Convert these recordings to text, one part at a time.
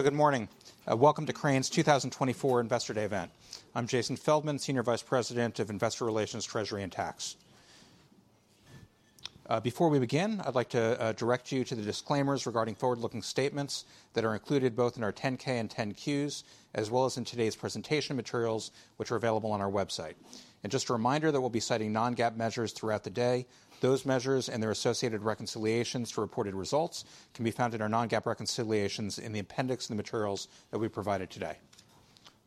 Good morning. Welcome to Crane's 2024 Investor Day event. I'm Jason Feldman, Senior Vice President of Investor Relations, Treasury and Tax. Before we begin, I'd like to direct you to the disclaimers regarding forward-looking statements that are included both in our 10-K and 10-Qs, as well as in today's presentation materials, which are available on our website. Just a reminder that we'll be citing non-GAAP measures throughout the day. Those measures and their associated reconciliations for reported results can be found in our non-GAAP reconciliations in the appendix in the materials that we provided today.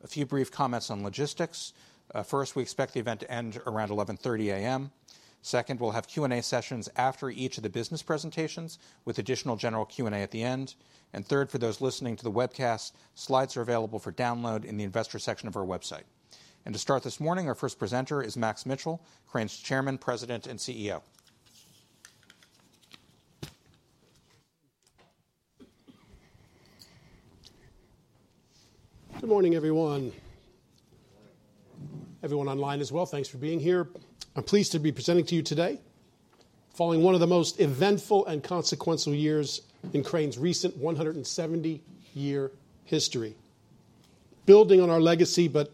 A few brief comments on logistics. First, we expect the event to end around 11:30 A.M. Second, we'll have Q&A sessions after each of the business presentations, with additional general Q&A at the end. Third, for those listening to the webcast, slides are available for download in the investor section of our website. To start this morning, our first presenter is Max Mitchell, Crane's Chairman, President, and CEO. Good morning, everyone Everyone online as well, thanks for being here. I'm pleased to be presenting to you today following one of the most eventful and consequential years in Crane's recent 170-year history. Building on our legacy, but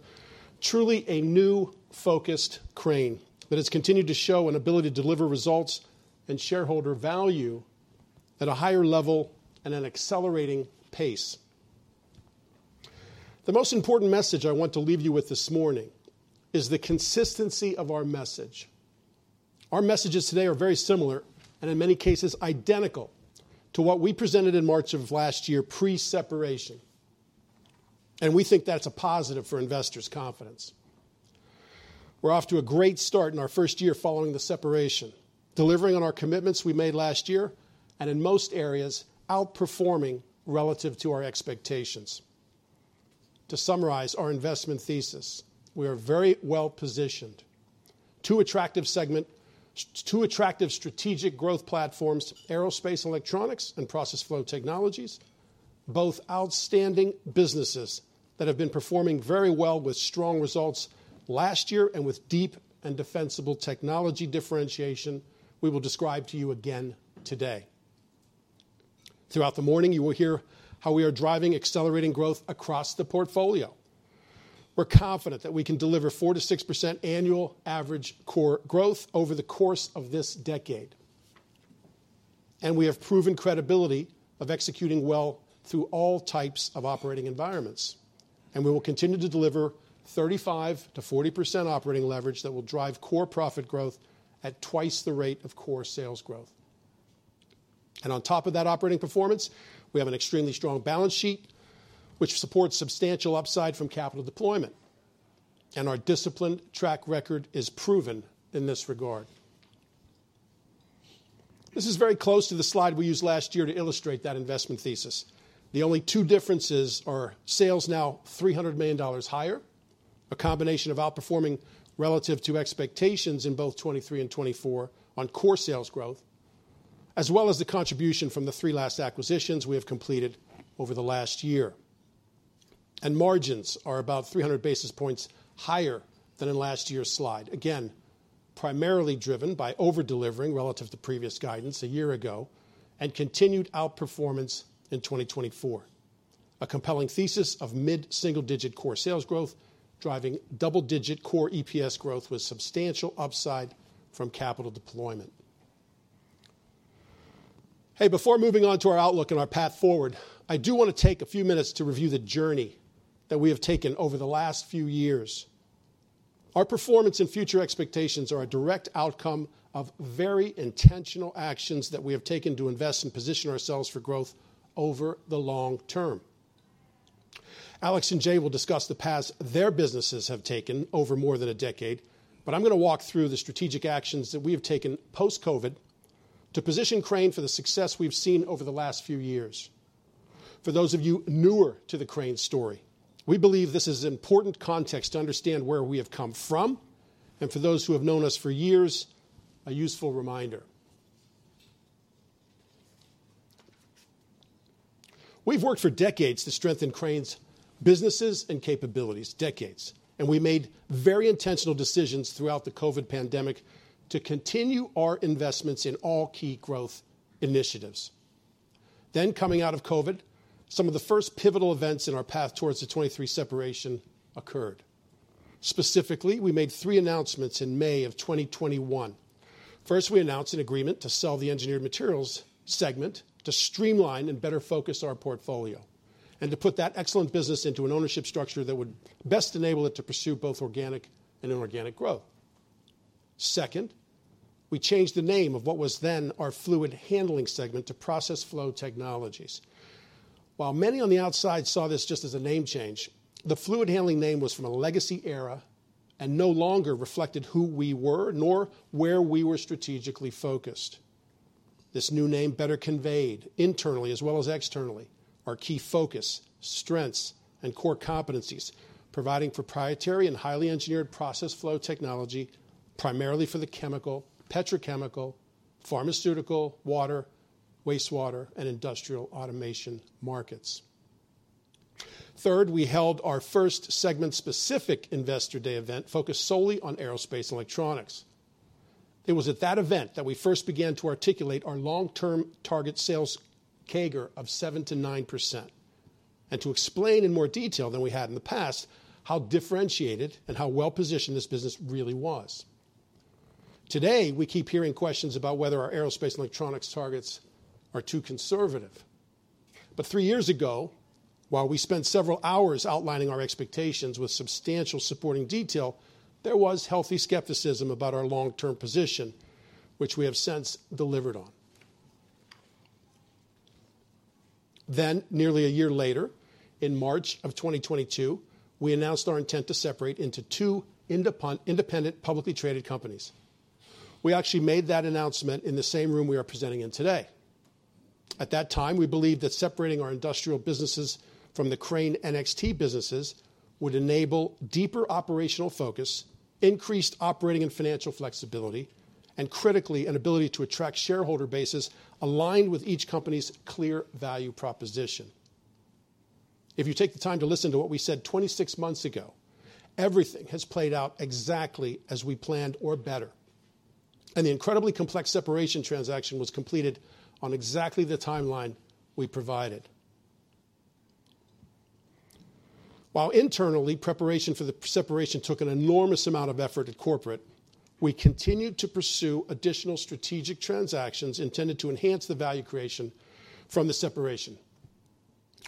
truly a new focused Crane that has continued to show an ability to deliver results and shareholder value at a higher level and an accelerating pace. The most important message I want to leave you with this morning is the consistency of our message. Our messages today are very similar, and in many cases identical, to what we presented in March of last year pre-separation, and we think that's a positive for investors' confidence. We're off to a great start in our first year following the separation, delivering on our commitments we made last year, and in most areas, outperforming relative to our expectations. To summarize our investment thesis: we are very well positioned. Two attractive strategic growth platforms, Aerospace & Electronics, and Process Flow Technologies, both outstanding businesses that have been performing very well with strong results last year and with deep and defensible technology differentiation we will describe to you again today. Throughout the morning, you will hear how we are driving accelerating growth across the portfolio. We're confident that we can deliver 4%-6% annual average core growth over the course of this decade. And we have proven credibility of executing well through all types of operating environments, and we will continue to deliver 35%-40% operating leverage that will drive core profit growth at twice the rate of core sales growth. And on top of that operating performance, we have an extremely strong balance sheet, which supports substantial upside from capital deployment, and our disciplined track record is proven in this regard. This is very close to the slide we used last year to illustrate that investment thesis. The only two differences are sales now $300 million higher, a combination of outperforming relative to expectations in both 2023 and 2024 on core sales growth, as well as the contribution from the three last acquisitions we have completed over the last year. And margins are about 300 basis points higher than in last year's slide. Again, primarily driven by over-delivering relative to previous guidance a year ago, and continued outperformance in 2024. A compelling thesis of mid-single-digit core sales growth, driving double-digit core EPS growth with substantial upside from capital deployment. Hey, before moving on to our outlook and our path forward, I do want to take a few minutes to review the journey that we have taken over the last few years. Our performance and future expectations are a direct outcome of very intentional actions that we have taken to invest and position ourselves for growth over the long term. Alex and Jay will discuss the paths their businesses have taken over more than a decade, but I'm going to walk through the strategic actions that we have taken post-COVID to position Crane for the success we've seen over the last few years. For those of you newer to the Crane story, we believe this is important context to understand where we have come from, and for those who have known us for years, a useful reminder. We've worked for decades to strengthen Crane's businesses and capabilities, decades, and we made very intentional decisions throughout the COVID pandemic to continue our investments in all key growth initiatives. Then, coming out of COVID, some of the first pivotal events in our path towards the 2023 separation occurred. Specifically, we made 3 announcements in May of 2021. First, we announced an agreement to sell the Engineered Materials segment to streamline and better focus our portfolio, and to put that excellent business into an ownership structure that would best enable it to pursue both organic and inorganic growth. Second, we changed the name of what was then our Fluid Handling segment to Process Flow Technologies. While many on the outside saw this just as a name change, the Fluid Handling name was from a legacy era and no longer reflected who we were, nor where we were strategically focused. This new name better conveyed internally as well as externally, our key focus, strengths, and core competencies, providing proprietary and highly engineered process flow technology, primarily for the chemical, petrochemical, pharmaceutical, water, wastewater, and industrial automation markets. Third, we held our first segment-specific Investor Day event, focused solely on Aerospace & Electronics. It was at that event that we first began to articulate our long-term target sales CAGR of 7%-9%, and to explain in more detail than we had in the past, how differentiated and how well-positioned this business really was. Today, we keep hearing questions about whether our Aerospace & Electronics targets are too conservative. But three years ago, while we spent several hours outlining our expectations with substantial supporting detail, there was healthy skepticism about our long-term position, which we have since delivered on. Then, nearly a year later, in March 2022, we announced our intent to separate into two independent, publicly traded companies. We actually made that announcement in the same room we are presenting in today. At that time, we believed that separating our industrial businesses from the Crane NXT businesses would enable deeper operational focus, increased operating and financial flexibility, and critically, an ability to attract shareholder bases aligned with each company's clear value proposition. If you take the time to listen to what we said 26 months ago, everything has played out exactly as we planned or better, and the incredibly complex separation transaction was completed on exactly the timeline we provided. While internally, preparation for the separation took an enormous amount of effort at corporate, we continued to pursue additional strategic transactions intended to enhance the value creation from the separation.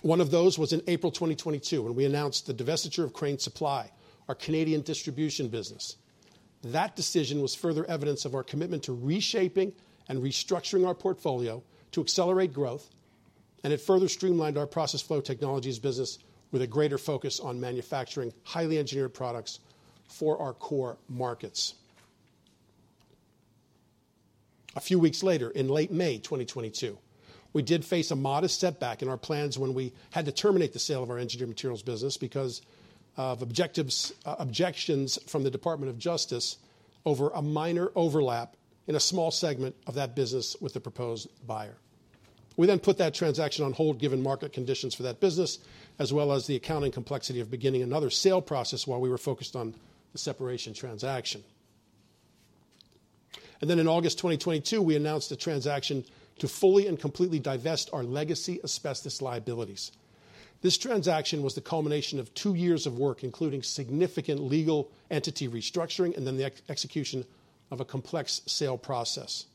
One of those was in April 2022, when we announced the divestiture of Crane Supply, our Canadian distribution business. That decision was further evidence of our commitment to reshaping and restructuring our portfolio to accelerate growth, and it further streamlined our Process Flow Technologies business with a greater focus on manufacturing highly engineered products for our core markets. A few weeks later, in late May 2022, we did face a modest setback in our plans when we had to terminate the sale of our Engineered Materials business because of objections from the Department of Justice over a minor overlap in a small segment of that business with the proposed buyer. We then put that transaction on hold, given market conditions for that business, as well as the accounting complexity of beginning another sale process while we were focused on the separation transaction. And then in August 2022, we announced a transaction to fully and completely divest our legacy asbestos liabilities. This transaction was the culmination of two years of work, including significant legal entity restructuring and then the execution of a complex sale process.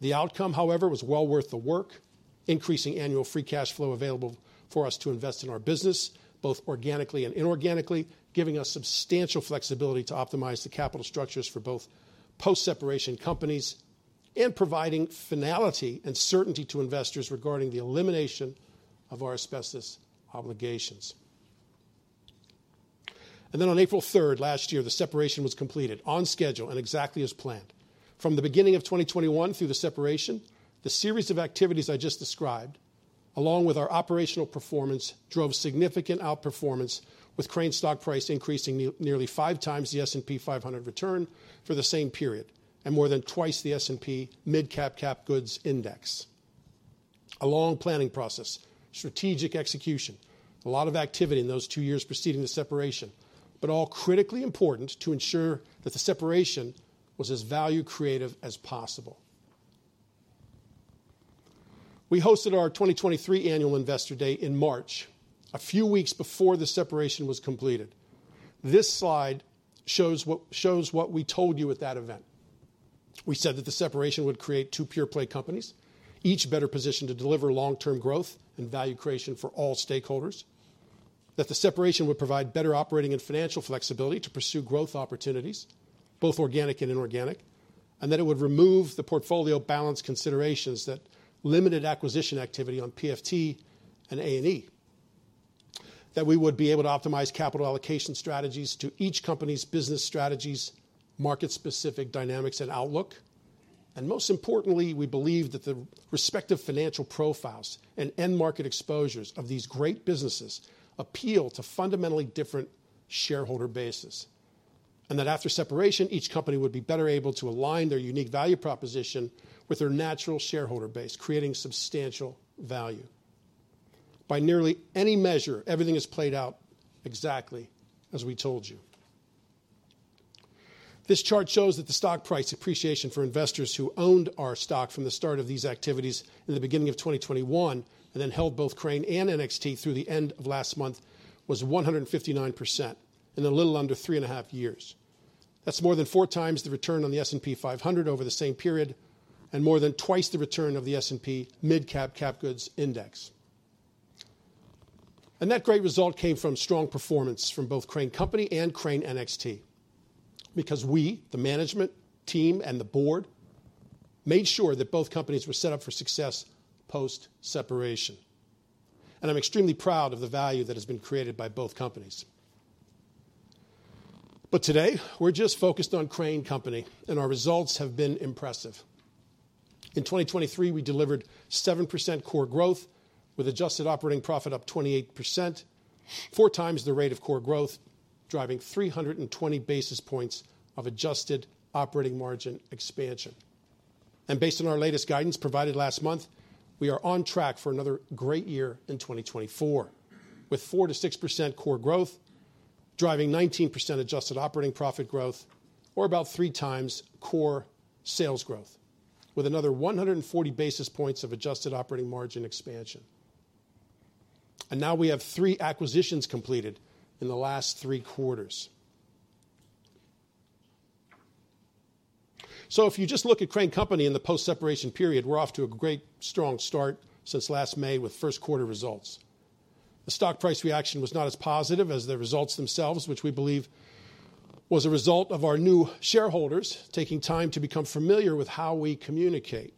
The outcome, however, was well worth the work, increasing annual free cash flow available for us to invest in our business, both organically and inorganically, giving us substantial flexibility to optimize the capital structures for both post-separation companies, and providing finality and certainty to investors regarding the elimination of our asbestos obligations. And then on April 3 last year, the separation was completed on schedule and exactly as planned. From the beginning of 2021 through the separation, the series of activities I just described, along with our operational performance, drove significant outperformance, with Crane stock price increasing nearly 5 times the S&P 500 return for the same period, and more than twice the S&P MidCap Capital Goods Index. A long planning process, strategic execution, a lot of activity in those two years preceding the separation, but all critically important to ensure that the separation was as value creative as possible. We hosted our 2023 Annual Investor Day in March, a few weeks before the separation was completed. This slide shows what we told you at that event. We said that the separation would create two pure-play companies, each better positioned to deliver long-term growth and value creation for all stakeholders. That the separation would provide better operating and financial flexibility to pursue growth opportunities, both organic and inorganic, and that it would remove the portfolio balance considerations that limited acquisition activity on PFT and A&E. That we would be able to optimize capital allocation strategies to each company's business strategies, market-specific dynamics and outlook. And most importantly, we believe that the respective financial profiles and end market exposures of these great businesses appeal to fundamentally different shareholder bases, and that after separation, each company would be better able to align their unique value proposition with their natural shareholder base, creating substantial value. By nearly any measure, everything has played out exactly as we told you. This chart shows that the stock price appreciation for investors who owned our stock from the start of these activities in the beginning of 2021, and then held both Crane and NXT through the end of last month, was 159% in a little under 3.5 years. That's more than four times the return on the S&P 500 over the same period, and more than twice the return of the S&P MidCap Capital Goods Index. That great result came from strong performance from both Crane Company and Crane NXT, because we, the management team and the board, made sure that both companies were set up for success post-separation, and I'm extremely proud of the value that has been created by both companies. Today, we're just focused on Crane Company, and our results have been impressive. In 2023, we delivered 7% core growth with adjusted operating profit up 28%, 4 times the rate of core growth, driving 320 basis points of adjusted operating margin expansion. And based on our latest guidance provided last month, we are on track for another great year in 2024, with 4%-6% core growth, driving 19% adjusted operating profit growth, or about 3 times core sales growth, with another 140 basis points of adjusted operating margin expansion. And now we have 3 acquisitions completed in the last 3 quarters. So if you just look at Crane Company in the post-separation period, we're off to a great, strong start since last May with first quarter results. The stock price reaction was not as positive as the results themselves, which we believe was a result of our new shareholders taking time to become familiar with how we communicate,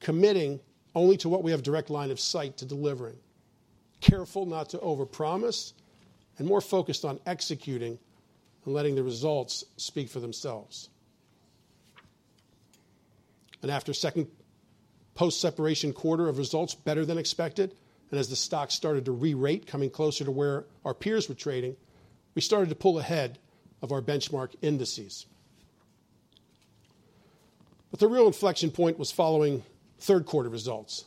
committing only to what we have direct line of sight to delivering, careful not to overpromise, and more focused on executing and letting the results speak for themselves. After a second post-separation quarter of results better than expected, and as the stock started to re-rate, coming closer to where our peers were trading, we started to pull ahead of our benchmark indices. The real inflection point was following third quarter results.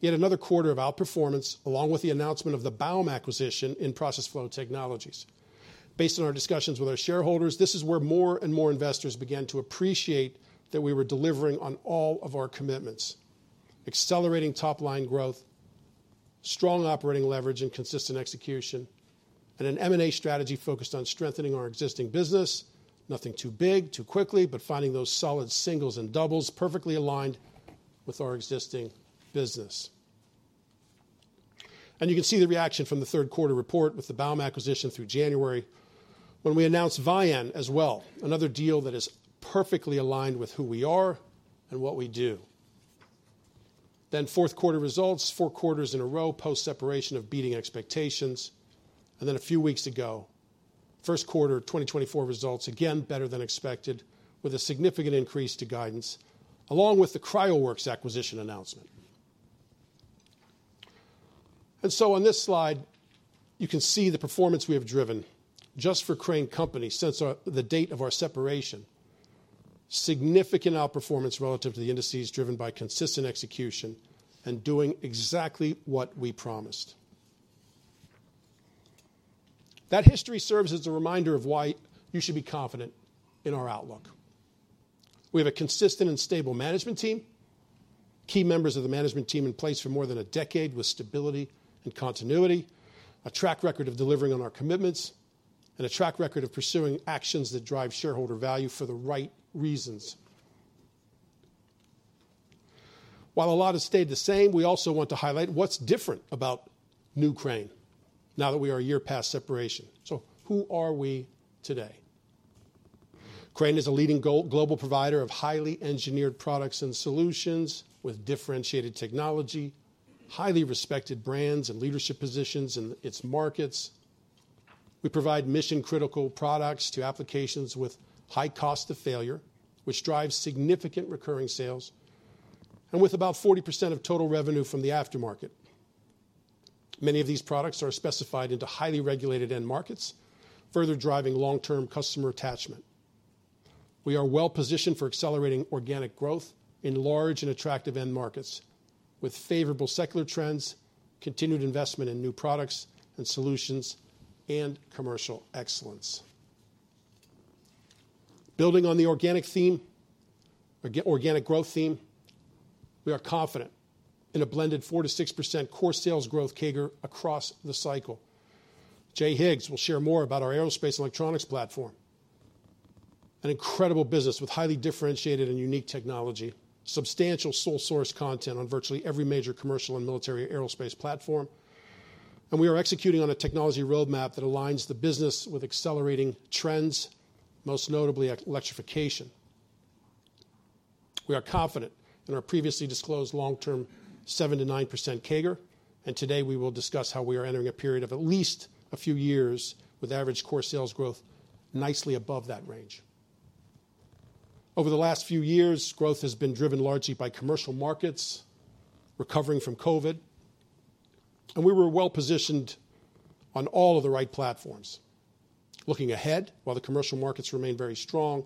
Yet another quarter of outperformance, along with the announcement of the Baum acquisition in Process Flow Technologies. Based on our discussions with our shareholders, this is where more and more investors began to appreciate that we were delivering on all of our commitments, accelerating top-line growth, strong operating leverage and consistent execution, and an M&A strategy focused on strengthening our existing business. Nothing too big, too quickly, but finding those solid singles and doubles perfectly aligned with our existing business. And you can see the reaction from the third quarter report with the Baum acquisition through January, when we announced Vian as well, another deal that is perfectly aligned with who we are and what we do. Then fourth quarter results, four quarters in a row, post-separation of beating expectations, and then a few weeks ago, first quarter 2024 results, again, better than expected, with a significant increase to guidance, along with the CryoWorks acquisition announcement. On this slide, you can see the performance we have driven just for Crane Company since our, the date of our separation. Significant outperformance relative to the indices, driven by consistent execution and doing exactly what we promised. That history serves as a reminder of why you should be confident in our outlook. We have a consistent and stable management team, key members of the management team in place for more than a decade with stability and continuity, a track record of delivering on our commitments, and a track record of pursuing actions that drive shareholder value for the right reasons. While a lot has stayed the same, we also want to highlight what's different about new Crane now that we are a year past separation. So who are we today? Crane is a leading global provider of highly engineered products and solutions with differentiated technology, highly respected brands, and leadership positions in its markets. We provide mission-critical products to applications with high cost of failure, which drives significant recurring sales, and with about 40% of total revenue from the aftermarket. Many of these products are specified into highly regulated end markets, further driving long-term customer attachment. We are well positioned for accelerating organic growth in large and attractive end markets, with favorable secular trends, continued investment in new products and solutions, and commercial excellence. Building on the organic theme, organic growth theme, we are confident in a blended 4%-6% core sales growth CAGR across the cycle. Jay Higgs will share more about our Aerospace Electronics platform, an incredible business with highly differentiated and unique technology, substantial sole source content on virtually every major commercial and military aerospace platform, and we are executing on a technology roadmap that aligns the business with accelerating trends, most notably electrification. We are confident in our previously disclosed long-term 7%-9% CAGR, and today we will discuss how we are entering a period of at least a few years with average core sales growth nicely above that range. Over the last few years, growth has been driven largely by commercial markets recovering from COVID, and we were well-positioned on all of the right platforms. Looking ahead, while the commercial markets remain very strong,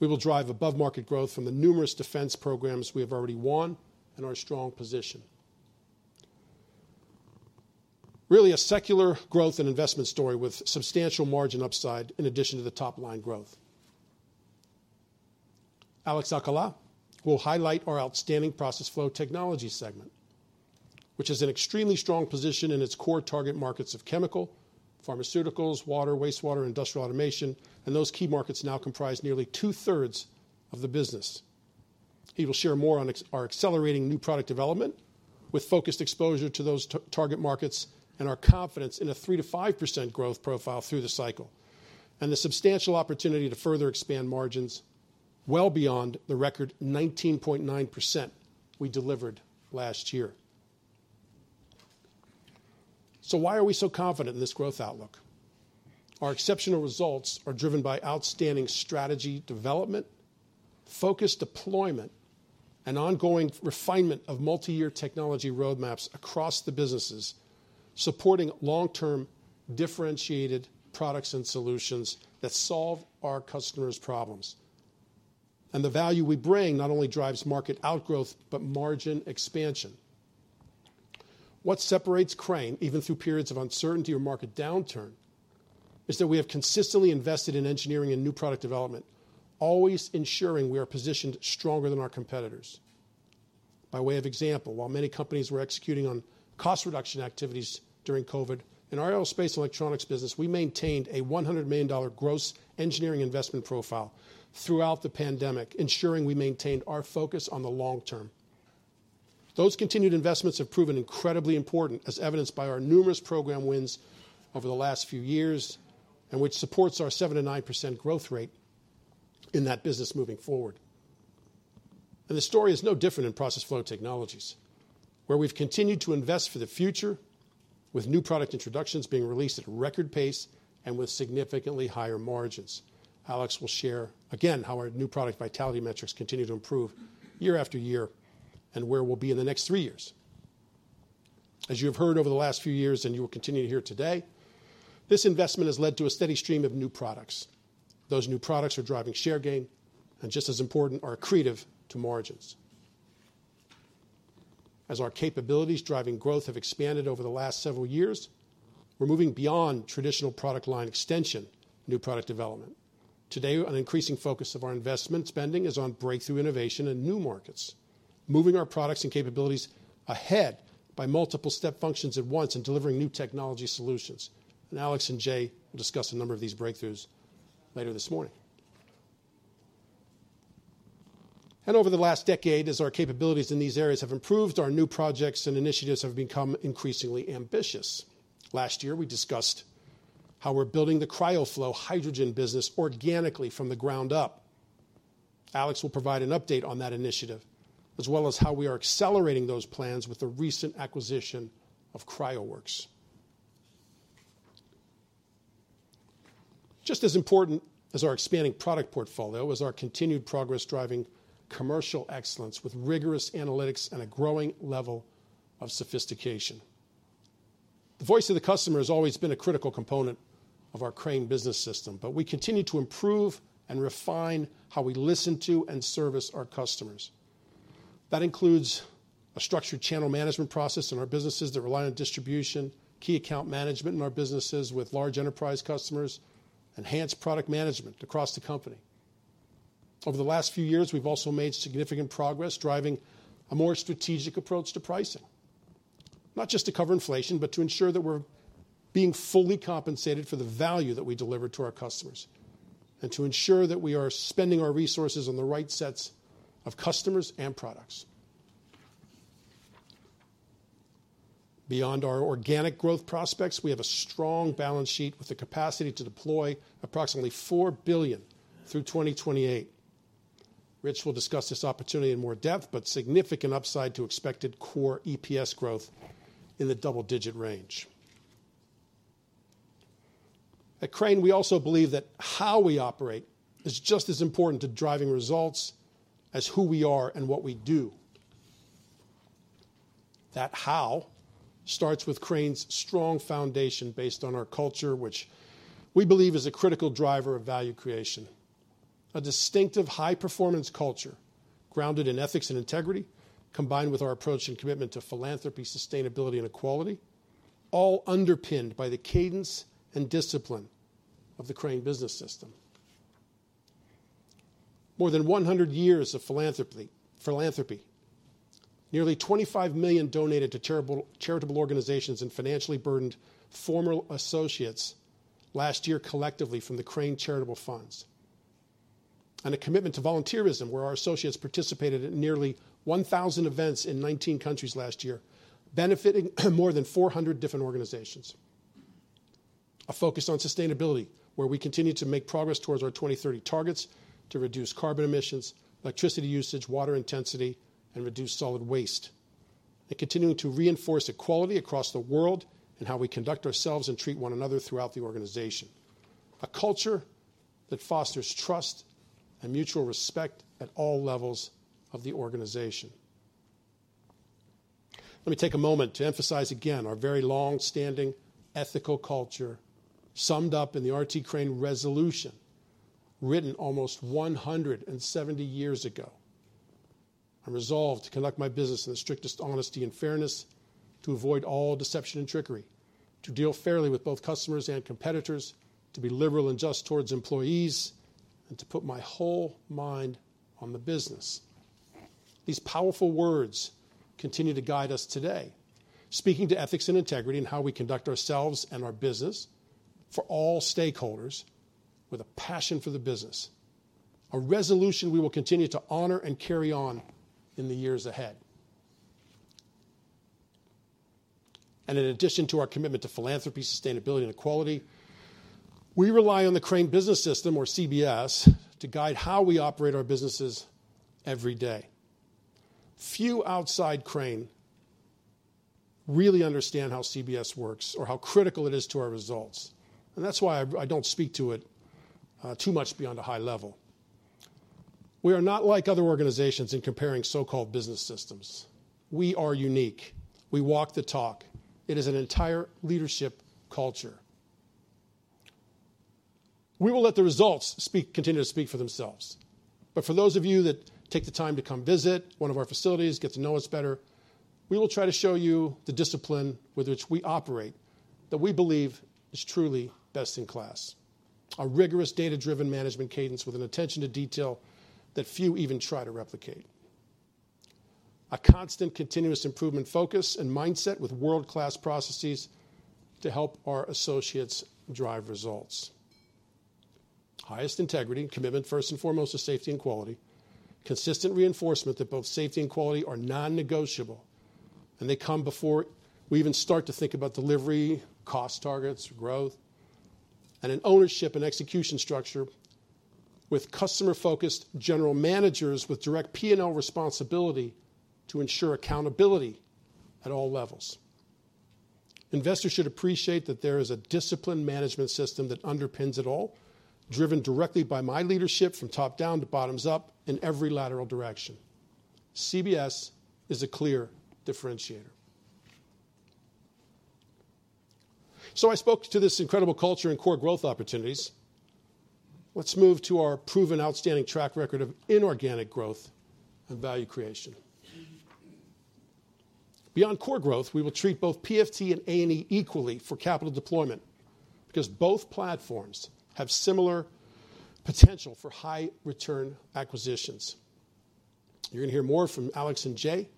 we will drive above-market growth from the numerous defense programs we have already won and our strong position. Really, a secular growth and investment story with substantial margin upside in addition to the top-line growth. Alex Alcala will highlight our outstanding Process Flow Technologies segment, which is in extremely strong position in its core target markets of chemical, pharmaceuticals, water, wastewater, industrial automation, and those key markets now comprise nearly two-thirds of the business. He will share more on our accelerating new product development with focused exposure to those target markets and our confidence in a 3%-5% growth profile through the cycle, and the substantial opportunity to further expand margins well beyond the record 19.9% we delivered last year. So why are we so confident in this growth outlook? Our exceptional results are driven by outstanding strategy development, focused deployment, and ongoing refinement of multi-year technology roadmaps across the businesses. Supporting long-term differentiated products and solutions that solve our customers' problems. The value we bring not only drives market outgrowth, but margin expansion. What separates Crane, even through periods of uncertainty or market downturn, is that we have consistently invested in engineering and new product development, always ensuring we are positioned stronger than our competitors. By way of example, while many companies were executing on cost reduction activities during COVID, in our Aerospace Electronics business, we maintained a $100 million gross engineering investment profile throughout the pandemic, ensuring we maintained our focus on the long term. Those continued investments have proven incredibly important, as evidenced by our numerous program wins over the last few years, and which supports our 7%-9% growth rate in that business moving forward. The story is no different in Process Flow Technologies, where we've continued to invest for the future with new product introductions being released at a record pace and with significantly higher margins. Alex will share again how our new product vitality metrics continue to improve year after year, and where we'll be in the next three years. As you have heard over the last few years, and you will continue to hear today, this investment has led to a steady stream of new products. Those new products are driving share gain, and just as important, are accretive to margins. As our capabilities driving growth have expanded over the last several years, we're moving beyond traditional product line extension, new product development. Today, an increasing focus of our investment spending is on breakthrough innovation and new markets, moving our products and capabilities ahead by multiple step functions at once and delivering new technology solutions. Alex and Jay will discuss a number of these breakthroughs later this morning. Over the last decade, as our capabilities in these areas have improved, our new projects and initiatives have become increasingly ambitious. Last year, we discussed how we're building the cryo flow hydrogen business organically from the ground up. Alex will provide an update on that initiative, as well as how we are accelerating those plans with the recent acquisition of CryoWorks. Just as important as our expanding product portfolio is our continued progress driving commercial excellence with rigorous analytics and a growing level of sophistication. The voice of the customer has always been a critical component of our Crane Business System, but we continue to improve and refine how we listen to and service our customers. That includes a structured channel management process in our businesses that rely on distribution, key account management in our businesses with large enterprise customers, enhanced product management across the company. Over the last few years, we've also made significant progress driving a more strategic approach to pricing. Not just to cover inflation, but to ensure that we're being fully compensated for the value that we deliver to our customers, and to ensure that we are spending our resources on the right sets of customers and products. Beyond our organic growth prospects, we have a strong balance sheet with the capacity to deploy approximately $4 billion through 2028. Rich will discuss this opportunity in more depth, but significant upside to expected core EPS growth in the double-digit range. At Crane, we also believe that how we operate is just as important to driving results as who we are and what we do. That how starts with Crane's strong foundation based on our culture, which we believe is a critical driver of value creation. A distinctive high-performance culture, grounded in ethics and integrity, combined with our approach and commitment to philanthropy, sustainability, and equality, all underpinned by the cadence and discipline of the Crane Business System. More than 100 years of philanthropy, nearly $25 million donated to charitable organizations and financially burdened former associates last year, collectively from the Crane Charitable Funds. A commitment to volunteerism, where our associates participated in nearly 1,000 events in 19 countries last year, benefiting more than 400 different organizations. A focus on sustainability, where we continue to make progress towards our 2030 targets to reduce carbon emissions, electricity usage, water intensity, and reduce solid waste, and continuing to reinforce equality across the world in how we conduct ourselves and treat one another throughout the organization. A culture that fosters trust and mutual respect at all levels of the organization. Let me take a moment to emphasize again our very long-standing ethical culture, summed up in the R.T. Crane resolution, written almost 170 years ago. I resolve to conduct my business in the strictest honesty and fairness, to avoid all deception and trickery, to deal fairly with both customers and competitors, to be liberal and just towards employees, and to put my whole mind on the business." These powerful words continue to guide us today, speaking to ethics and integrity and how we conduct ourselves and our business for all stakeholders with a passion for the business. A resolution we will continue to honor and carry on in the years ahead. And in addition to our commitment to philanthropy, sustainability, and equality, we rely on the Crane Business System, or CBS, to guide how we operate our businesses every day. Few outside Crane really understand how CBS works or how critical it is to our results, and that's why I don't speak to it too much beyond a high level. We are not like other organizations in comparing so-called business systems. We are unique. We walk the talk. It is an entire leadership culture. We will let the results speak, continue to speak for themselves. But for those of you that take the time to come visit one of our facilities, get to know us better, we will try to show you the discipline with which we operate, that we believe is truly best in class. A rigorous, data-driven management cadence with an attention to detail that few even try to replicate. A constant continuous improvement focus and mindset with world-class processes to help our associates drive results. Highest integrity and commitment, first and foremost, to safety and quality. Consistent reinforcement that both safety and quality are non-negotiable, and they come before we even start to think about delivery, cost targets, growth, and an ownership and execution structure with customer-focused general managers with direct P&L responsibility to ensure accountability at all levels. Investors should appreciate that there is a disciplined management system that underpins it all, driven directly by my leadership from top down to bottoms up, in every lateral direction. CBS is a clear differentiator. So I spoke to this incredible culture and core growth opportunities. Let's move to our proven outstanding track record of inorganic growth and value creation. Beyond core growth, we will treat both PFT and A&E equally for capital deployment, because both platforms have similar potential for high return acquisitions. You're going to hear more from Alex and Jay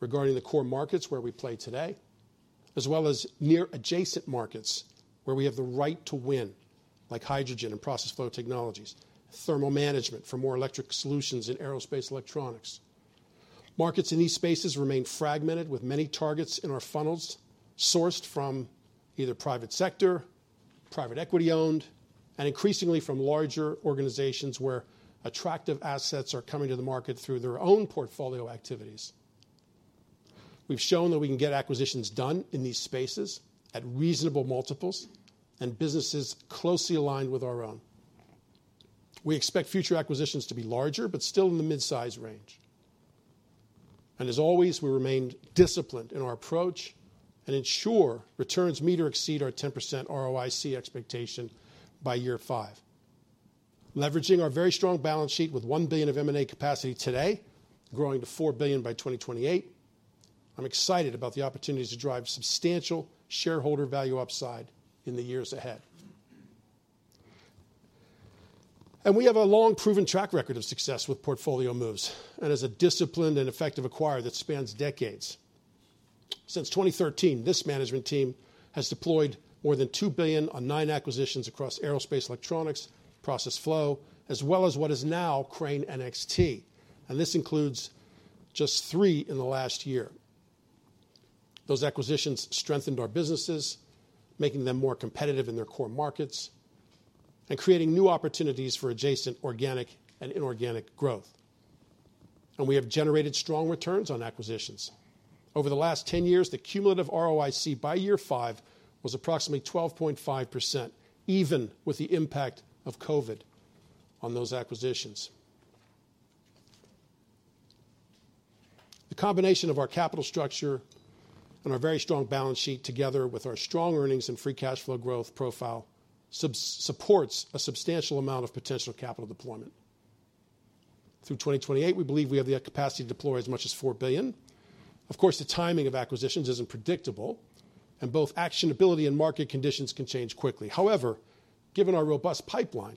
regarding the core markets where we play today, as well as near adjacent markets where we have the right to win, like hydrogen and Process Flow Technologies, thermal management for more electric solutions in Aerospace Electronics. Markets in these spaces remain fragmented, with many targets in our funnels sourced from either private sector, private equity-owned, and increasingly from larger organizations where attractive assets are coming to the market through their own portfolio activities. We've shown that we can get acquisitions done in these spaces at reasonable multiples and businesses closely aligned with our own. We expect future acquisitions to be larger, but still in the mid-size range. And as always, we remain disciplined in our approach and ensure returns meet or exceed our 10% ROIC expectation by year five. Leveraging our very strong balance sheet with $1 billion of M&A capacity today, growing to $4 billion by 2028, I'm excited about the opportunities to drive substantial shareholder value upside in the years ahead. We have a long, proven track record of success with portfolio moves, and as a disciplined and effective acquirer that spans decades. Since 2013, this management team has deployed more than $2 billion on 9 acquisitions across Aerospace Electronics, process flow, as well as what is now Crane NXT, and this includes just 3 in the last year. Those acquisitions strengthened our businesses, making them more competitive in their core markets and creating new opportunities for adjacent, organic and inorganic growth. We have generated strong returns on acquisitions. Over the last 10 years, the cumulative ROIC by year 5 was approximately 12.5%, even with the impact of COVID on those acquisitions. The combination of our capital structure and our very strong balance sheet, together with our strong earnings and free cash flow growth profile, supports a substantial amount of potential capital deployment. Through 2028, we believe we have the capacity to deploy as much as $4 billion. Of course, the timing of acquisitions isn't predictable, and both actionability and market conditions can change quickly. However, given our robust pipeline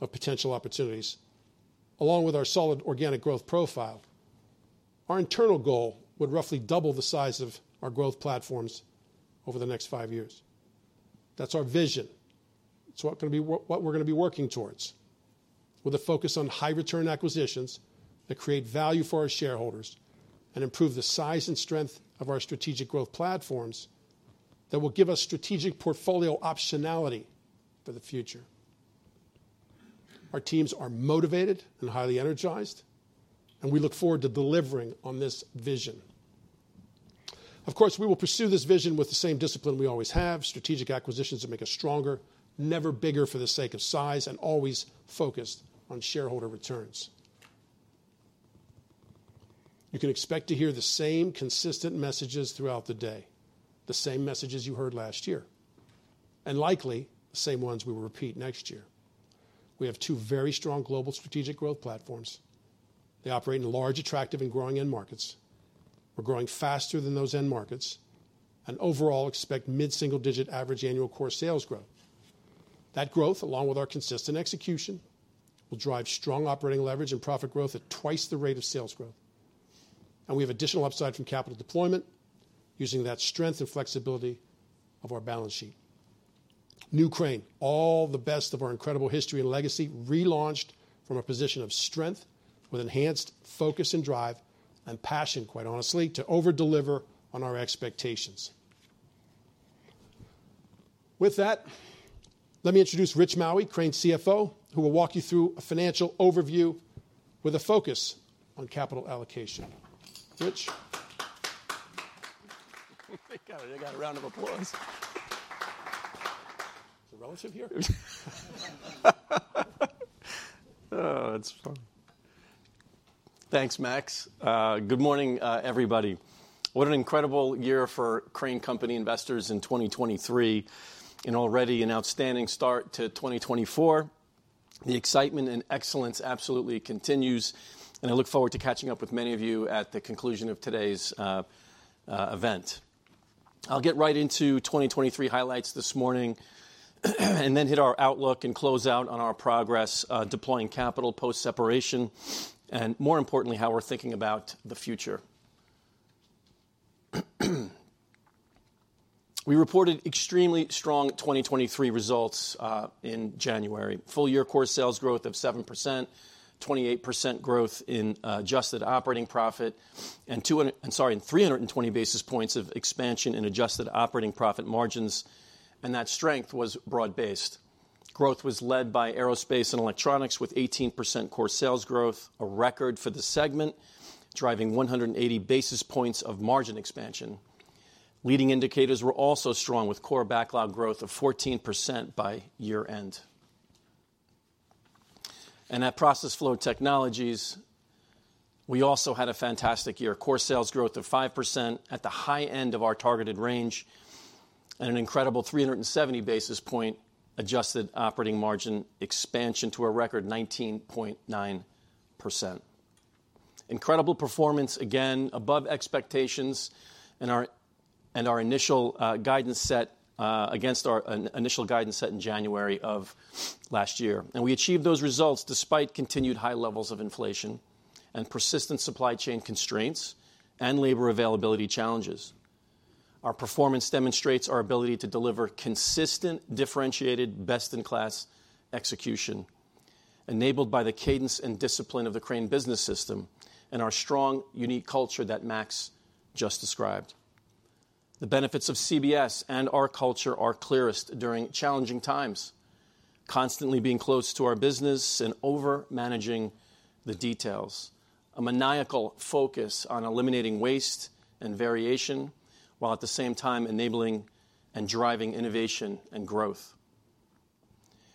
of potential opportunities, along with our solid organic growth profile, our internal goal would roughly double the size of our growth platforms over the next five years. That's our vision. It's what we're gonna be working towards, with a focus on high return acquisitions that create value for our shareholders and improve the size and strength of our strategic growth platforms that will give us strategic portfolio optionality for the future. Our teams are motivated and highly energized, and we look forward to delivering on this vision. Of course, we will pursue this vision with the same discipline we always have, strategic acquisitions that make us stronger, never bigger for the sake of size, and always focused on shareholder returns. You can expect to hear the same consistent messages throughout the day, the same messages you heard last year, and likely the same ones we will repeat next year. We have two very strong global strategic growth platforms. They operate in large, attractive and growing end markets. We're growing faster than those end markets and overall expect mid-single-digit average annual core sales growth. That growth, along with our consistent execution, will drive strong operating leverage and profit growth at twice the rate of sales growth. We have additional upside from capital deployment using that strength and flexibility of our balance sheet. New Crane, all the best of our incredible history and legacy, relaunched from a position of strength with enhanced focus and drive and passion, quite honestly, to over-deliver on our expectations. With that, let me introduce Rich Maue, Crane's CFO, who will walk you through a financial overview with a focus on capital allocation. Rich? They got it. They got a round of applause. Is a relative here? Oh, that's funny. Thanks, Max. Good morning, everybody. What an incredible year for Crane Company investors in 2023, and already an outstanding start to 2024. The excitement and excellence absolutely continues, and I look forward to catching up with many of you at the conclusion of today's event. I'll get right into 2023 highlights this morning, and then hit our outlook and close out on our progress deploying capital post-separation, and more importantly, how we're thinking about the future. We reported extremely strong 2023 results in January. Full year core sales growth of 7%, 28% growth in adjusted operating profit, and 320 basis points of expansion in adjusted operating profit margins, and that strength was broad-based. Growth was led by Aerospace & Electronics, with 18% core sales growth, a record for the segment, driving 180 basis points of margin expansion. Leading indicators were also strong, with core backlog growth of 14% by year-end. At Process Flow Technologies, we also had a fantastic year. Core sales growth of 5% at the high end of our targeted range, and an incredible 370 basis point adjusted operating margin expansion to a record 19.9%. Incredible performance, again, above expectations, and our initial guidance set against our initial guidance set in January of last year. We achieved those results despite continued high levels of inflation and persistent supply chain constraints and labor availability challenges. Our performance demonstrates our ability to deliver consistent, differentiated, best-in-class execution, enabled by the cadence and discipline of the Crane Business System and our strong, unique culture that Max just described. The benefits of CBS and our culture are clearest during challenging times, constantly being close to our business and overmanaging the details. A maniacal focus on eliminating waste and variation, while at the same time enabling and driving innovation and growth.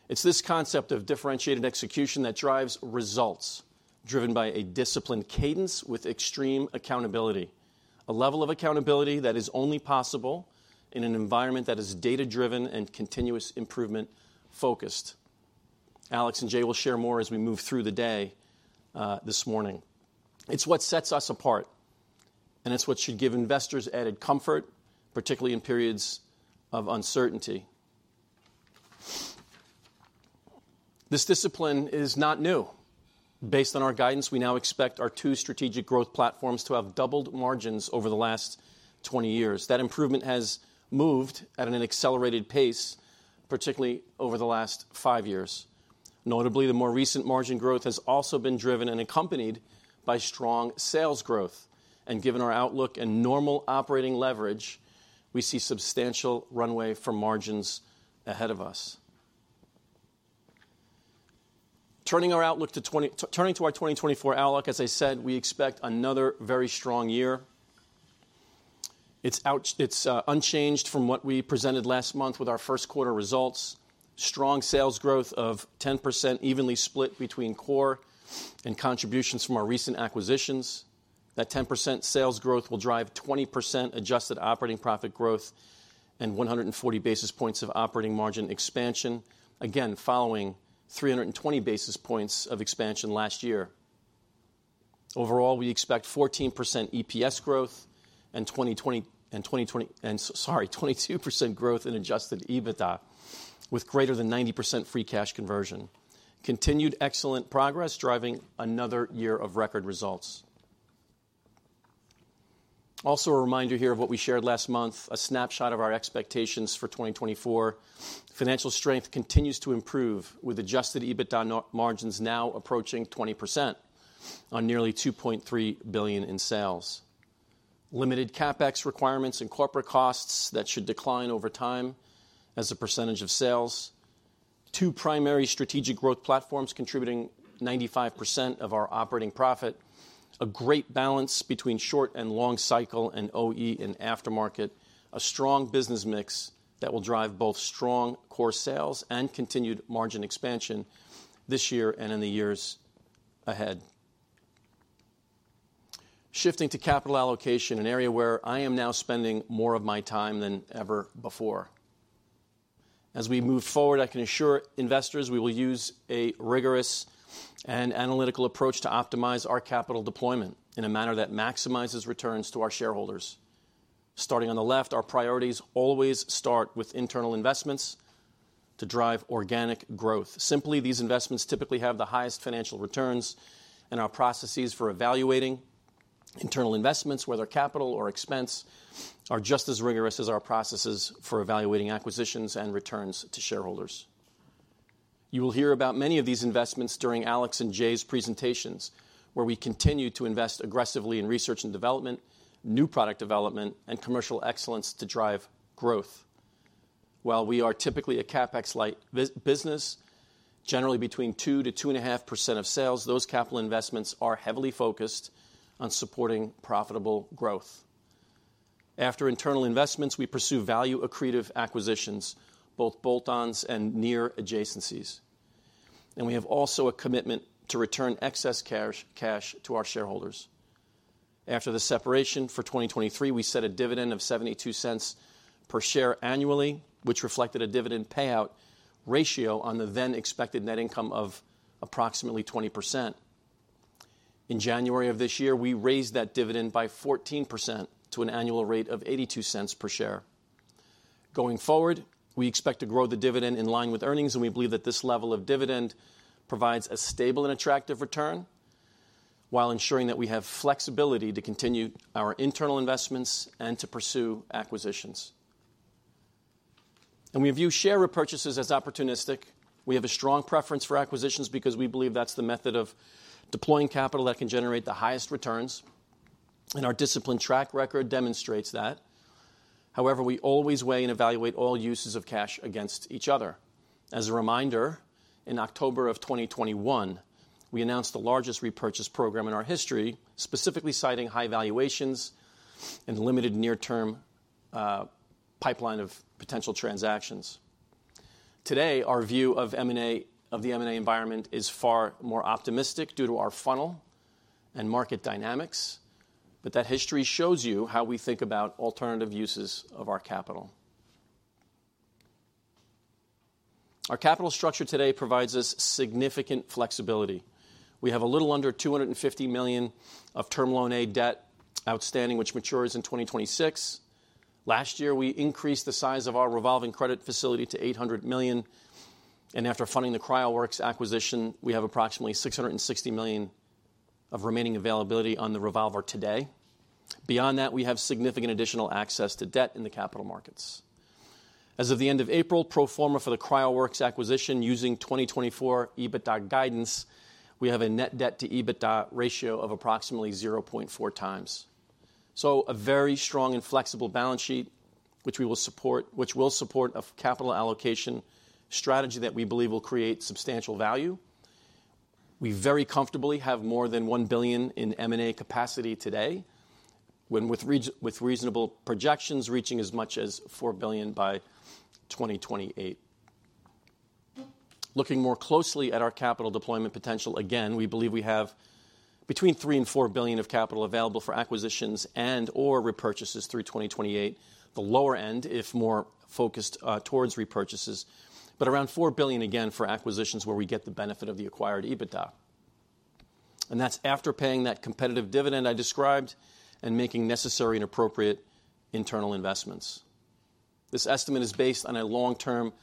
It's this concept of differentiated execution that drives results, driven by a disciplined cadence with extreme accountability. A level of accountability that is only possible in an environment that is data-driven and continuous improvement-focused. Alex and Jay will share more as we move through the day, this morning. It's what sets us apart, and it's what should give investors added comfort, particularly in periods of uncertainty. This discipline is not new. Based on our guidance, we now expect our two strategic growth platforms to have doubled margins over the last 20 years. That improvement has moved at an accelerated pace, particularly over the last 5 years. Notably, the more recent margin growth has also been driven and accompanied by strong sales growth, and given our outlook and normal operating leverage, we see substantial runway for margins ahead of us. Turning to our 2024 outlook, as I said, we expect another very strong year. It's unchanged from what we presented last month with our first quarter results. Strong sales growth of 10%, evenly split between core and contributions from our recent acquisitions. That 10% sales growth will drive 20% adjusted operating profit growth and 140 basis points of operating margin expansion, again, following 320 basis points of expansion last year. Overall, we expect 14% EPS growth and 22% growth in adjusted EBITDA, with greater than 90% free cash conversion. Continued excellent progress, driving another year of record results. Also, a reminder here of what we shared last month, a snapshot of our expectations for 2024. Financial strength continues to improve, with adjusted EBITDA margins now approaching 20% on nearly $2.3 billion in sales. Limited CapEx requirements and corporate costs that should decline over time as a percentage of sales. Two primary strategic growth platforms contributing 95% of our operating profit. A great balance between short- and long-cycle and OE and aftermarket. A strong business mix that will drive both strong core sales and continued margin expansion this year and in the years ahead. Shifting to capital allocation, an area where I am now spending more of my time than ever before. As we move forward, I can assure investors we will use a rigorous and analytical approach to optimize our capital deployment in a manner that maximizes returns to our shareholders. Starting on the left, our priorities always start with internal investments to drive organic growth. Simply, these investments typically have the highest financial returns, and our processes for evaluating internal investments, whether capital or expense, are just as rigorous as our processes for evaluating acquisitions and returns to shareholders. You will hear about many of these investments during Alex and Jay's presentations, where we continue to invest aggressively in research and development, new product development, and commercial excellence to drive growth.... While we are typically a CapEx-light business, generally between 2%-2.5% of sales, those capital investments are heavily focused on supporting profitable growth. After internal investments, we pursue value accretive acquisitions, both bolt-ons and near adjacencies. And we have also a commitment to return excess cash, cash to our shareholders. After the separation for 2023, we set a dividend of $0.72 per share annually, which reflected a dividend payout ratio on the then expected net income of approximately 20%. In January of this year, we raised that dividend by 14% to an annual rate of $0.82 per share. Going forward, we expect to grow the dividend in line with earnings, and we believe that this level of dividend provides a stable and attractive return, while ensuring that we have flexibility to continue our internal investments and to pursue acquisitions. We view share repurchases as opportunistic. We have a strong preference for acquisitions because we believe that's the method of deploying capital that can generate the highest returns, and our disciplined track record demonstrates that. However, we always weigh and evaluate all uses of cash against each other. As a reminder, in October of 2021, we announced the largest repurchase program in our history, specifically citing high valuations and limited near-term pipeline of potential transactions. Today, our view of M&A of the M&A environment is far more optimistic due to our funnel and market dynamics, but that history shows you how we think about alternative uses of our capital. Our capital structure today provides us significant flexibility. We have a little under $250 million of Term Loan A debt outstanding, which matures in 2026. Last year, we increased the size of our revolving credit facility to $800 million, and after funding the CryoWorks acquisition, we have approximately $660 million of remaining availability on the revolver today. Beyond that, we have significant additional access to debt in the capital markets. As of the end of April, pro forma for the CryoWorks acquisition, using 2024 EBITDA guidance, we have a net debt to EBITDA ratio of approximately 0.4x. So a very strong and flexible balance sheet, which will support a capital allocation strategy that we believe will create substantial value. We very comfortably have more than $1 billion in M&A capacity today, with reasonable projections, reaching as much as $4 billion by 2028. Looking more closely at our capital deployment potential, again, we believe we have between $3 billion and $4 billion of capital available for acquisitions and/or repurchases through 2028. The lower end, if more focused towards repurchases, but around $4 billion, again, for acquisitions where we get the benefit of the acquired EBITDA. And that's after paying that competitive dividend I described and making necessary and appropriate internal investments. This estimate is based on a long-term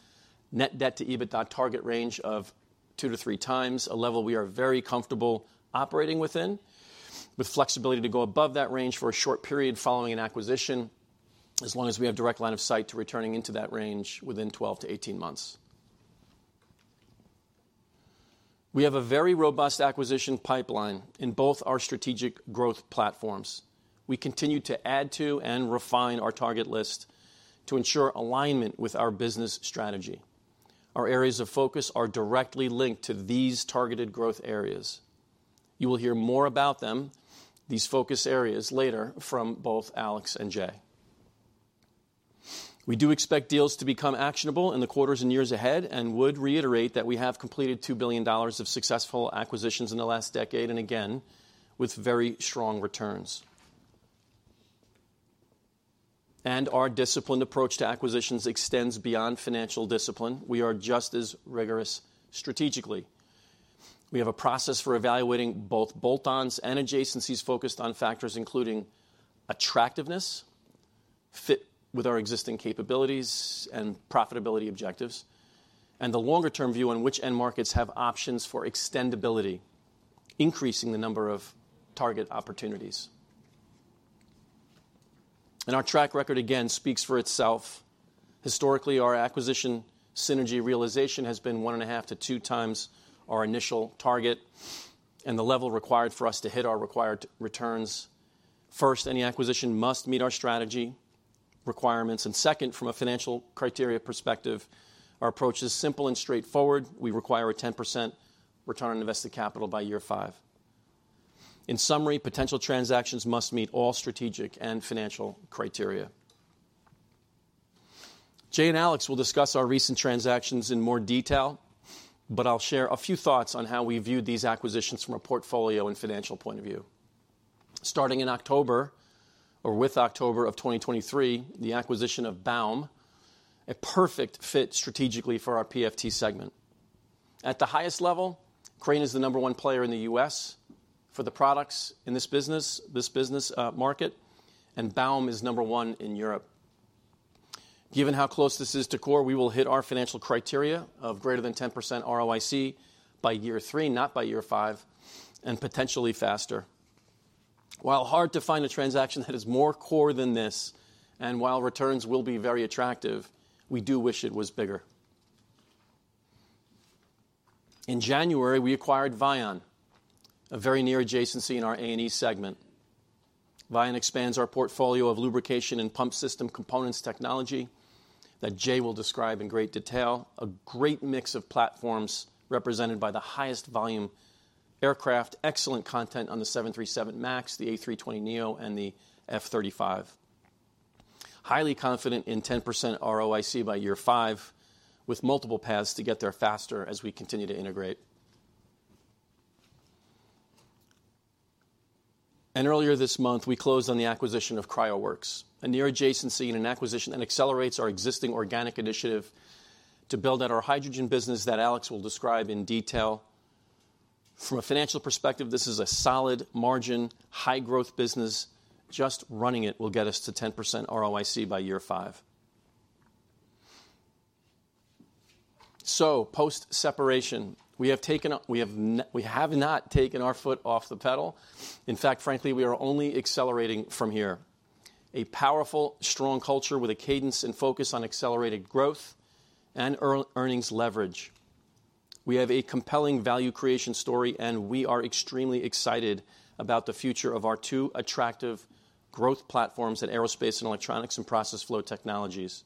net debt to EBITDA target range of 2-3 times, a level we are very comfortable operating within, with flexibility to go above that range for a short period following an acquisition, as long as we have direct line of sight to returning into that range within 12-18 months. We have a very robust acquisition pipeline in both our strategic growth platforms. We continue to add to and refine our target list to ensure alignment with our business strategy. Our areas of focus are directly linked to these targeted growth areas. You will hear more about them, these focus areas, later from both Alex and Jay. We do expect deals to become actionable in the quarters and years ahead, and would reiterate that we have completed $2 billion of successful acquisitions in the last decade, and again, with very strong returns. Our disciplined approach to acquisitions extends beyond financial discipline. We are just as rigorous strategically. We have a process for evaluating both bolt-ons and adjacencies focused on factors including attractiveness, fit with our existing capabilities and profitability objectives, and the longer-term view on which end markets have options for extendability, increasing the number of target opportunities. Our track record, again, speaks for itself. Historically, our acquisition synergy realization has been 1.5-2 times our initial target and the level required for us to hit our required returns. First, any acquisition must meet our strategy requirements, and second, from a financial criteria perspective, our approach is simple and straightforward. We require a 10% return on invested capital by year 5. In summary, potential transactions must meet all strategic and financial criteria. Jay and Alex will discuss our recent transactions in more detail, but I'll share a few thoughts on how we viewed these acquisitions from a portfolio and financial point of view. Starting in October, or with October of 2023, the acquisition of Baum, a perfect fit strategically for our PFT segment. At the highest level, Crane is the number one player in the U.S. for the products in this business, this business, market, and Baum is number one in Europe. Given how close this is to core, we will hit our financial criteria of greater than 10% ROIC by year 3, not by year 5, and potentially faster. While hard to find a transaction that is more core than this, and while returns will be very attractive, we do wish it was bigger. In January, we acquired Vian, a very near adjacency in our A&E segment. Vian expands our portfolio of lubrication and pump system components technology that Jay will describe in great detail. A great mix of platforms represented by the highest volume aircraft, excellent content on the 737 MAX, the A320neo, and the F-35. Highly confident in 10% ROIC by year five, with multiple paths to get there faster as we continue to integrate. And earlier this month, we closed on the acquisition of CryoWorks, a near adjacency and an acquisition that accelerates our existing organic initiative to build out our hydrogen business that Alex will describe in detail. From a financial perspective, this is a solid margin, high-growth business. Just running it will get us to 10% ROIC by year five. So post-separation, we have not taken our foot off the pedal. In fact, frankly, we are only accelerating from here. A powerful, strong culture with a cadence and focus on accelerated growth and earnings leverage. We have a compelling value creation story, and we are extremely excited about the future of our two attractive growth platforms in Aerospace & Electronics and Process Flow Technologies.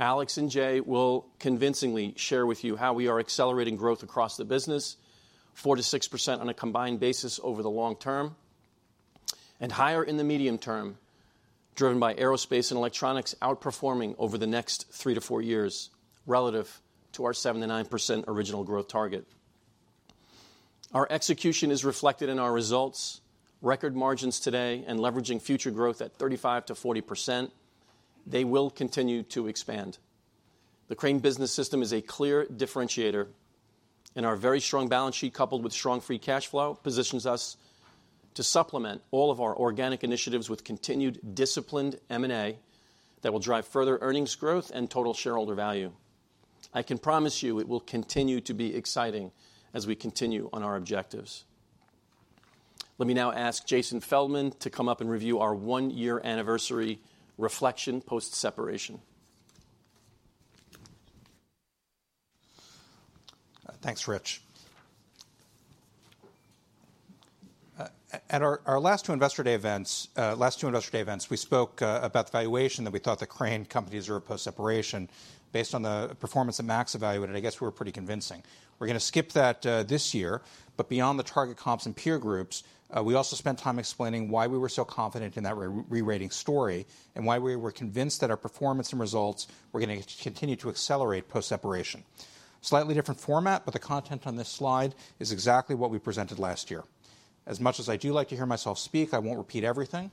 Alex and Jay will convincingly share with you how we are accelerating growth across the business, 4%-6% on a combined basis over the long term, and higher in the medium term, driven by Aerospace & Electronics outperforming over the next 3-4 years relative to our 7%-9% original growth target. Our execution is reflected in our results, record margins today, and leveraging future growth at 35%-40%. They will continue to expand. The Crane Business System is a clear differentiator, and our very strong balance sheet, coupled with strong free cash flow, positions us to supplement all of our organic initiatives with continued disciplined M&A that will drive further earnings growth and total shareholder value. I can promise you it will continue to be exciting as we continue on our objectives. Let me now ask Jason Feldman to come up and review our one-year anniversary reflection post-separation. Thanks, Rich. At our last two Investor Day events, we spoke about the valuation that we thought the Crane companies were post-separation, based on the performance that Max evaluated. I guess we were pretty convincing. We're going to skip that this year, but beyond the target comps and peer groups, we also spent time explaining why we were so confident in that re-rating story and why we were convinced that our performance and results were gonna continue to accelerate post-separation. Slightly different format, but the content on this slide is exactly what we presented last year. As much as I do like to hear myself speak, I won't repeat everything.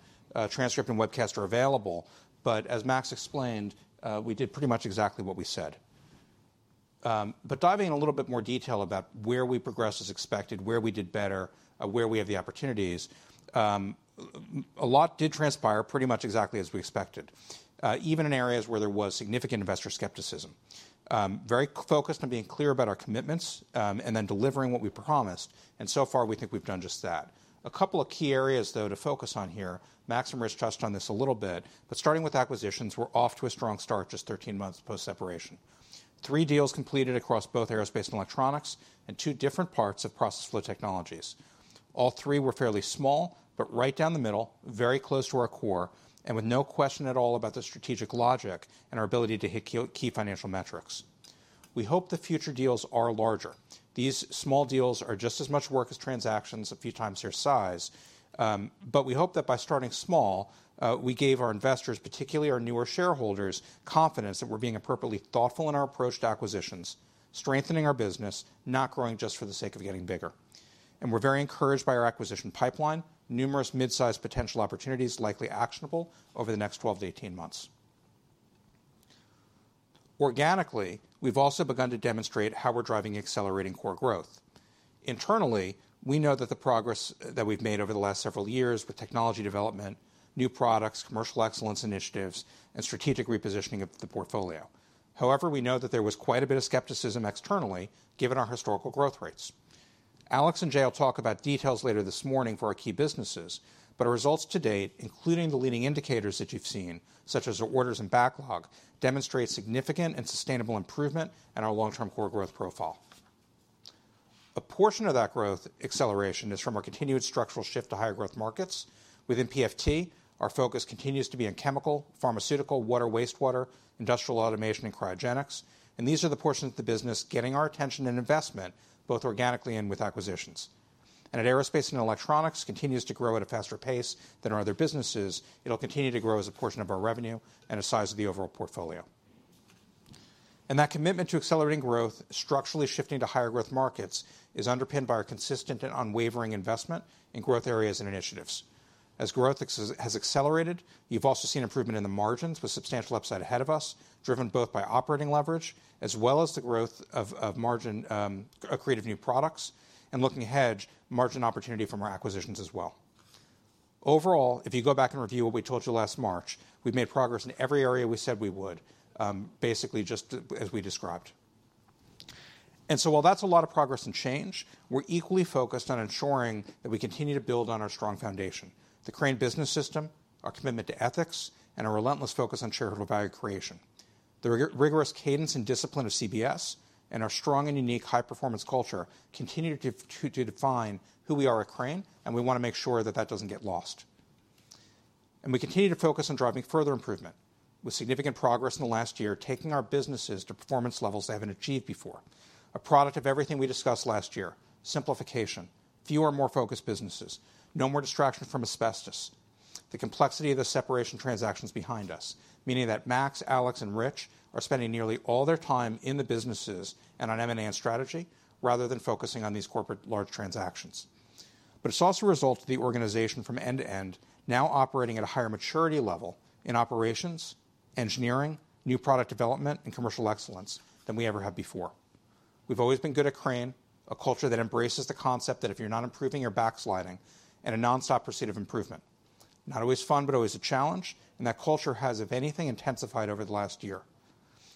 Transcript and webcast are available, but as Max explained, we did pretty much exactly what we said. But diving in a little bit more detail about where we progressed as expected, where we did better, where we have the opportunities, a lot did transpire pretty much exactly as we expected, even in areas where there was significant investor skepticism. Very focused on being clear about our commitments, and then delivering what we promised, and so far, we think we've done just that. A couple of key areas, though, to focus on here. Max touched on this a little bit, but starting with acquisitions, we're off to a strong start, just 13 months post-separation. 3 deals completed across both Aerospace & Electronics and two different parts of Process Flow Technologies. All three were fairly small, but right down the middle, very close to our core, and with no question at all about the strategic logic and our ability to hit key, key financial metrics. We hope the future deals are larger. These small deals are just as much work as transactions a few times their size, but we hope that by starting small, we gave our investors, particularly our newer shareholders, confidence that we're being appropriately thoughtful in our approach to acquisitions, strengthening our business, not growing just for the sake of getting bigger. We're very encouraged by our acquisition pipeline, numerous mid-sized potential opportunities, likely actionable over the next 12-18 months. Organically, we've also begun to demonstrate how we're driving accelerating core growth. Internally, we know that the progress that we've made over the last several years with technology development, new products, commercial excellence initiatives, and strategic repositioning of the portfolio. However, we know that there was quite a bit of skepticism externally, given our historical growth rates. Alex and Jay will talk about details later this morning for our key businesses, but our results to date, including the leading indicators that you've seen, such as orders and backlog, demonstrate significant and sustainable improvement in our long-term core growth profile. A portion of that growth acceleration is from our continued structural shift to higher growth markets. Within PFT, our focus continues to be in chemical, pharmaceutical, water, wastewater, industrial automation, and cryogenics, and these are the portions of the business getting our attention and investment, both organically and with acquisitions. And at Aerospace and Electronics continues to grow at a faster pace than our other businesses. It'll continue to grow as a portion of our revenue and the size of the overall portfolio. And that commitment to accelerating growth, structurally shifting to higher growth markets, is underpinned by our consistent and unwavering investment in growth areas and initiatives. As growth has accelerated, you've also seen improvement in the margins with substantial upside ahead of us, driven both by operating leverage as well as the growth of, of margin-accretive new products, and looking ahead, margin opportunity from our acquisitions as well. Overall, if you go back and review what we told you last March, we've made progress in every area we said we would, basically just as we described. And so while that's a lot of progress and change, we're equally focused on ensuring that we continue to build on our strong foundation, the Crane Business System, our commitment to ethics, and a relentless focus on shareholder value creation. The rigorous cadence and discipline of CBS and our strong and unique high-performance culture continue to define who we are at Crane, and we want to make sure that that doesn't get lost. And we continue to focus on driving further improvement, with significant progress in the last year, taking our businesses to performance levels they haven't achieved before. A product of everything we discussed last year: simplification, fewer, more focused businesses, no more distraction from asbestos, the complexity of the separation transactions behind us, meaning that Max, Alex, and Rich are spending nearly all their time in the businesses and on M&A and strategy, rather than focusing on these corporate large transactions. But it's also a result of the organization from end to end now operating at a higher maturity level in operations, engineering, new product development, and commercial excellence than we ever have before. We've always been good at Crane, a culture that embraces the concept that if you're not improving, you're backsliding, and a nonstop pursuit of improvement. Not always fun, but always a challenge, and that culture has, if anything, intensified over the last year.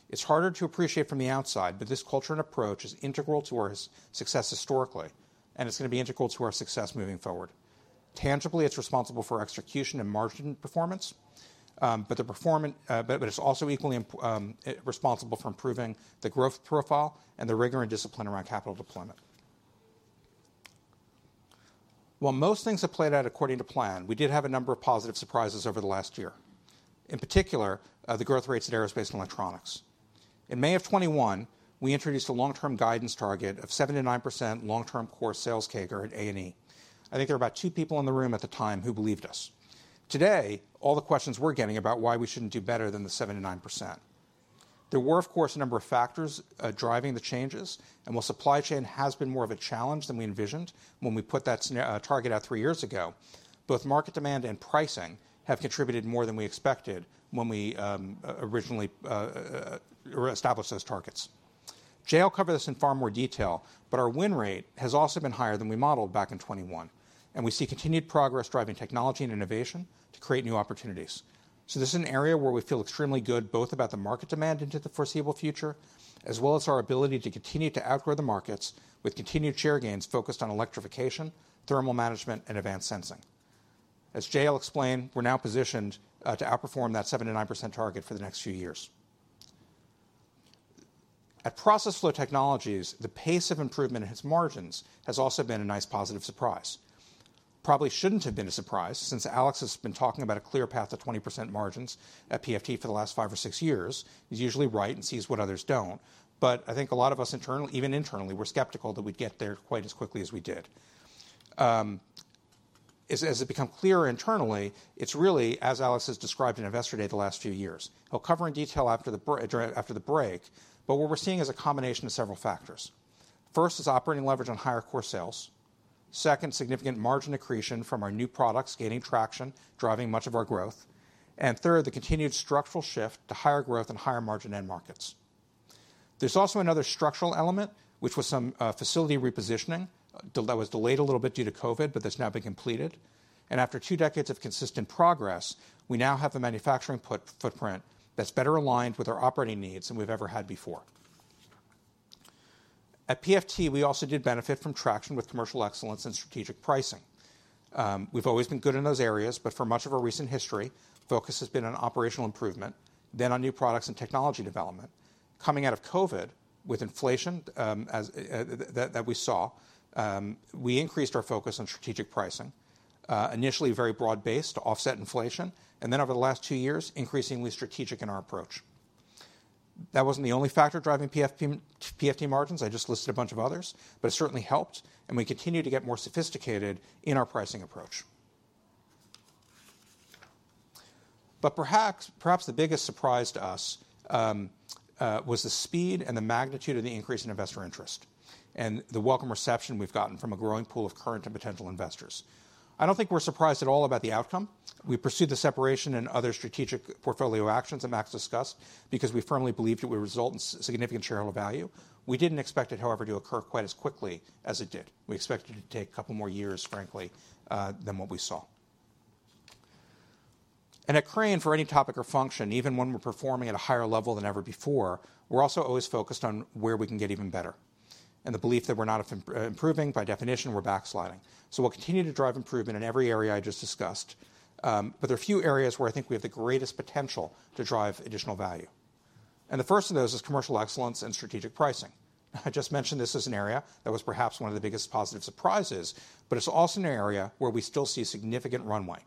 It's harder to appreciate from the outside, but this culture and approach is integral to our success historically, and it's going to be integral to our success moving forward. Tangibly, it's responsible for our execution and margin performance, but it's also equally responsible for improving the growth profile and the rigor and discipline around capital deployment. While most things have played out according to plan, we did have a number of positive surprises over the last year, in particular, the growth rates at Aerospace and Electronics. In May of 2021, we introduced a long-term guidance target of 7%-9% long-term core sales CAGR at A&E. I think there were about two people in the room at the time who believed us. Today, all the questions we're getting about why we shouldn't do better than the 7%-9%. There were, of course, a number of factors driving the changes, and while supply chain has been more of a challenge than we envisioned when we put that target out three years ago, both market demand and pricing have contributed more than we expected when we originally established those targets. Jay will cover this in far more detail, but our win rate has also been higher than we modeled back in 2021, and we see continued progress driving technology and innovation to create new opportunities. So this is an area where we feel extremely good, both about the market demand into the foreseeable future, as well as our ability to continue to outgrow the markets with continued share gains focused on electrification, thermal management, and advanced sensing. As Jay will explain, we're now positioned to outperform that 7%-9% target for the next few years. At Process Flow Technologies, the pace of improvement in its margins has also been a nice positive surprise. Probably shouldn't have been a surprise, since Alex has been talking about a clear path to 20% margins at PFT for the last 5 or 6 years. He's usually right and sees what others don't, but I think a lot of us internally, even internally, were skeptical that we'd get there quite as quickly as we did. As it become clearer internally, it's really as Alex has described in Investor Day the last few years. He'll cover in detail after the break, but what we're seeing is a combination of several factors. First is operating leverage on higher core sales. Second, significant margin accretion from our new products gaining traction, driving much of our growth. And third, the continued structural shift to higher growth and higher margin end markets. There's also another structural element, which was some facility repositioning that was delayed a little bit due to COVID, but that's now been completed. And after two decades of consistent progress, we now have the manufacturing footprint that's better aligned with our operating needs than we've ever had before. At PFT, we also did benefit from traction with commercial excellence and strategic pricing. We've always been good in those areas, but for much of our recent history, focus has been on operational improvement, then on new products and technology development. Coming out of COVID, with inflation, as that we saw, we increased our focus on strategic pricing, initially very broad-based to offset inflation, and then over the last two years, increasingly strategic in our approach. That wasn't the only factor driving PFT margins. I just listed a bunch of others, but it certainly helped, and we continue to get more sophisticated in our pricing approach. But perhaps the biggest surprise to us was the speed and the magnitude of the increase in investor interest, and the welcome reception we've gotten from a growing pool of current and potential investors. I don't think we're surprised at all about the outcome. We pursued the separation and other strategic portfolio actions that Max discussed because we firmly believed it would result in significant shareholder value. We didn't expect it, however, to occur quite as quickly as it did. We expected it to take a couple more years, frankly, than what we saw. At Crane, for any topic or function, even when we're performing at a higher level than ever before, we're also always focused on where we can get even better, and the belief that we're not improving, by definition, we're backsliding. So we'll continue to drive improvement in every area I just discussed, but there are a few areas where I think we have the greatest potential to drive additional value. The first of those is commercial excellence and strategic pricing. I just mentioned this as an area that was perhaps one of the biggest positive surprises, but it's also an area where we still see significant runway.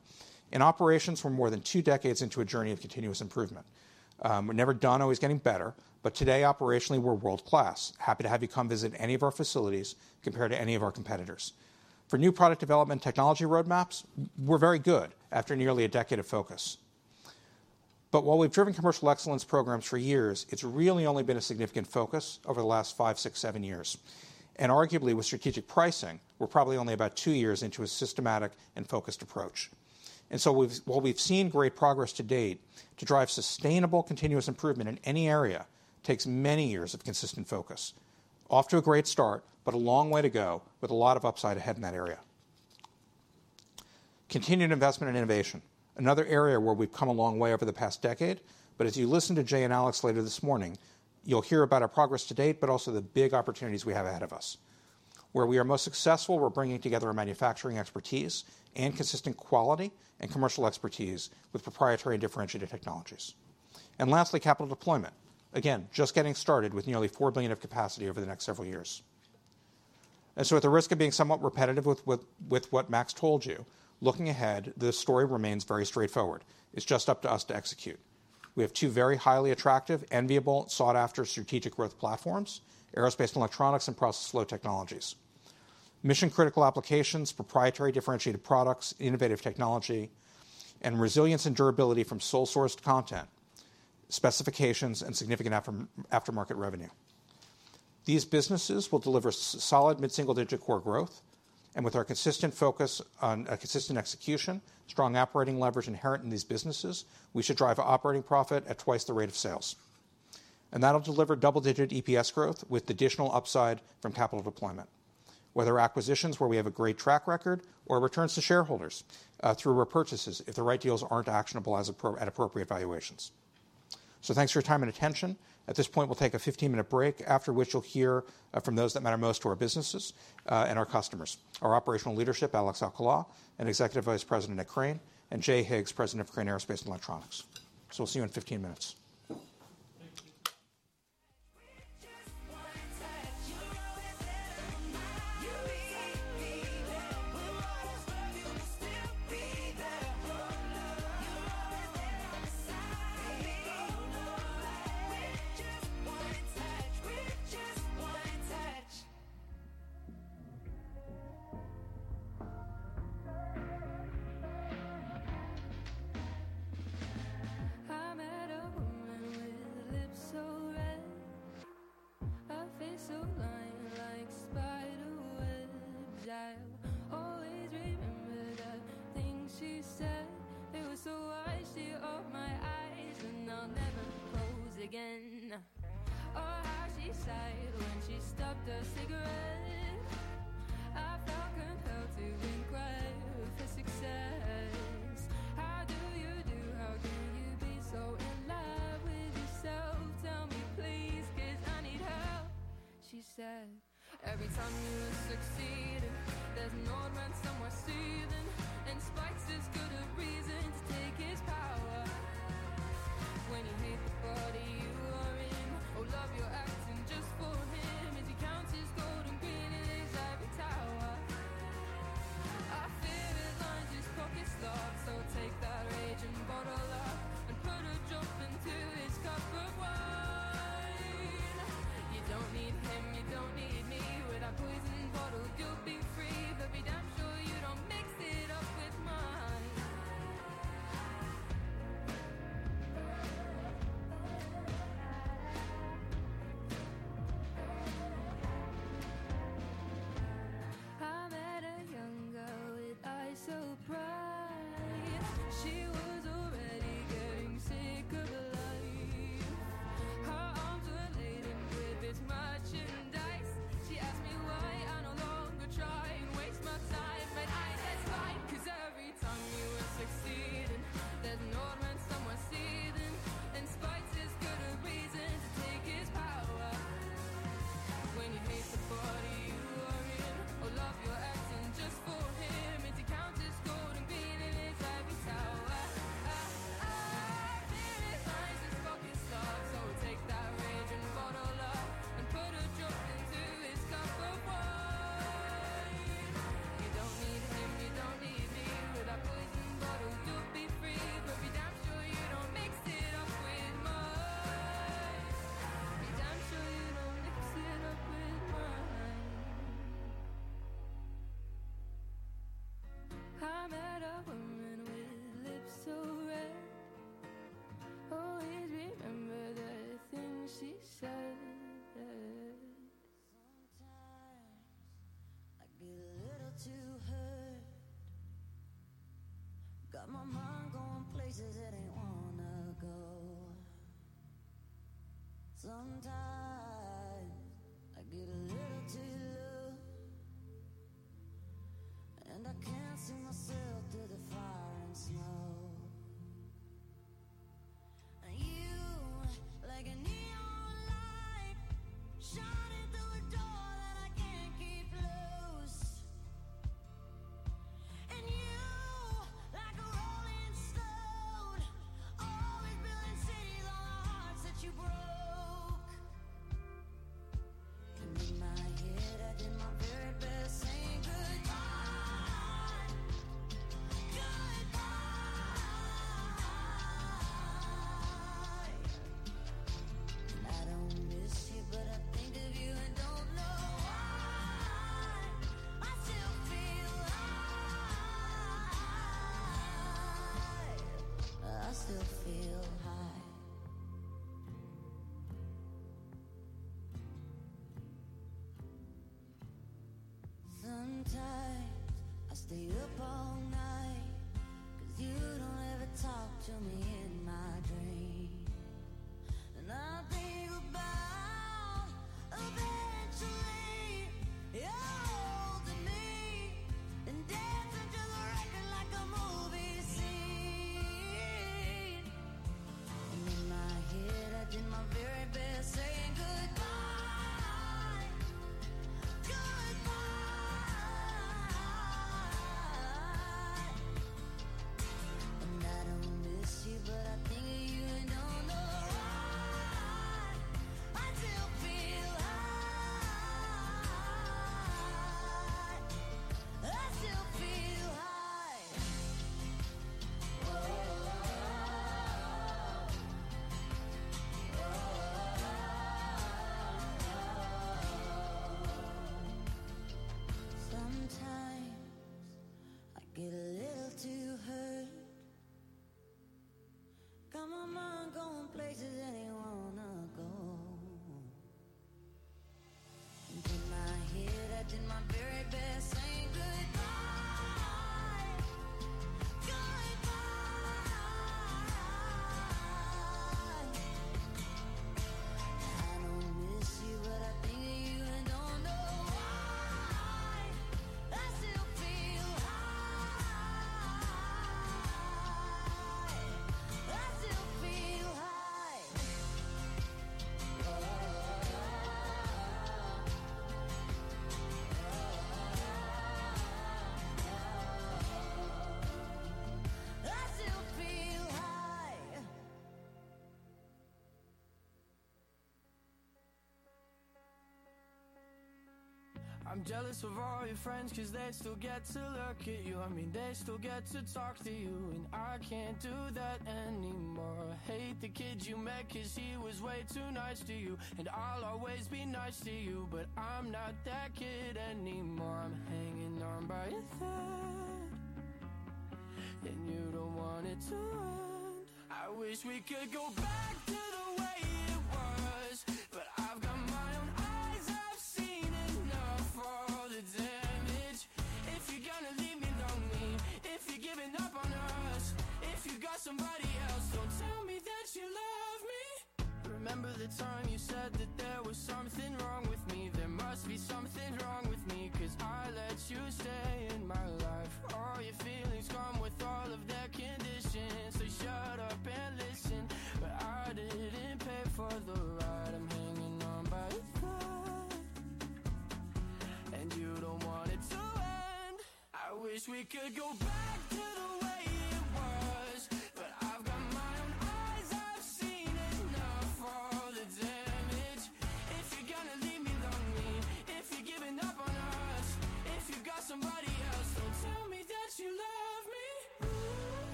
In operations, we're more than two decades into a journey of continuous improvement. We're never done, always getting better, but today, operationally, we're world-class. Happy to have you come visit any of our facilities compared to any of our competitors. For new product development and technology roadmaps, we're very good after nearly a decade of focus. But while we've driven commercial excellence programs for years, it's really only been a significant focus over the last 5, 6, 7 years. And arguably, with strategic pricing, we're probably only about 2 years into a systematic and focused approach. And so while we've seen great progress to date, to drive sustainable, continuous improvement in any area, takes many years of consistent focus. Off to a great start, but a long way to go, with a lot of upside ahead in that area. Continued investment in innovation, another area where we've come a long way over the past decade, but as you listen to Jay and Alex later this morning, you'll hear about our progress to date, but also the big opportunities we have ahead of us... Where we are most successful, we're bringing together our manufacturing expertise and consistent quality, and commercial expertise with proprietary and differentiated technologies. And lastly, capital deployment. Again, just getting started with nearly $4 billion of capacity over the next several years. And so at the risk of being somewhat repetitive with what Max told you, looking ahead, the story remains very straightforward. It's just up to us to execute. We have two very highly attractive, enviable, sought-after strategic growth platforms: Aerospace & Electronics, and Process Flow Technologies. Mission-critical applications, proprietary differentiated products, innovative technology, and resilience and durability from sole-sourced content, specifications, and significant aftermarket revenue. These businesses will deliver solid mid-single-digit core growth, and with our consistent focus on consistent execution, strong operating leverage inherent in these businesses, we should drive operating profit at twice the rate of sales. And that'll deliver double-digit EPS growth with additional upside from capital deployment, whether acquisitions where we have a great track record, or returns to shareholders through repurchases if the right deals aren't actionable at appropriate valuations. So thanks for your time and attention. At this point, we'll take a 15-minute break, after which you'll hear from those that matter most to our businesses and our customers. Our operational leadership, Alex Alcala, Executive Vice President at Crane, and Jay Higgs, President of Crane Aerospace and Electronics. So we'll see you in 15 minutes.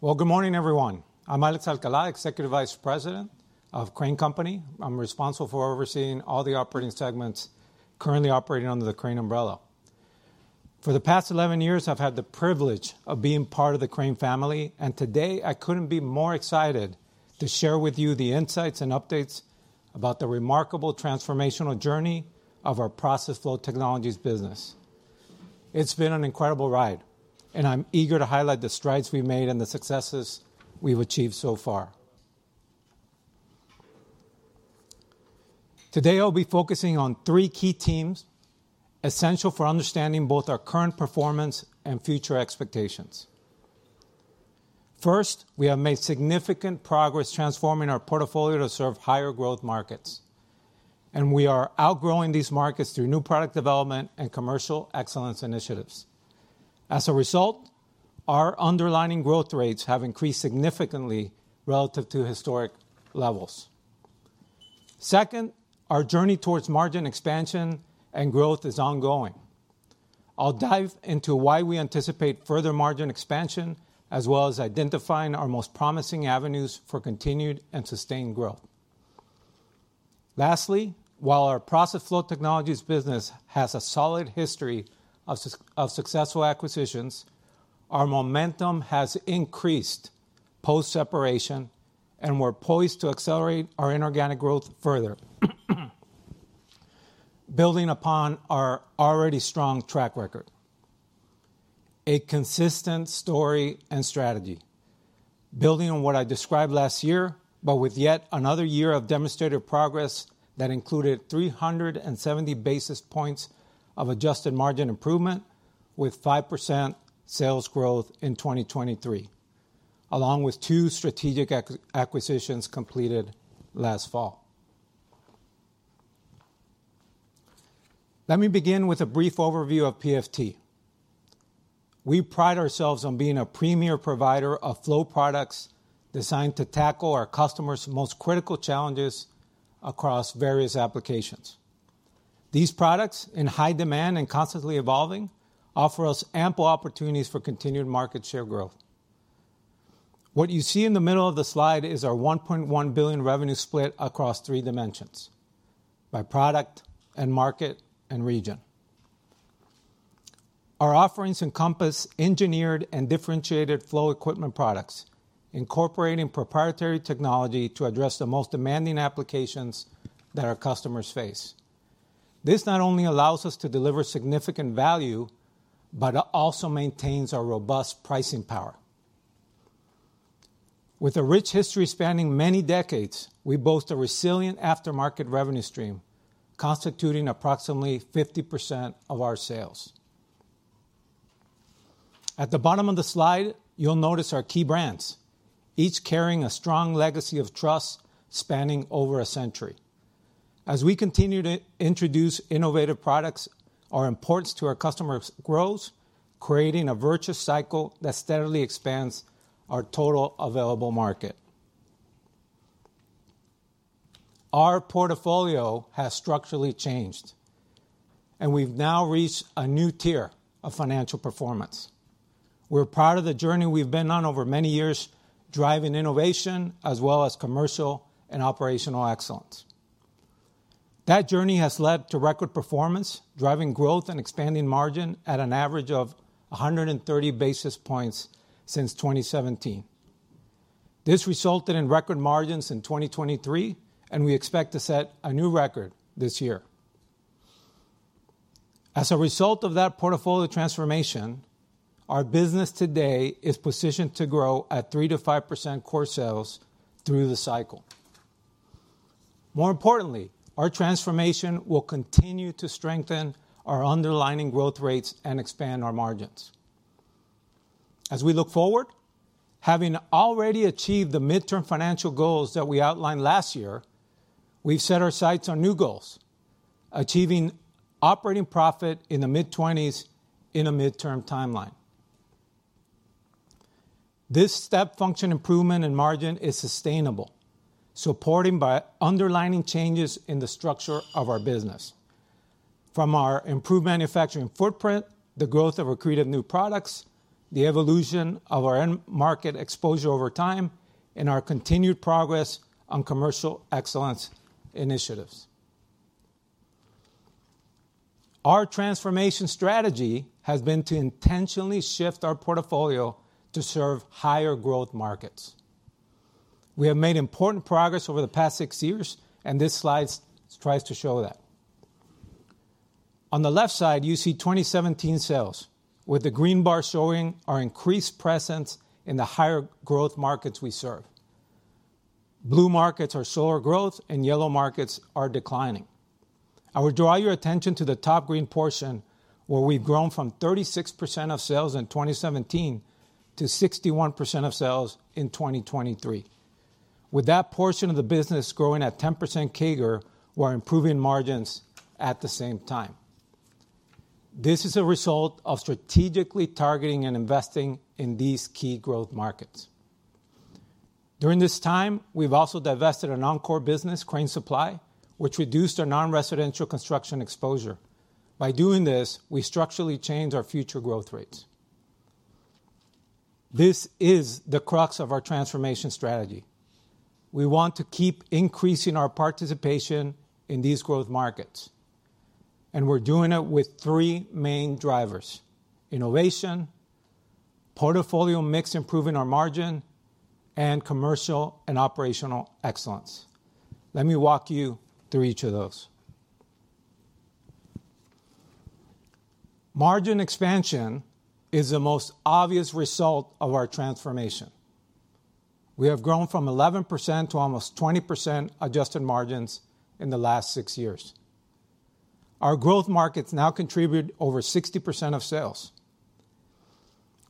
Well, good morning, everyone. I'm Alex Alcala, Executive Vice President of Crane Company. I'm responsible for overseeing all the operating segments currently operating under the Crane umbrella. For the past 11 years, I've had the privilege of being part of the Crane family, and today I couldn't be more excited to share with you the insights and updates about the remarkable transformational journey of our Process Flow Technologies business. It's been an incredible ride, and I'm eager to highlight the strides we've made and the successes we've achieved so far. Today, I'll be focusing on three key themes essential for understanding both our current performance and future expectations. First, we have made significant progress transforming our portfolio to serve higher growth markets, and we are outgrowing these markets through new product development and commercial excellence initiatives. As a result, our underlying growth rates have increased significantly relative to historic levels. Second, our journey towards margin expansion and growth is ongoing. I'll dive into why we anticipate further margin expansion, as well as identifying our most promising avenues for continued and sustained growth. Lastly, while our Process Flow Technologies business has a solid history of successful acquisitions, our momentum has increased post-separation, and we're poised to accelerate our inorganic growth further, building upon our already strong track record. A consistent story and strategy, building on what I described last year, but with yet another year of demonstrated progress that included 370 basis points of adjusted margin improvement with 5% sales growth in 2023, along with 2 strategic acquisitions completed last fall. Let me begin with a brief overview of PFT. We pride ourselves on being a premier provider of flow products designed to tackle our customers' most critical challenges across various applications. These products, in high demand and constantly evolving, offer us ample opportunities for continued market share growth. What you see in the middle of the slide is our $1.1 billion revenue split across three dimensions: by product, end market, and region. Our offerings encompass engineered and differentiated flow equipment products, incorporating proprietary technology to address the most demanding applications that our customers face. This not only allows us to deliver significant value but also maintains our robust pricing power. With a rich history spanning many decades, we boast a resilient aftermarket revenue stream, constituting approximately 50% of our sales. At the bottom of the slide, you'll notice our key brands, each carrying a strong legacy of trust spanning over a century. As we continue to introduce innovative products, our importance to our customers grows, creating a virtuous cycle that steadily expands our total available market. Our portfolio has structurally changed, and we've now reached a new tier of financial performance. We're proud of the journey we've been on over many years, driving innovation as well as commercial and operational excellence.... That journey has led to record performance, driving growth and expanding margin at an average of 100 basis points since 2017. This resulted in record margins in 2023, and we expect to set a new record this year. As a result of that portfolio transformation, our business today is positioned to grow at 3%-5% core sales through the cycle. More importantly, our transformation will continue to strengthen our underlying growth rates and expand our margins. As we look forward, having already achieved the midterm financial goals that we outlined last year, we've set our sights on new goals, achieving operating profit in the mid-20s in a midterm timeline. This step function improvement in margin is sustainable, supported by underlying changes in the structure of our business, from our improved manufacturing footprint, the growth of accretive new products, the evolution of our end market exposure over time, and our continued progress on commercial excellence initiatives. Our transformation strategy has been to intentionally shift our portfolio to serve higher growth markets. We have made important progress over the past six years, and this slide tries to show that. On the left side, you see 2017 sales, with the green bar showing our increased presence in the higher growth markets we serve. Blue markets are slower growth, and yellow markets are declining. I would draw your attention to the top green portion, where we've grown from 36% of sales in 2017 to 61% of sales in 2023. With that portion of the business growing at 10% CAGR, we're improving margins at the same time. This is a result of strategically targeting and investing in these key growth markets. During this time, we've also divested a non-core business, Crane Supply, which reduced our non-residential construction exposure. By doing this, we structurally changed our future growth rates. This is the crux of our transformation strategy. We want to keep increasing our participation in these growth markets, and we're doing it with three main drivers: innovation, portfolio mix, improving our margin, and commercial and operational excellence. Let me walk you through each of those. Margin expansion is the most obvious result of our transformation. We have grown from 11% to almost 20% adjusted margins in the last 6 years. Our growth markets now contribute over 60% of sales.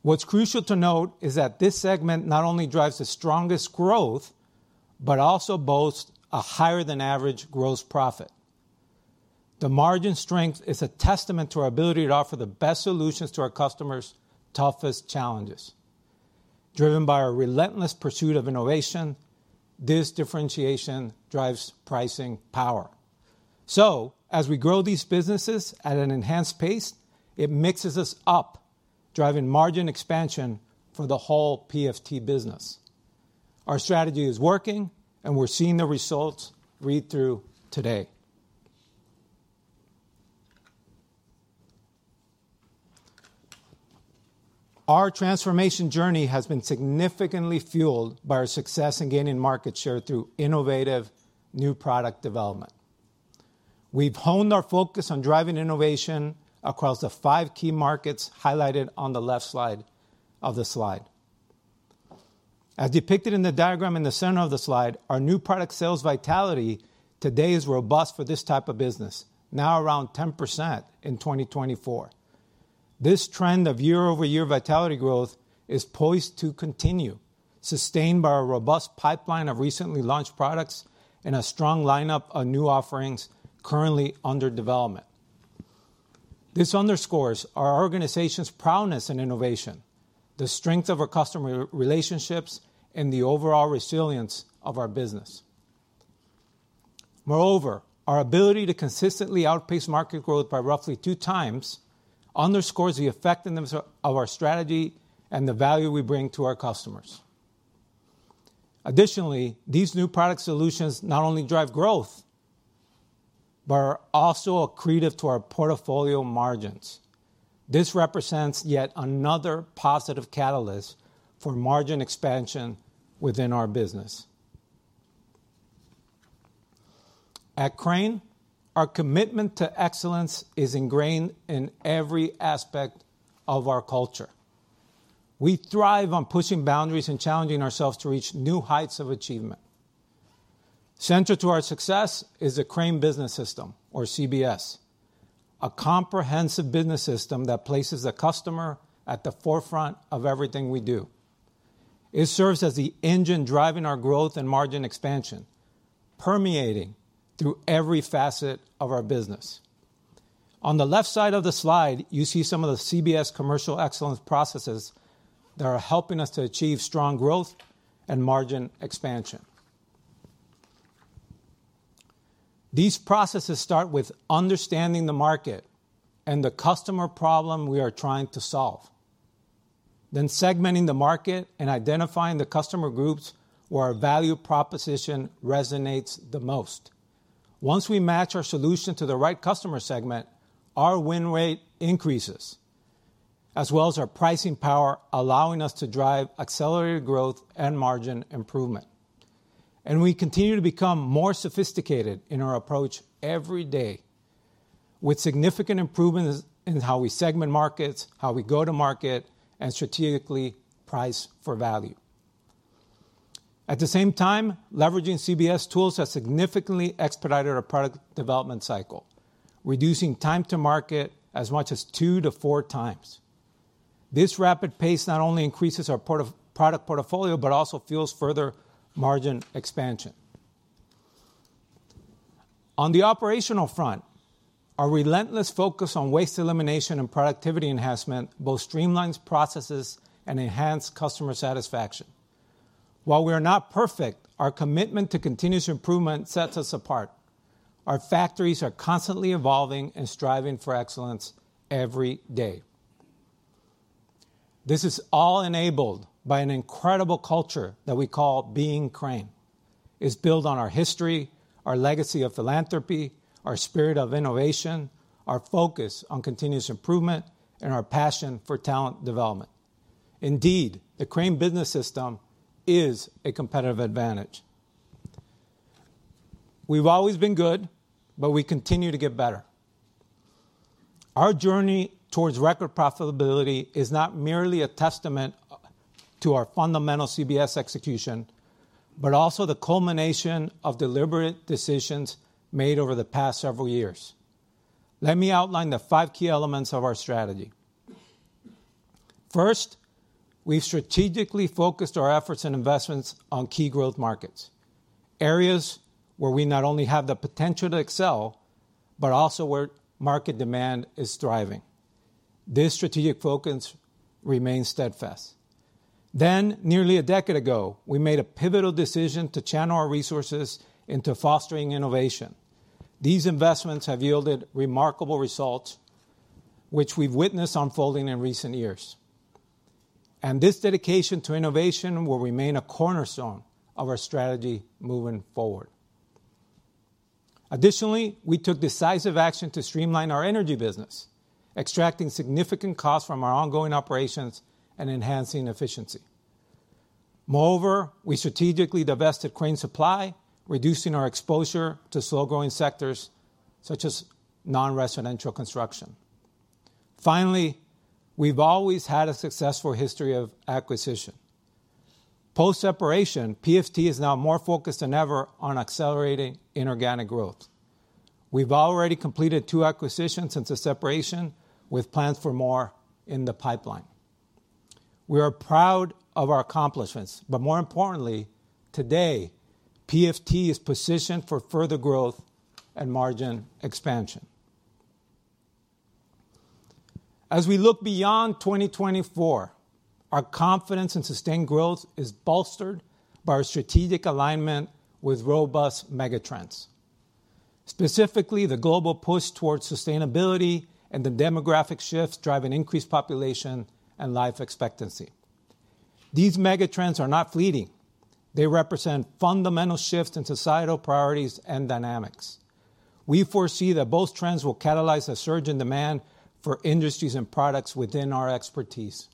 What's crucial to note is that this segment not only drives the strongest growth, but also boasts a higher than average gross profit. The margin strength is a testament to our ability to offer the best solutions to our customers' toughest challenges. Driven by our relentless pursuit of innovation, this differentiation drives pricing power. So as we grow these businesses at an enhanced pace, it mixes us up, driving margin expansion for the whole PFT business. Our strategy is working, and we're seeing the results read through today. Our transformation journey has been significantly fueled by our success in gaining market share through innovative new product development. We've honed our focus on driving innovation across the five key markets highlighted on the left side of the slide. As depicted in the diagram in the center of the slide, our new product sales vitality today is robust for this type of business, now around 10% in 2024. This trend of year-over-year vitality growth is poised to continue, sustained by a robust pipeline of recently launched products and a strong lineup of new offerings currently under development. This underscores our organization's prowess in innovation, the strength of our customer relationships, and the overall resilience of our business. Moreover, our ability to consistently outpace market growth by roughly 2 times underscores the effectiveness of our strategy and the value we bring to our customers. Additionally, these new product solutions not only drive growth but are also accretive to our portfolio margins. This represents yet another positive catalyst for margin expansion within our business. At Crane, our commitment to excellence is ingrained in every aspect of our culture. We thrive on pushing boundaries and challenging ourselves to reach new heights of achievement. Central to our success is the Crane Business System, or CBS, a comprehensive business system that places the customer at the forefront of everything we do. It serves as the engine driving our growth and margin expansion, permeating through every facet of our business. On the left side of the slide, you see some of the CBS commercial excellence processes that are helping us to achieve strong growth and margin expansion. These processes start with understanding the market and the customer problem we are trying to solve, then segmenting the market and identifying the customer groups where our value proposition resonates the most. Once we match our solution to the right customer segment, our win rate increases, as well as our pricing power, allowing us to drive accelerated growth and margin improvement. We continue to become more sophisticated in our approach every day, with significant improvements in how we segment markets, how we go to market, and strategically price for value. At the same time, leveraging CBS tools has significantly expedited our product development cycle, reducing time to market as much as 2-4 times. This rapid pace not only increases our product portfolio, but also fuels further margin expansion. On the operational front, our relentless focus on waste elimination and productivity enhancement both streamlines processes and enhance customer satisfaction. While we are not perfect, our commitment to continuous improvement sets us apart. Our factories are constantly evolving and striving for excellence every day. This is all enabled by an incredible culture that we call Being Crane. It's built on our history, our legacy of philanthropy, our spirit of innovation, our focus on continuous improvement, and our passion for talent development. Indeed, the Crane Business System is a competitive advantage. We've always been good, but we continue to get better. Our journey towards record profitability is not merely a testament to our fundamental CBS execution, but also the culmination of deliberate decisions made over the past several years. Let me outline the five key elements of our strategy. First, we've strategically focused our efforts and investments on key growth markets, areas where we not only have the potential to excel, but also where market demand is thriving. This strategic focus remains steadfast. Then, nearly a decade ago, we made a pivotal decision to channel our resources into fostering innovation. These investments have yielded remarkable results, which we've witnessed unfolding in recent years, and this dedication to innovation will remain a cornerstone of our strategy moving forward. Additionally, we took decisive action to streamline our energy business, extracting significant costs from our ongoing operations and enhancing efficiency. Moreover, we strategically divested Crane Supply, reducing our exposure to slow-growing sectors such as non-residential construction. Finally, we've always had a successful history of acquisition. Post-separation, PFT is now more focused than ever on accelerating inorganic growth. We've already completed two acquisitions since the separation, with plans for more in the pipeline. We are proud of our accomplishments, but more importantly, today, PFT is positioned for further growth and margin expansion. As we look beyond 2024, our confidence in sustained growth is bolstered by our strategic alignment with robust megatrends, specifically the global push towards sustainability and the demographic shifts driving increased population and life expectancy. These megatrends are not fleeting. They represent fundamental shifts in societal priorities and dynamics. We foresee that both trends will catalyze a surge in demand for industries and products within our expertise.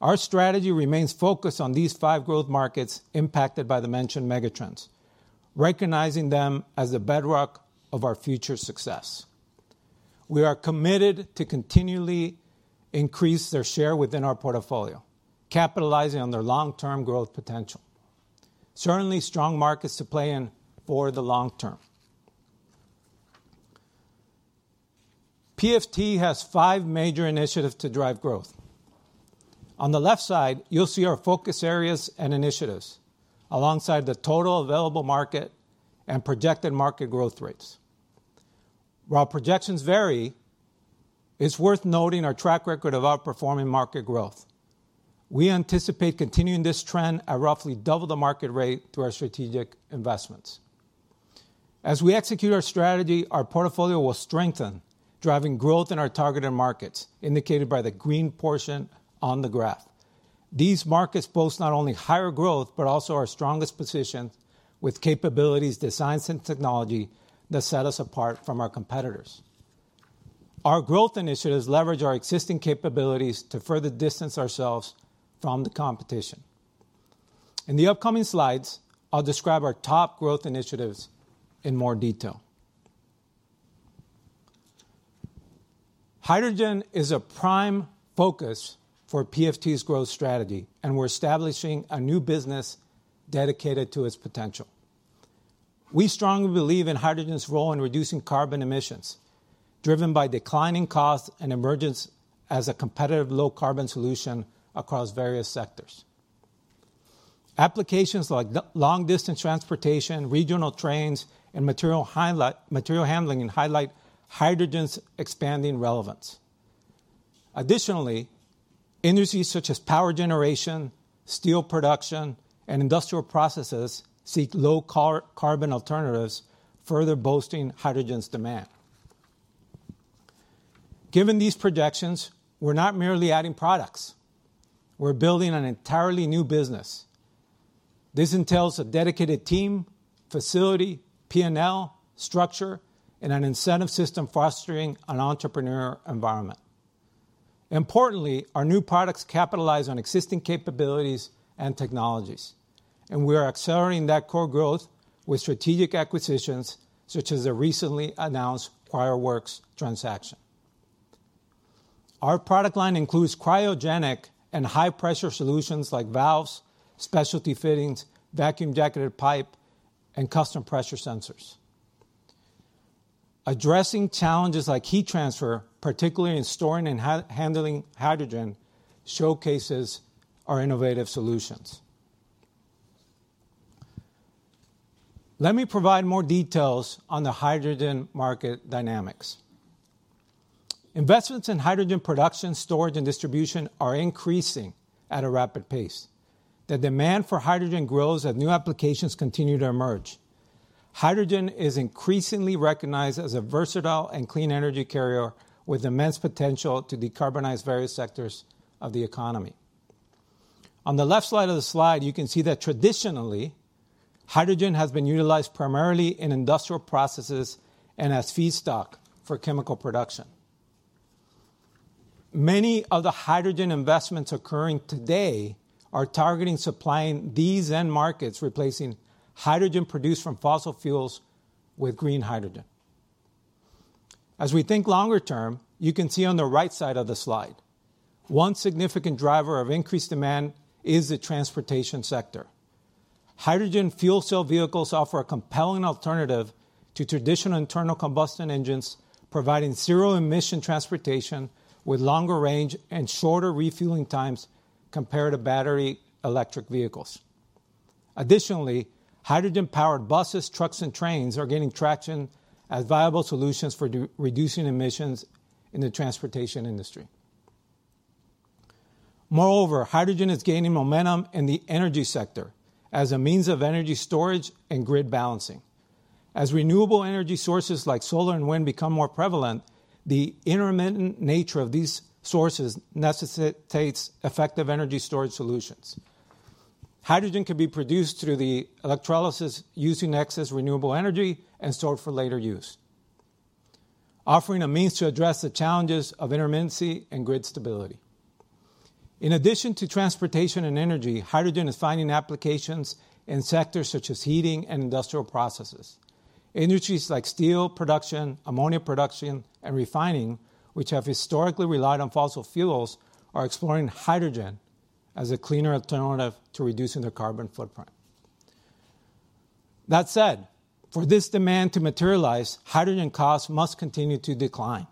Our strategy remains focused on these five growth markets impacted by the mentioned megatrends, recognizing them as the bedrock of our future success. We are committed to continually increase their share within our portfolio, capitalizing on their long-term growth potential. Certainly, strong markets to play in for the long term. PFT has five major initiatives to drive growth. On the left side, you'll see our focus areas and initiatives, alongside the total available market and projected market growth rates. While projections vary, it's worth noting our track record of outperforming market growth. We anticipate continuing this trend at roughly double the market rate through our strategic investments. As we execute our strategy, our portfolio will strengthen, driving growth in our targeted markets, indicated by the green portion on the graph. These markets boast not only higher growth, but also our strongest positions with capabilities, designs, and technology that set us apart from our competitors. Our growth initiatives leverage our existing capabilities to further distance ourselves from the competition. In the upcoming slides, I'll describe our top growth initiatives in more detail. Hydrogen is a prime focus for PFT's growth strategy, and we're establishing a new business dedicated to its potential. We strongly believe in hydrogen's role in reducing carbon emissions, driven by declining costs and emergence as a competitive low-carbon solution across various sectors. Applications like long-distance transportation, regional trains, and material handling highlight hydrogen's expanding relevance. Additionally, industries such as power generation, steel production, and industrial processes seek low carbon alternatives, further boosting hydrogen's demand. Given these projections, we're not merely adding products, we're building an entirely new business. This entails a dedicated team, facility, P&L, structure, and an incentive system fostering an entrepreneur environment. Importantly, our new products capitalize on existing capabilities and technologies, and we are accelerating that core growth with strategic acquisitions, such as the recently announced CryoWorks transaction. Our product line includes cryogenic and high-pressure solutions like valves, specialty fittings, vacuum-jacketed pipe, and custom pressure sensors. Addressing challenges like heat transfer, particularly in storing and handling hydrogen, showcases our innovative solutions. Let me provide more details on the hydrogen market dynamics. Investments in hydrogen production, storage, and distribution are increasing at a rapid pace. The demand for hydrogen grows as new applications continue to emerge. Hydrogen is increasingly recognized as a versatile and clean energy carrier with immense potential to decarbonize various sectors of the economy. On the left side of the slide, you can see that traditionally, hydrogen has been utilized primarily in industrial processes and as feedstock for chemical production. Many of the hydrogen investments occurring today are targeting supplying these end markets, replacing hydrogen produced from fossil fuels with green hydrogen. As we think longer term, you can see on the right side of the slide, one significant driver of increased demand is the transportation sector. Hydrogen fuel cell vehicles offer a compelling alternative to traditional internal combustion engines, providing zero-emission transportation with longer range and shorter refueling times compared to battery electric vehicles. Additionally, hydrogen-powered buses, trucks, and trains are gaining traction as viable solutions for reducing emissions in the transportation industry. Moreover, hydrogen is gaining momentum in the energy sector as a means of energy storage and grid balancing. As renewable energy sources like solar and wind become more prevalent, the intermittent nature of these sources necessitates effective energy storage solutions. Hydrogen can be produced through the electrolysis using excess renewable energy and stored for later use, offering a means to address the challenges of intermittency and grid stability. In addition to transportation and energy, hydrogen is finding applications in sectors such as heating and industrial processes. Industries like steel production, ammonia production, and refining, which have historically relied on fossil fuels, are exploring hydrogen as a cleaner alternative to reducing their carbon footprint. That said, for this demand to materialize, hydrogen costs must continue to decline,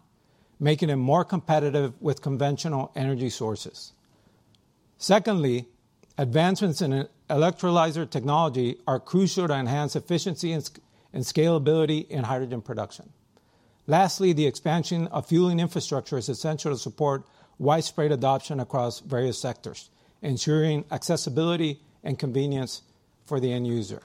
making it more competitive with conventional energy sources. Secondly, advancements in electrolyzer technology are crucial to enhance efficiency and scalability in hydrogen production. Lastly, the expansion of fueling infrastructure is essential to support widespread adoption across various sectors, ensuring accessibility and convenience for the end user.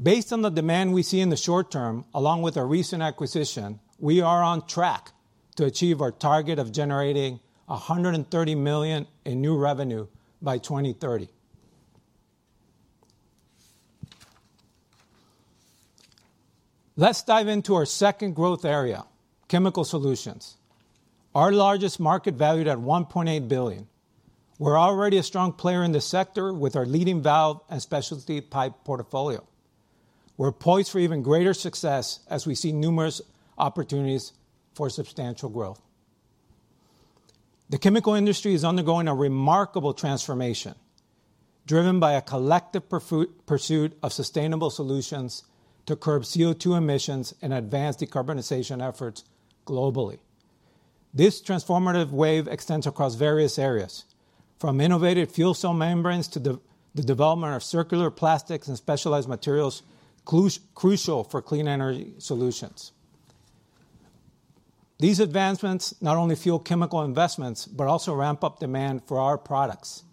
Based on the demand we see in the short term, along with our recent acquisition, we are on track to achieve our target of generating $130 million in new revenue by 2030. Let's dive into our second growth area: chemical solutions, our largest market, valued at $1.8 billion. We're already a strong player in this sector with our leading valve and specialty pipe portfolio. We're poised for even greater success as we see numerous opportunities for substantial growth. The chemical industry is undergoing a remarkable transformation, driven by a collective pursuit of sustainable solutions to curb CO2 emissions and advance decarbonization efforts globally. This transformative wave extends across various areas, from innovative fuel cell membranes to the development of circular plastics and specialized materials, crucial for clean energy solutions. These advancements not only fuel chemical investments, but also ramp up demand for our products,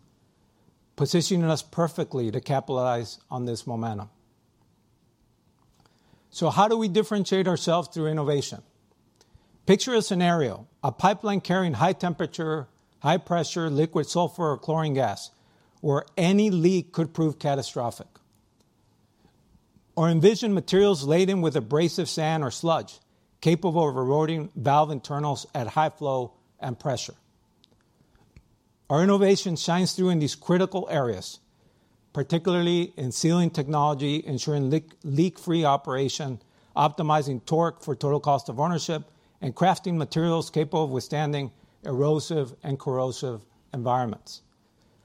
positioning us perfectly to capitalize on this momentum. So how do we differentiate ourselves through innovation? Picture a scenario, a pipeline carrying high temperature, high pressure, liquid sulfur or chlorine gas, where any leak could prove catastrophic. Or envision materials laden with abrasive sand or sludge, capable of eroding valve internals at high flow and pressure. Our innovation shines through in these critical areas, particularly in sealing technology, ensuring leak-free operation, optimizing torque for total cost of ownership, and crafting materials capable of withstanding erosive and corrosive environments.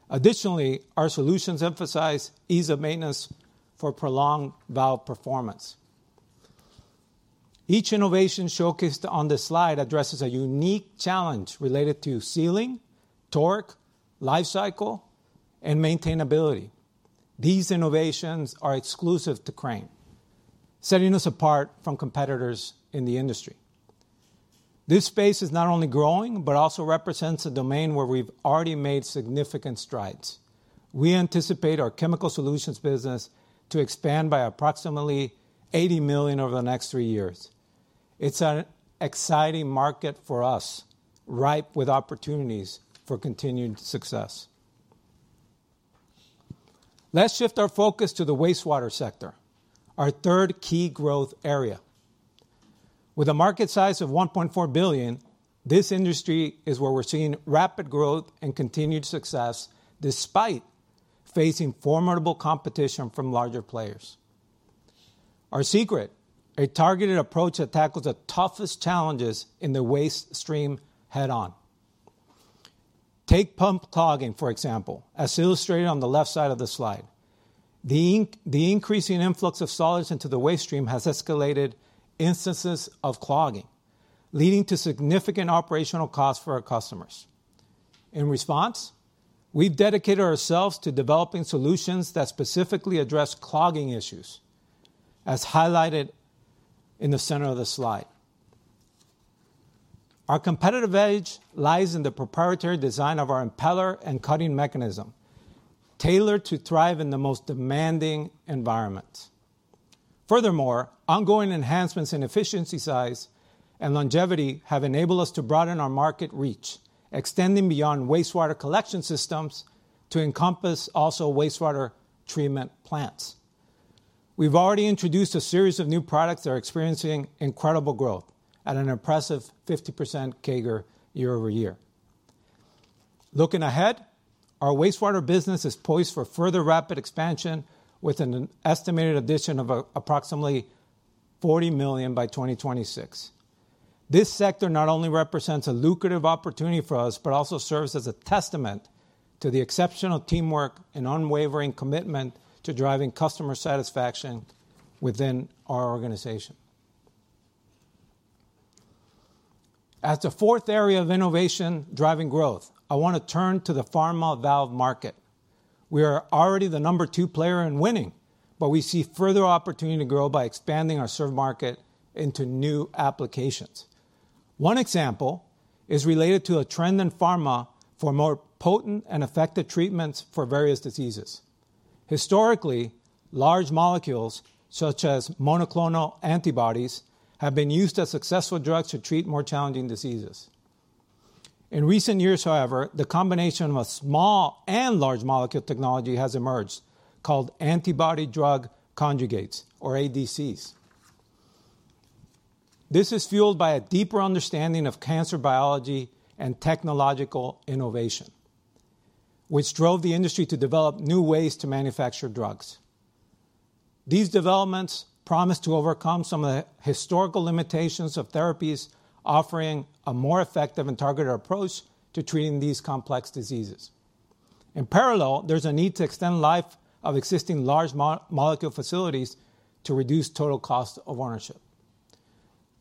Additionally, our solutions emphasize ease of maintenance for prolonged valve performance. Each innovation showcased on this slide addresses a unique challenge related to sealing, torque, lifecycle, and maintainability. These innovations are exclusive to Crane, setting us apart from competitors in the industry.... This space is not only growing, but also represents a domain where we've already made significant strides. We anticipate our chemical solutions business to expand by approximately $80 million over the next three years. It's an exciting market for us, ripe with opportunities for continued success. Let's shift our focus to the wastewater sector, our third key growth area. With a market size of $1.4 billion, this industry is where we're seeing rapid growth and continued success, despite facing formidable competition from larger players. Our secret: a targeted approach that tackles the toughest challenges in the waste stream head-on. Take pump clogging, for example, as illustrated on the left side of the slide. The increasing influx of solids into the waste stream has escalated instances of clogging, leading to significant operational costs for our customers. In response, we've dedicated ourselves to developing solutions that specifically address clogging issues, as highlighted in the center of the slide. Our competitive edge lies in the proprietary design of our impeller and cutting mechanism, tailored to thrive in the most demanding environments. Furthermore, ongoing enhancements in efficiency, size, and longevity have enabled us to broaden our market reach, extending beyond wastewater collection systems to encompass also wastewater treatment plants. We've already introduced a series of new products that are experiencing incredible growth at an impressive 50% CAGR year-over-year. Looking ahead, our wastewater business is poised for further rapid expansion, with an estimated addition of approximately $40 million by 2026. This sector not only represents a lucrative opportunity for us, but also serves as a testament to the exceptional teamwork and unwavering commitment to driving customer satisfaction within our organization. As the fourth area of innovation driving growth, I want to turn to the pharma valve market. We are already the number 2 player and winning, but we see further opportunity to grow by expanding our served market into new applications. One example is related to a trend in pharma for more potent and effective treatments for various diseases. Historically, large molecules, such as monoclonal antibodies, have been used as successful drugs to treat more challenging diseases. In recent years, however, the combination of a small and large molecule technology has emerged, called antibody drug conjugates, or ADCs. This is fueled by a deeper understanding of cancer, biology, and technological innovation, which drove the industry to develop new ways to manufacture drugs. These developments promise to overcome some of the historical limitations of therapies, offering a more effective and targeted approach to treating these complex diseases. In parallel, there's a need to extend life of existing large molecule facilities to reduce total cost of ownership.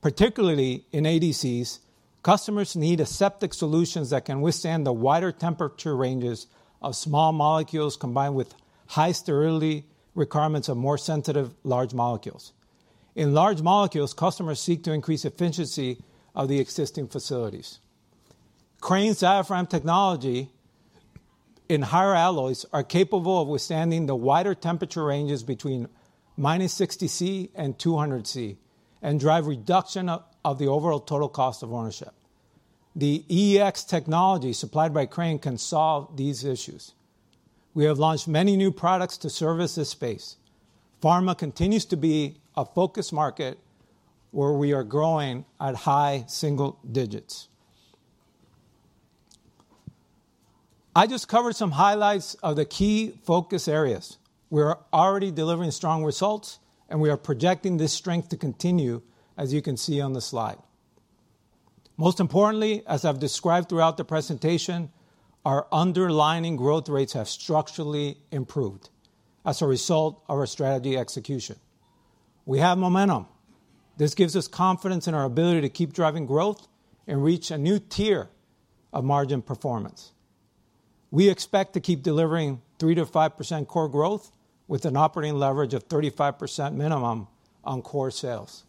Particularly in ADCs, customers need aseptic solutions that can withstand the wider temperature ranges of small molecules, combined with high sterility requirements of more sensitive large molecules. In large molecules, customers seek to increase efficiency of the existing facilities. Crane's diaphragm technology in higher alloys are capable of withstanding the wider temperature ranges between minus 60 degrees Celsius and 200 degrees Celsius and drive reduction of the overall total cost of ownership. The EX technology supplied by Crane can solve these issues. We have launched many new products to service this space. Pharma continues to be a focus market where we are growing at high single digits. I just covered some highlights of the key focus areas. We're already delivering strong results, and we are projecting this strength to continue, as you can see on the slide. Most importantly, as I've described throughout the presentation, our underlying growth rates have structurally improved as a result of our strategy execution. We have momentum. This gives us confidence in our ability to keep driving growth and reach a new tier of margin performance. We expect to keep delivering 3%-5% core growth with an operating leverage of 35% minimum on core sales.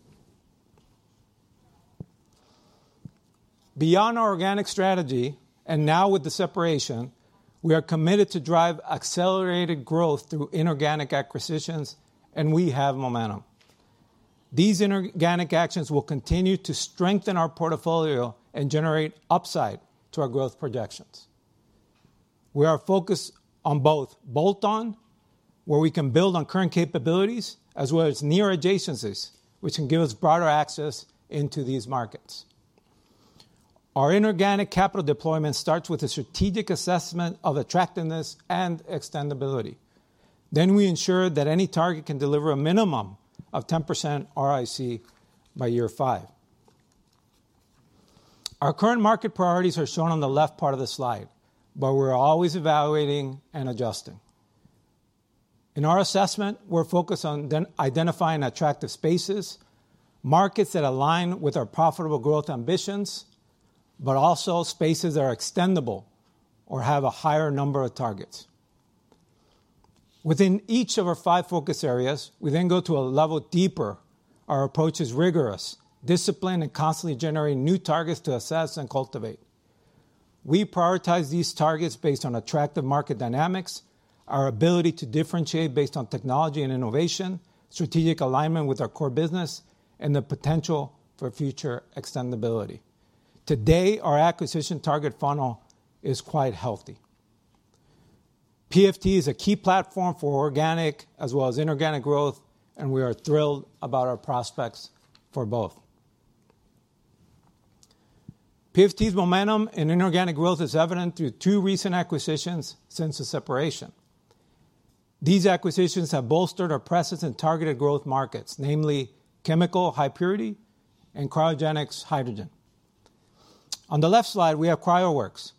Beyond our organic strategy, and now with the separation, we are committed to drive accelerated growth through inorganic acquisitions, and we have momentum. These inorganic actions will continue to strengthen our portfolio and generate upside to our growth projections. We are focused on both bolt-on, where we can build on current capabilities, as well as near adjacencies, which can give us broader access into these markets. Our inorganic capital deployment starts with a strategic assessment of attractiveness and extendability. Then we ensure that any target can deliver a minimum of 10% ROIC by year five. Our current market priorities are shown on the left part of the slide, but we're always evaluating and adjusting. In our assessment, we're focused on identifying attractive spaces, markets that align with our profitable growth ambitions, but also spaces that are extendable or have a higher number of targets.... Within each of our five focus areas, we then go to a level deeper. Our approach is rigorous, disciplined, and constantly generating new targets to assess and cultivate. We prioritize these targets based on attractive market dynamics, our ability to differentiate based on technology and innovation, strategic alignment with our core business, and the potential for future extendability. Today, our acquisition target funnel is quite healthy. PFT is a key platform for organic as well as inorganic growth, and we are thrilled about our prospects for both. PFT's momentum and inorganic growth is evident through two recent acquisitions since the separation. These acquisitions have bolstered our presence in targeted growth markets, namely chemical high purity and cryogenics hydrogen. On the left slide, we have CryoWorks,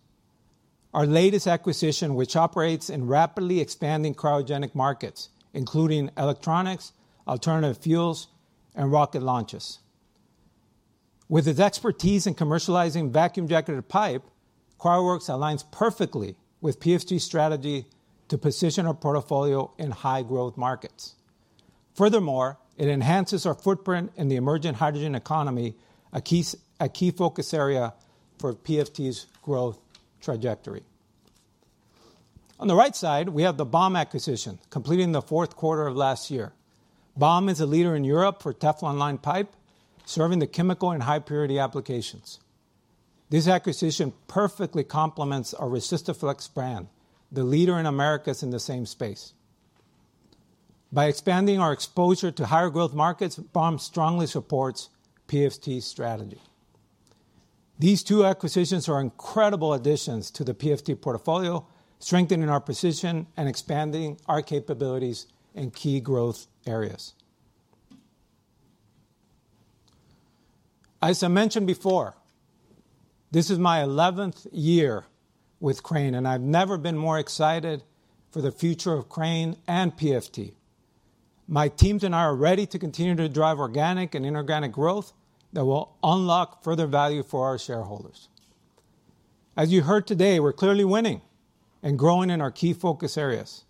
our latest acquisition, which operates in rapidly expanding cryogenic markets, including electronics, alternative fuels, and rocket launches. With its expertise in commercializing vacuum-jacketed pipe, CryoWorks aligns perfectly with PFT's strategy to position our portfolio in high-growth markets. Furthermore, it enhances our footprint in the emerging hydrogen economy, a key focus area for PFT's growth trajectory. On the right side, we have the Baum acquisition, completing the fourth quarter of last year. Baum is a leader in Europe for Teflon-lined pipe, serving the chemical and high purity applications. This acquisition perfectly complements our Resistaflex brand, the leader in Americas in the same space. By expanding our exposure to higher growth markets, Baum strongly supports PFT's strategy. These two acquisitions are incredible additions to the PFT portfolio, strengthening our position and expanding our capabilities in key growth areas. As I mentioned before, this is my 11th year with Crane, and I've never been more excited for the future of Crane and PFT. My teams and I are ready to continue to drive organic and inorganic growth that will unlock further value for our shareholders. As you heard today, we're clearly winning and growing in our key focus areas.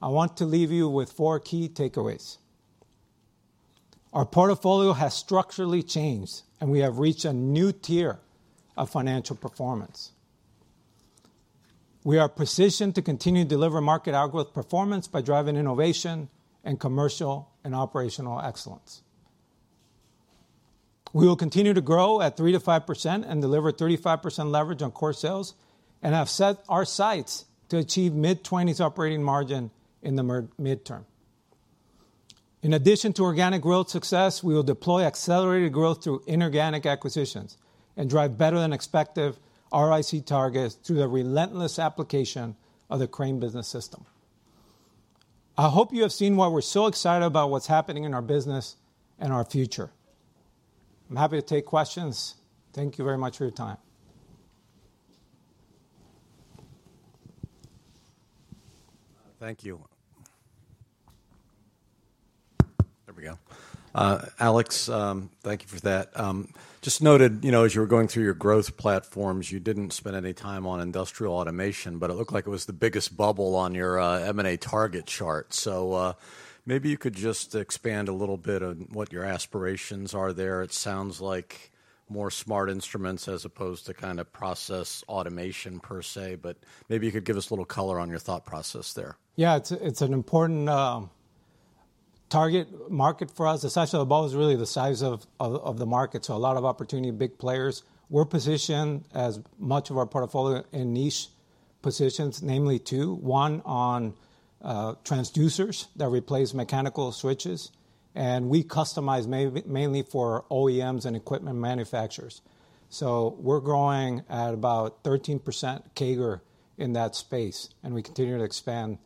I want to leave you with 4 key takeaways. Our portfolio has structurally changed, and we have reached a new tier of financial performance. We are positioned to continue to deliver market outgrowth performance by driving innovation and commercial and operational excellence. We will continue to grow at 3%-5% and deliver 35% leverage on core sales and have set our sights to achieve mid-20s operating margin in the mid-term. In addition to organic growth success, we will deploy accelerated growth through inorganic acquisitions and drive better-than-expected ROIC targets through the relentless application of the Crane Business System. I hope you have seen why we're so excited about what's happening in our business and our future. I'm happy to take questions. Thank you very much for your time. Thank you. There we go. Alex, thank you for that. Just noted, you know, as you were going through your growth platforms, you didn't spend any time on industrial automation, but it looked like it was the biggest bubble on your M&A target chart. So, maybe you could just expand a little bit on what your aspirations are there. It sounds like more smart instruments as opposed to kinda process automation per se, but maybe you could give us a little color on your thought process there. Yeah, it's, it's an important target market for us. The size of the bubble is really the size of the market, so a lot of opportunity, big players. We're positioned as much of our portfolio in niche positions, namely two: one on transducers that replace mechanical switches, and we customize mainly for OEMs and equipment manufacturers. So we're growing at about 13% CAGR in that space, and we continue to expand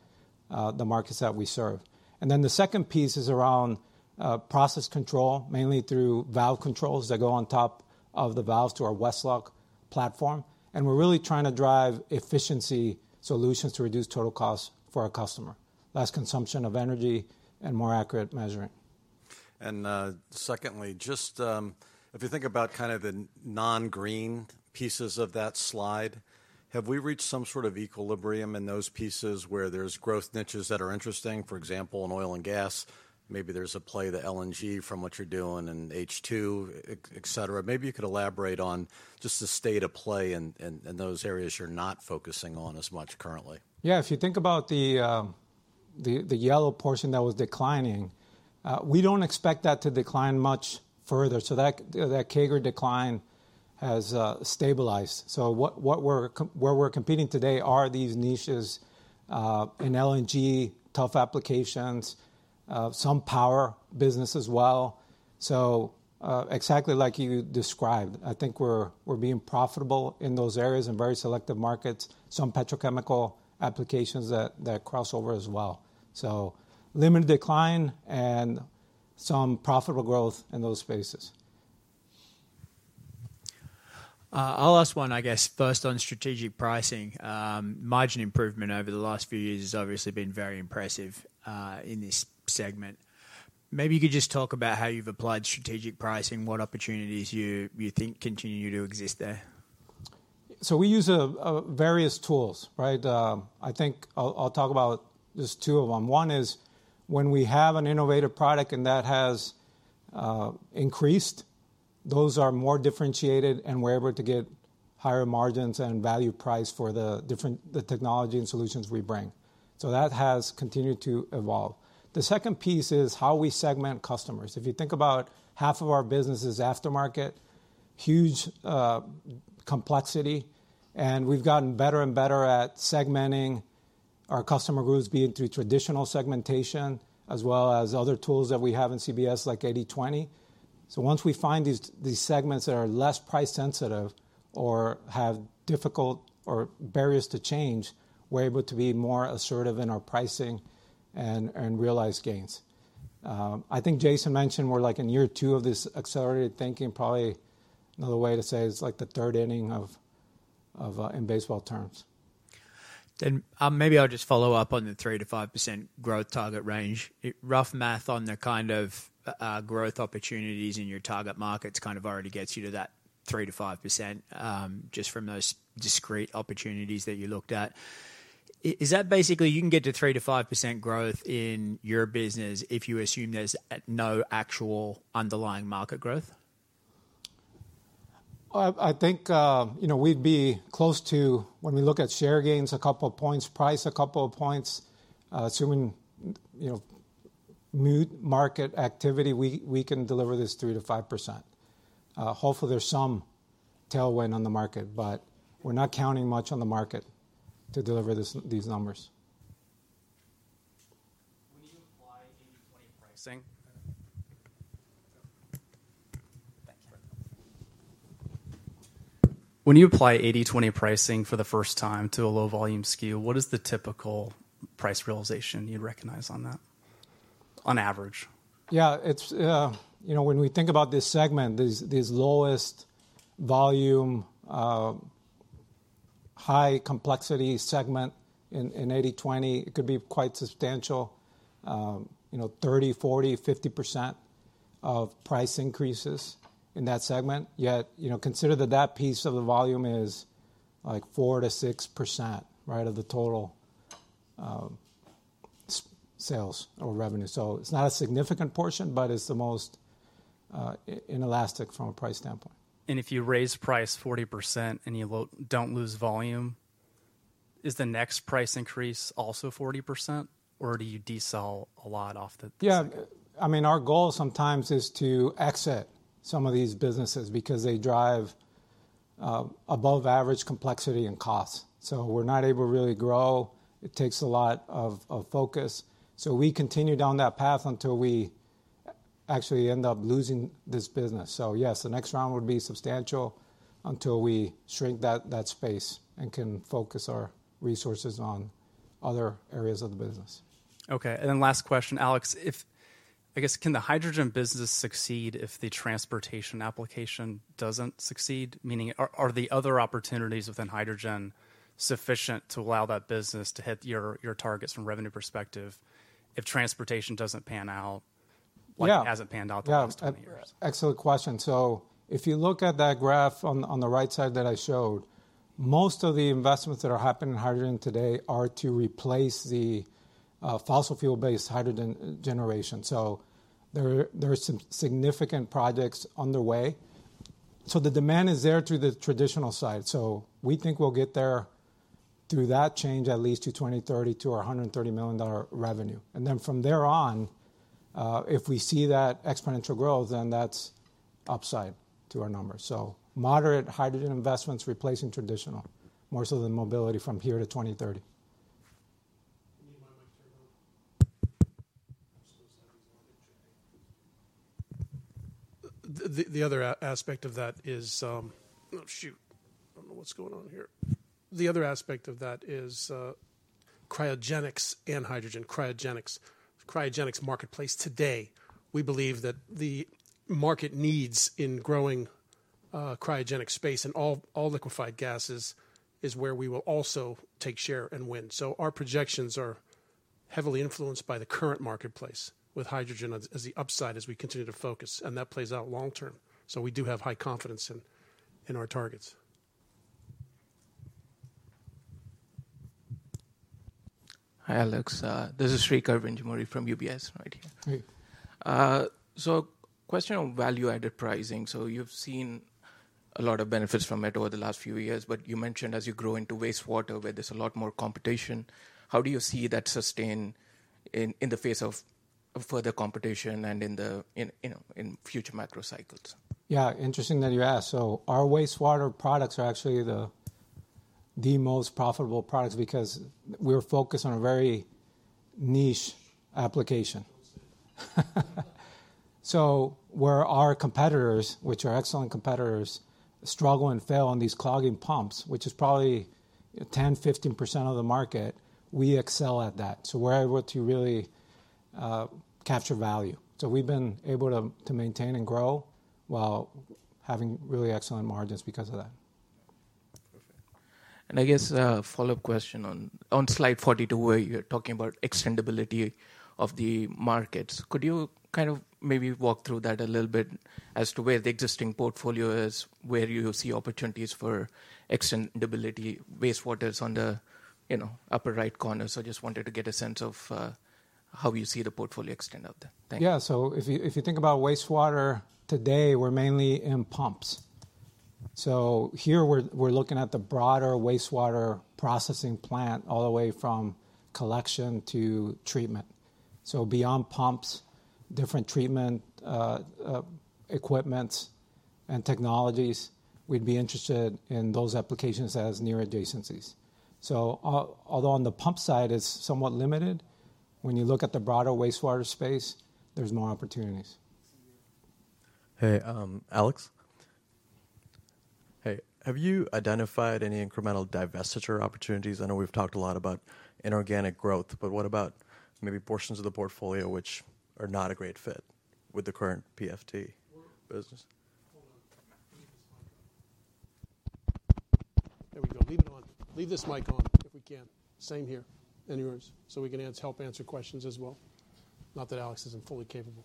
the markets that we serve. And then the second piece is around process control, mainly through valve controls that go on top of the valves to our Westlock platform, and we're really trying to drive efficiency solutions to reduce total costs for our customer, less consumption of energy and more accurate measuring. Secondly, just, if you think about kind of the non-green pieces of that slide, have we reached some sort of equilibrium in those pieces where there's growth niches that are interesting? For example, in oil and gas, maybe there's a play to LNG from what you're doing and H2, et cetera. Maybe you could elaborate on just the state of play in those areas you're not focusing on as much currently. Yeah. If you think about the yellow portion that was declining, we don't expect that to decline much further. So that CAGR decline has stabilized. So where we're competing today are these niches in LNG, tough applications, some power business as well. So, exactly like you described, I think we're being profitable in those areas in very selective markets, some petrochemical applications that cross over as well. So limited decline and some profitable growth in those spaces. I'll ask one, I guess, first on strategic pricing. Margin improvement over the last few years has obviously been very impressive in this segment. Maybe you could just talk about how you've applied strategic pricing, what opportunities you, you think continue to exist there?... So we use various tools, right? I think I'll talk about just two of them. One is when we have an innovative product and that has increased, those are more differentiated, and we're able to get higher margins and value price for the different, the technology and solutions we bring. So that has continued to evolve. The second piece is how we segment customers. If you think about half of our business is aftermarket, huge complexity, and we've gotten better and better at segmenting our customer groups, be it through traditional segmentation as well as other tools that we have in CBS, like 80/20. So once we find these segments that are less price sensitive or have difficult or barriers to change, we're able to be more assertive in our pricing and realize gains. I think Jason mentioned we're like in year 2 of this accelerated thinking. Probably another way to say it, it's like the third inning in baseball terms. Then, maybe I'll just follow up on the 3%-5% growth target range. Rough math on the kind of growth opportunities in your target markets kind of already gets you to that 3%-5%, just from those discrete opportunities that you looked at. Is that basically you can get to 3%-5% growth in your business if you assume there's no actual underlying market growth? I think, you know, we'd be close to... when we look at share gains, a couple of points, price, a couple of points, assuming, you know, muted market activity, we can deliver this 3%-5%. Hopefully, there's some tailwind on the market, but we're not counting much on the market to deliver these numbers. When you apply 80/20 pricing... Thank you. When you apply 80/20 pricing for the first time to a low-volume SKU, what is the typical price realization you'd recognize on that, on average? Yeah, it's, you know, when we think about this segment, these lowest volume, high complexity segment in 80/20, it could be quite substantial, you know, 30, 40, 50% price increases in that segment. Yet, you know, consider that that piece of the volume is, like, 4%-6%, right, of the total sales or revenue. So it's not a significant portion, but it's the most inelastic from a price standpoint. If you raise price 40% and you don't lose volume, is the next price increase also 40%, or do you de-sell a lot off the second? Yeah. I mean, our goal sometimes is to exit some of these businesses because they drive above average complexity and costs. So we're not able to really grow. It takes a lot of focus. So we continue down that path until we actually end up losing this business. So yes, the next round would be substantial until we shrink that space and can focus our resources on other areas of the business. Okay, and then last question, Alex, if—I guess, can the hydrogen business succeed if the transportation application doesn't succeed? Meaning, are, are the other opportunities within hydrogen sufficient to allow that business to hit your, your targets from revenue perspective if transportation doesn't pan out- Yeah. like, hasn't panned out the last 10 years? Yeah. Excellent question. So if you look at that graph on the right side that I showed, most of the investments that are happening in hydrogen today are to replace the fossil fuel-based hydrogen generation. So there are some significant projects underway. So the demand is there through the traditional side, so we think we'll get there through that change, at least to 2030 to our $130 million revenue. And then from there on, if we see that exponential growth, then that's upside to our numbers. So moderate hydrogen investments replacing traditional, more so than mobility from here to 2030. Oh, shoot! I don't know what's going on here. The other aspect of that is cryogenics and hydrogen, cryogenics. Cryogenics marketplace today, we believe that the market needs in growing cryogenic space and all liquefied gases is where we will also take share and win. So our projections are heavily influenced by the current marketplace, with hydrogen as the upside as we continue to focus, and that plays out long term. So we do have high confidence in our targets. Hi, Alex. This is Sri Karvenjmuri from UBS, right here. Hey. Question on value-added pricing. So you've seen a lot of benefits from it over the last few years, but you mentioned as you grow into wastewater, where there's a lot more competition, how do you see that sustain in the face of further competition and in the, you know, in future macro cycles? Yeah, interesting that you ask. So our wastewater products are actually the most profitable products because we're focused on a very niche application. So where our competitors, which are excellent competitors, struggle and fail on these clogging pumps, which is probably 10%-15% of the market, we excel at that. So we're able to really capture value. So we've been able to maintain and grow while having really excellent margins because of that. Perfect. And I guess, a follow-up question on slide 42, where you're talking about extendability of the markets. Could you kind of maybe walk through that a little bit as to where the existing portfolio is, where you see opportunities for extendability, wastewater is on the, you know, upper right corner. So I just wanted to get a sense of, how you see the portfolio extend out there. Thank you. Yeah. So if you think about wastewater, today, we're mainly in pumps. So here we're looking at the broader wastewater processing plant, all the way from collection to treatment. So beyond pumps, different treatment equipment and technologies, we'd be interested in those applications as near adjacencies. So although on the pump side, it's somewhat limited, when you look at the broader wastewater space, there's more opportunities. Hey, Alex? Hey, have you identified any incremental divestiture opportunities? I know we've talked a lot about inorganic growth, but what about maybe portions of the portfolio which are not a great fit with the current PFT business? Hold on. Leave this mic on. There we go. Leave it on. Leave this mic on if we can. Same here and yours, so we can help answer questions as well. Not that Alex isn't fully capable.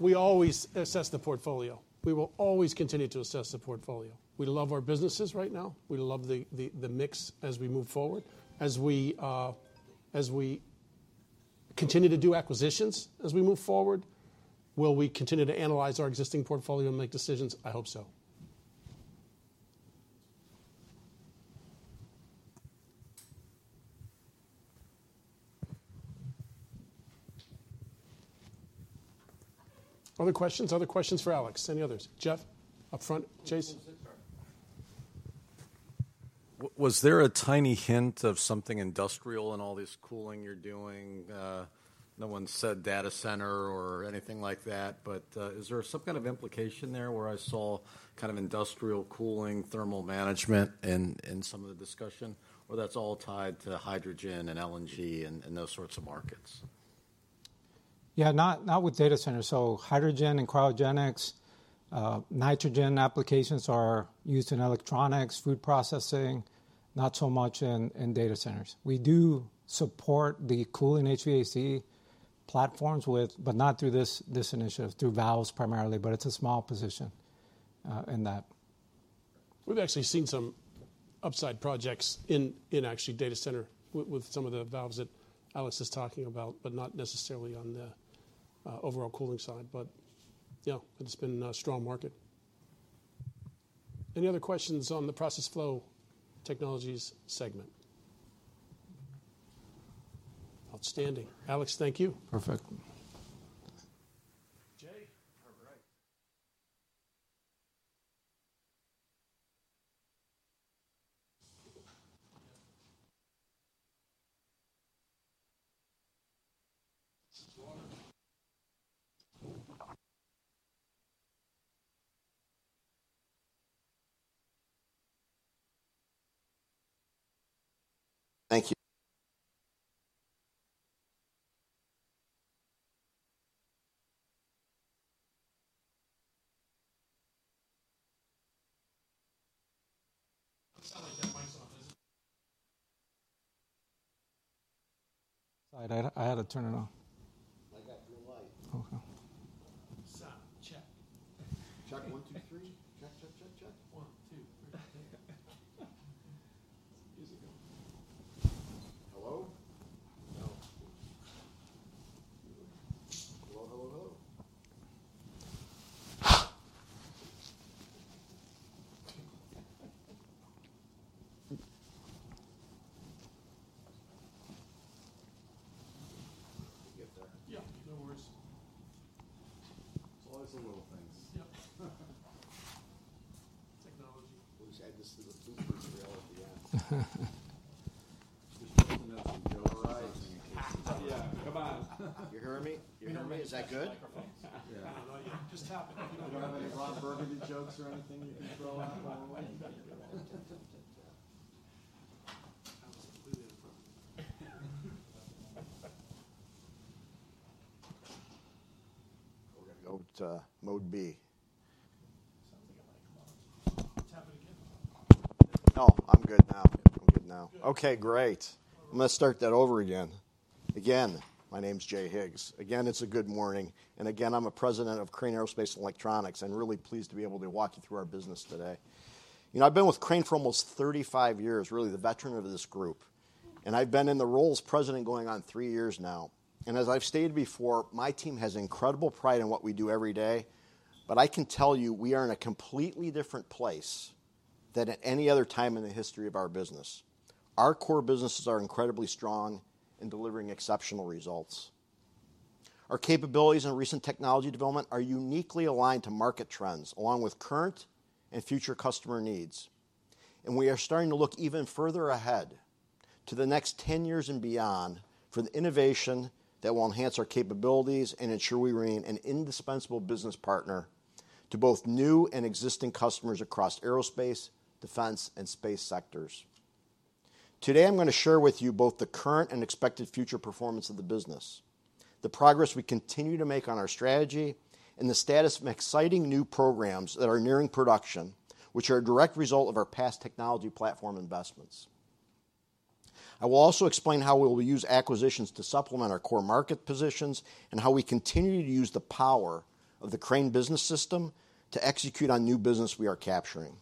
We always assess the portfolio. We will always continue to assess the portfolio. We love our businesses right now. We love the mix as we move forward. As we, as we continue to do acquisitions, as we move forward, will we continue to analyze our existing portfolio and make decisions? I hope so. Other questions? Other questions for Alex? Any others? Jeff, up front. Jason? Was there a tiny hint of something industrial in all this cooling you're doing? No one said data center or anything like that, but, is there some kind of implication there where I saw kind of industrial cooling, thermal management in some of the discussion, or that's all tied to hydrogen and LNG and those sorts of markets? Yeah, not with data centers. So hydrogen and cryogenics, nitrogen applications are used in electronics, food processing, not so much in data centers. We do support the cooling HVAC platforms with... but not through this initiative, through valves primarily, but it's a small position in that. We've actually seen some upside projects in actually data center with some of the valves that Alex is talking about, but not necessarily on the overall cooling side, but yeah, it's been a strong market. Any other questions on the Process Flow Technologies segment? Outstanding. Alex, thank you. Perfect. Jay? All right. Thank you. Sounds like that mic's not on, is it? Sorry, I had to turn it on. I got your light. Okay. Sound check. Check 1, 2, 3. Check, check, check, check. 1, 2, 3. Music on. Hello? No. Hello, hello, hello. Did we get there? Yeah, no worries. It's always the little things. Yep. Technology. We've got this to the real at the end. Just open up the door or something. Yeah, come on. You hear me? You hear me? Is that good? Microphones. Yeah. Just tap it. You don't have any Ron Burgundy jokes or anything you can throw out by the way? That was completely inappropriate. We're gonna go to mode B. Tap it again. No, I'm good now. I'm good now. Good. Okay, great. I'm gonna start that over again. Again, my name's Jay Higgs. Again, it's a good morning, and again, I'm President of Crane Aerospace & Electronics, and really pleased to be able to walk you through our business today. You know, I've been with Crane for almost 35 years, really the veteran of this group, and I've been in the role as president going on 3 years now. As I've stated before, my team has incredible pride in what we do every day, but I can tell you, we are in a completely different place than at any other time in the history of our business. Our core businesses are incredibly strong in delivering exceptional results. Our capabilities and recent technology development are uniquely aligned to market trends, along with current and future customer needs, and we are starting to look even further ahead to the next 10 years and beyond for the innovation that will enhance our capabilities and ensure we remain an indispensable business partner to both new and existing customers across aerospace, defense, and space sectors. Today, I'm going to share with you both the current and expected future performance of the business, the progress we continue to make on our strategy, and the status of exciting new programs that are nearing production, which are a direct result of our past technology platform investments. I will also explain how we will use acquisitions to supplement our core market positions, and how we continue to use the power of the Crane Business System to execute on new business we are capturing.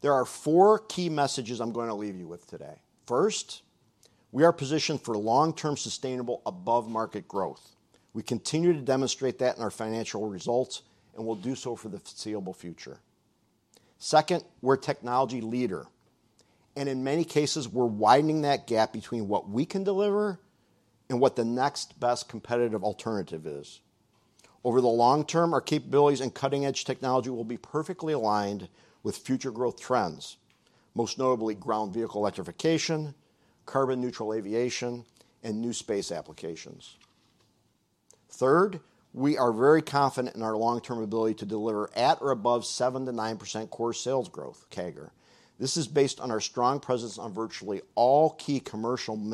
There are four key messages I'm going to leave you with today. First, we are positioned for long-term, sustainable, above-market growth. We continue to demonstrate that in our financial results, and will do so for the foreseeable future. Second, we're a technology leader, and in many cases, we're widening that gap between what we can deliver and what the next best competitive alternative is. Over the long term, our capabilities and cutting-edge technology will be perfectly aligned with future growth trends, most notably ground vehicle electrification, carbon-neutral aviation, and new space applications. Third, we are very confident in our long-term ability to deliver at or above 7%-9% core sales growth CAGR. This is based on our strong presence on virtually all key commercial and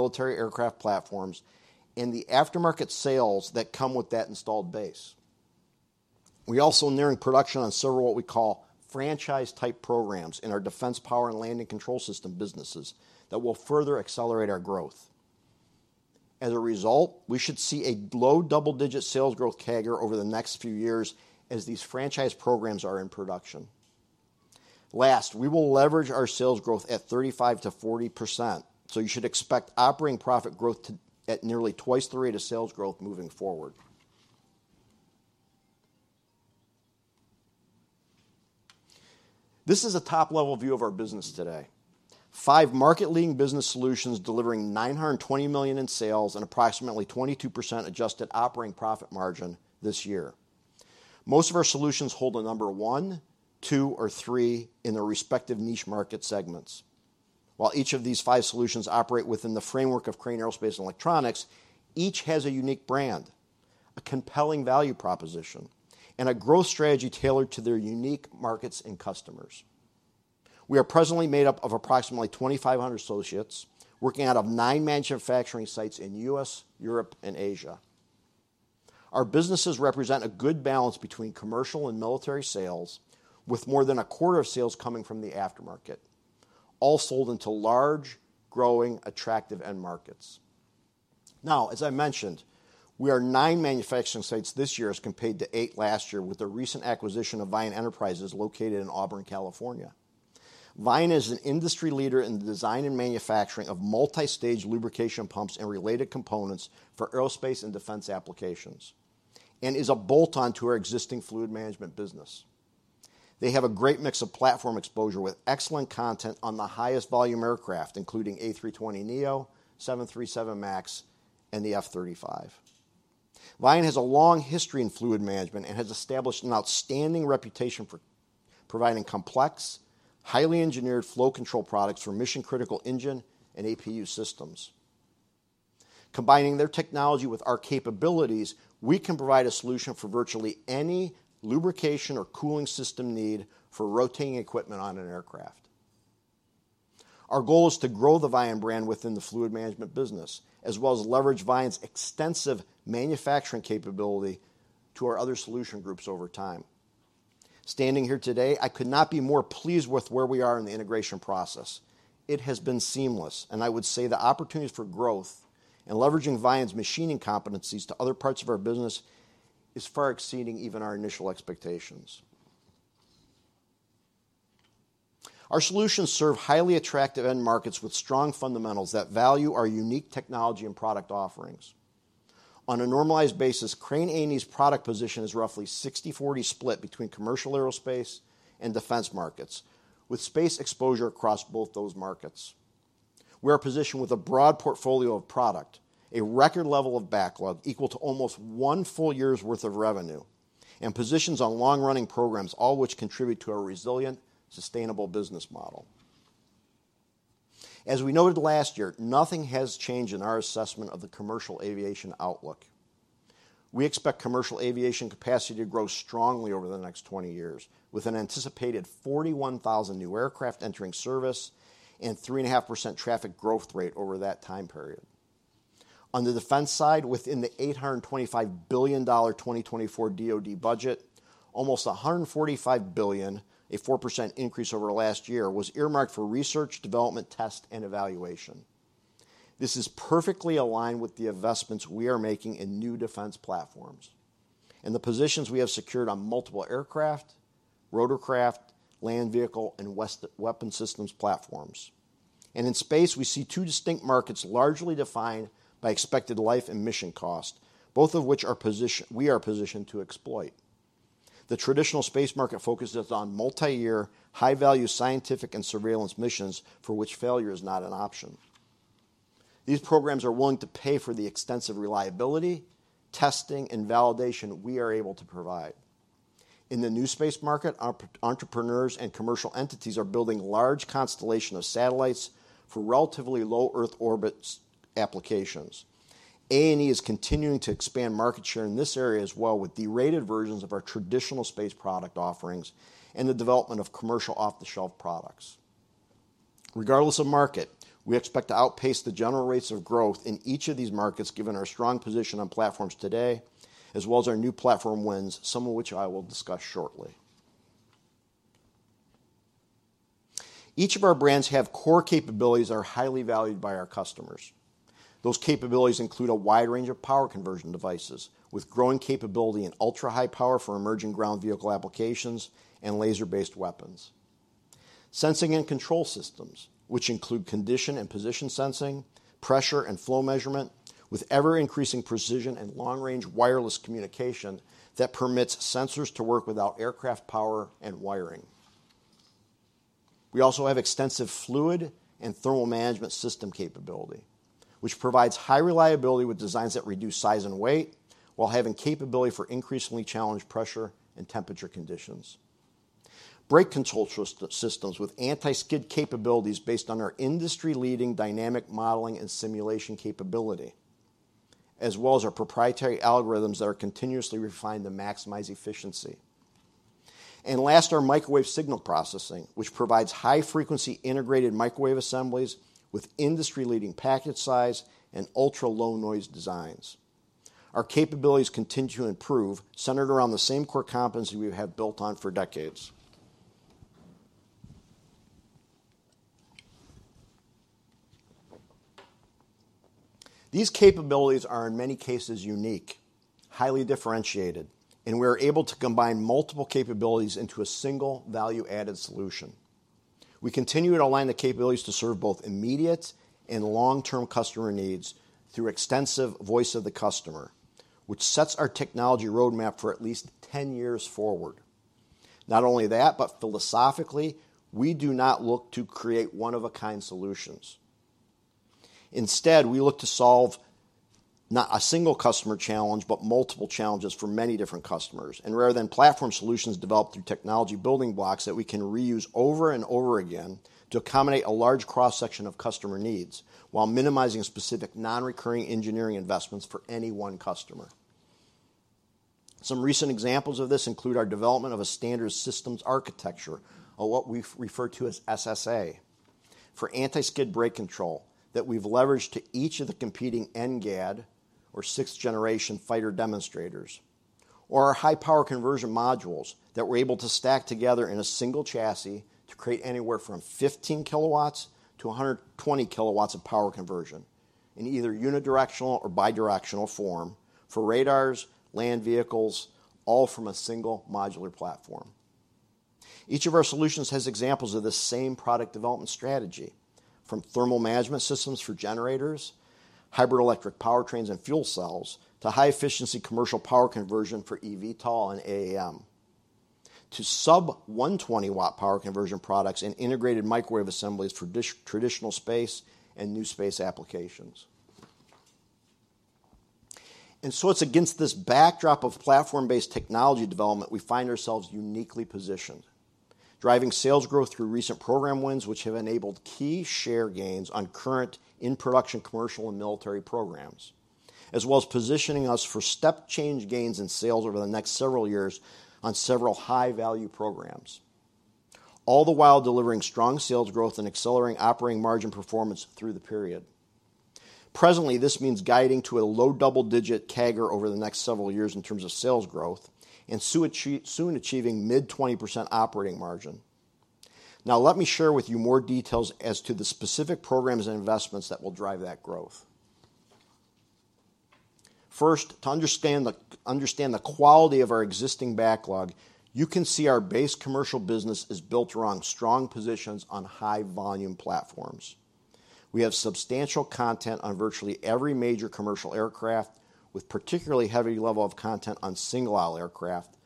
military aircraft platforms, and the aftermarket sales that come with that installed base. We also are nearing production on several, what we call, franchise-type programs in our defense power and landing control system businesses that will further accelerate our growth. As a result, we should see a low double-digit sales growth CAGR over the next few years as these franchise programs are in production. Last, we will leverage our sales growth at 35%-40%, so you should expect operating profit growth to at nearly twice the rate of sales growth moving forward. This is a top-level view of our business today. Five market-leading business solutions delivering $920 million in sales and approximately 22% adjusted operating profit margin this year. Most of our solutions hold a number 1, 2, or 3 in their respective niche market segments. While each of these five solutions operate within the framework of Crane Aerospace & Electronics, each has a unique brand, a compelling value proposition, and a growth strategy tailored to their unique markets and customers. We are presently made up of approximately 2,500 associates, working out of nine manufacturing sites in U.S., Europe, and Asia. Our businesses represent a good balance between commercial and military sales, with more than a quarter of sales coming from the aftermarket, all sold into large, growing, attractive end markets. Now, as I mentioned, we are nine manufacturing sites this year as compared to eight last year, with the recent acquisition of Vian Enterprises, located in Auburn, California. Vian is an industry leader in the design and manufacturing of multi-stage lubrication pumps and related components for aerospace and defense applications, and is a bolt-on to our existing fluid management business. They have a great mix of platform exposure with excellent content on the highest volume aircraft, including A320neo, 737 MAX, and the F-35. Vian has a long history in fluid management and has established an outstanding reputation for providing complex, highly engineered flow control products for mission-critical engine and APU systems. Combining their technology with our capabilities, we can provide a solution for virtually any lubrication or cooling system need for rotating equipment on an aircraft. Our goal is to grow the Vian brand within the fluid management business, as well as leverage Vian's extensive manufacturing capability to our other solution groups over time. Standing here today, I could not be more pleased with where we are in the integration process. It has been seamless, and I would say the opportunities for growth and leveraging Vian's machining competencies to other parts of our business is far exceeding even our initial expectations. Our solutions serve highly attractive end markets with strong fundamentals that value our unique technology and product offerings. On a normalized basis, Crane A&E's product position is roughly 60/40 split between commercial aerospace and defense markets, with space exposure across both those markets. We are positioned with a broad portfolio of product, a record level of backlog equal to almost one full year's worth of revenue, and positions on long-running programs, all which contribute to a resilient, sustainable business model. As we noted last year, nothing has changed in our assessment of the commercial aviation outlook. We expect commercial aviation capacity to grow strongly over the next 20 years, with an anticipated 41,000 new aircraft entering service and 3.5% traffic growth rate over that time period. On the defense side, within the $825 billion 2024 DOD budget, almost $145 billion, a 4% increase over last year, was earmarked for research, development, test, and evaluation. This is perfectly aligned with the investments we are making in new defense platforms and the positions we have secured on multiple aircraft, rotorcraft, land vehicle, and weapon systems platforms. In space, we see two distinct markets, largely defined by expected life and mission cost, both of which we are positioned to exploit. The traditional space market focuses on multi-year, high-value scientific and surveillance missions for which failure is not an option. These programs are willing to pay for the extensive reliability, testing, and validation we are able to provide. In the new space market, our entrepreneurs and commercial entities are building large constellation of satellites for relatively low Earth orbits applications.... A&E is continuing to expand market share in this area as well, with derated versions of our traditional space product offerings and the development of commercial off-the-shelf products. Regardless of market, we expect to outpace the general rates of growth in each of these markets, given our strong position on platforms today, as well as our new platform wins, some of which I will discuss shortly. Each of our brands have core capabilities that are highly valued by our customers. Those capabilities include a wide range of power conversion devices, with growing capability in ultra-high power for emerging ground vehicle applications and laser-based weapons. Sensing and control systems, which include condition and position sensing, pressure and flow measurement, with ever-increasing precision and long-range wireless communication that permits sensors to work without aircraft power and wiring. We also have extensive fluid and thermal management system capability, which provides high reliability with designs that reduce size and weight, while having capability for increasingly challenged pressure and temperature conditions. Brake control systems with anti-skid capabilities based on our industry-leading dynamic modeling and simulation capability, as well as our proprietary algorithms that are continuously refined to maximize efficiency. And last, our microwave signal processing, which provides high-frequency integrated microwave assemblies with industry-leading package size and ultra-low noise designs. Our capabilities continue to improve, centered around the same core competency we have built on for decades. These capabilities are, in many cases, unique, highly differentiated, and we're able to combine multiple capabilities into a single value-added solution. We continue to align the capabilities to serve both immediate and long-term customer needs through extensive voice of the customer, which sets our technology roadmap for at least 10 years forward. Not only that, but philosophically, we do not look to create one-of-a-kind solutions. Instead, we look to solve not a single customer challenge, but multiple challenges for many different customers, and rather than platform solutions developed through technology building blocks that we can reuse over and over again to accommodate a large cross-section of customer needs, while minimizing specific non-recurring engineering investments for any one customer. Some recent examples of this include our development of a Standard Systems Architecture, or what we refer to as SSA, for anti-skid brake control that we've leveraged to each of the competing NGAD or sixth-generation fighter demonstrators, or our high-power conversion modules that we're able to stack together in a single chassis to create anywhere from 15 kilowatts to 120 kilowatts of power conversion in either unidirectional or bidirectional form for radars, land vehicles, all from a single modular platform. Each of our solutions has examples of the same product development strategy, from thermal management systems for generators, hybrid electric powertrains and fuel cells, to high-efficiency commercial power conversion for EVTOL and AAM, to sub-120-watt power conversion products and integrated microwave assemblies for traditional space and new space applications. And so it's against this backdrop of platform-based technology development, we find ourselves uniquely positioned, driving sales growth through recent program wins, which have enabled key share gains on current in-production commercial and military programs, as well as positioning us for step change gains in sales over the next several years on several high-value programs, all the while delivering strong sales growth and accelerating operating margin performance through the period. Presently, this means guiding to a low double-digit CAGR over the next several years in terms of sales growth and soon achieving mid-20% operating margin. Now, let me share with you more details as to the specific programs and investments that will drive that growth. First, to understand the quality of our existing backlog, you can see our base commercial business is built around strong positions on high-volume platforms. We have substantial content on virtually every major commercial aircraft, with particularly heavy level of content on single-aisle aircraft,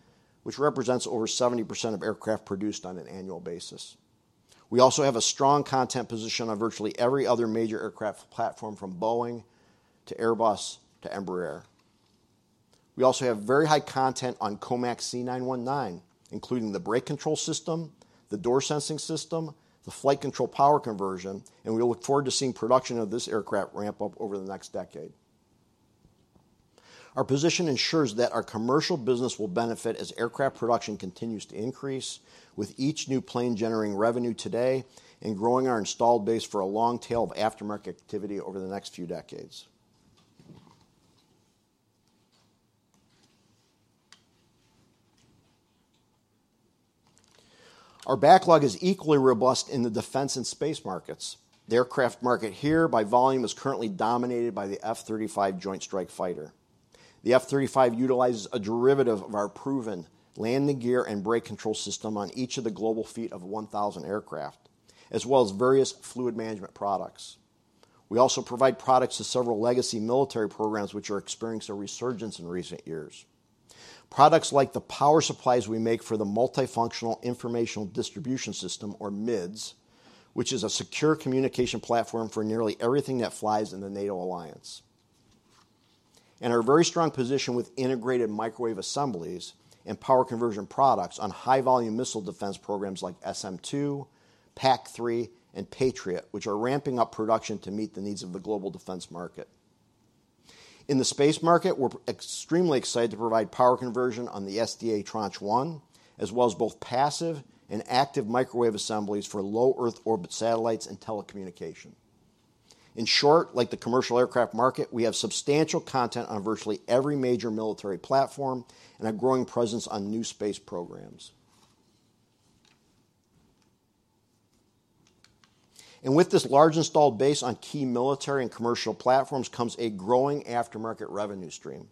which represents over 70% of aircraft produced on an annual basis. We also have a strong content position on virtually every other major aircraft platform, from Boeing to Airbus to Embraer. We also have very high content on COMAC C919, including the brake control system, the door sensing system, the flight control power conversion, and we look forward to seeing production of this aircraft ramp up over the next decade. Our position ensures that our commercial business will benefit as aircraft production continues to increase, with each new plane generating revenue today and growing our installed base for a long tail of aftermarket activity over the next few decades. Our backlog is equally robust in the defense and space markets. The aircraft market here, by volume, is currently dominated by the F-35 Joint Strike Fighter. The F-35 utilizes a derivative of our proven landing gear and brake control system on each of the global fleet of 1,000 aircraft, as well as various fluid management products. We also provide products to several legacy military programs, which are experiencing a resurgence in recent years. Products like the power supplies we make for the Multifunctional Information Distribution System, or MIDS, which is a secure communication platform for nearly everything that flies in the NATO alliance, and our very strong position with integrated microwave assemblies and power conversion products on high-volume missile defense programs like SM-2, PAC-3, and Patriot, which are ramping up production to meet the needs of the global defense market. In the space market, we're extremely excited to provide power conversion on the SDA Tranche 1, as well as both passive and active microwave assemblies for low Earth orbit satellites and telecommunication. In short, like the commercial aircraft market, we have substantial content on virtually every major military platform and a growing presence on new space programs. With this large installed base on key military and commercial platforms comes a growing aftermarket revenue stream.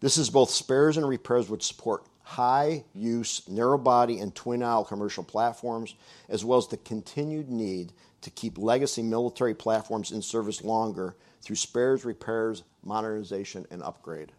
This is both spares and repairs, which support high-use, narrow-body, and twin-aisle commercial platforms, as well as the continued need to keep legacy military platforms in service longer through spares, repairs, modernization, and upgrade.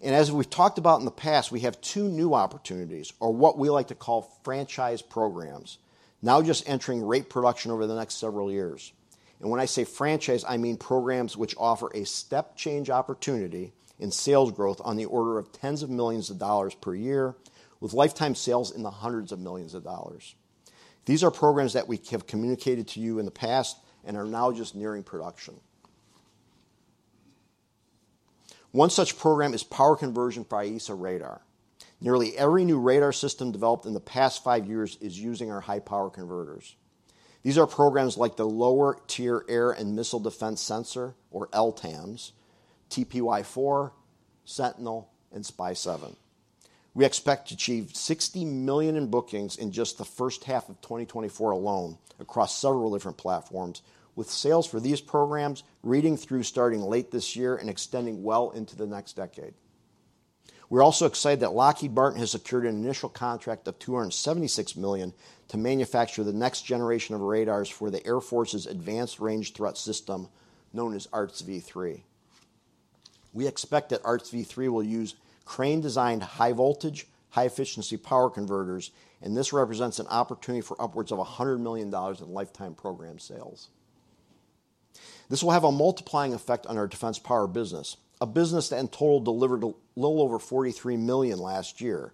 As we've talked about in the past, we have two new opportunities, or what we like to call franchise programs, now just entering rate production over the next several years. When I say franchise, I mean programs which offer a step-change opportunity in sales growth on the order of tens of millions of dollars per year, with lifetime sales in the hundreds of millions of dollars. These are programs that we have communicated to you in the past and are now just nearing production. One such program is power conversion for AESA radar. Nearly every new radar system developed in the past 5 years is using our high-power converters. These are programs like the Lower Tier Air and Missile Defense Sensor, or LTAMDS, TPY-4, Sentinel, and Spy-7. We expect to achieve $60 million in bookings in just the first half of 2024 alone across several different platforms, with sales for these programs reading through starting late this year and extending well into the next decade. We're also excited that Lockheed Martin has secured an initial contract of $276 million to manufacture the next generation of radars for the Air Force's Advanced Range Threat System, known as ARTS V3. We expect that ARTS V3 will use Crane-designed high-voltage, high-efficiency power converters, and this represents an opportunity for upwards of $100 million in lifetime program sales. This will have a multiplying effect on our defense power business, a business that in total delivered a little over $43 million last year.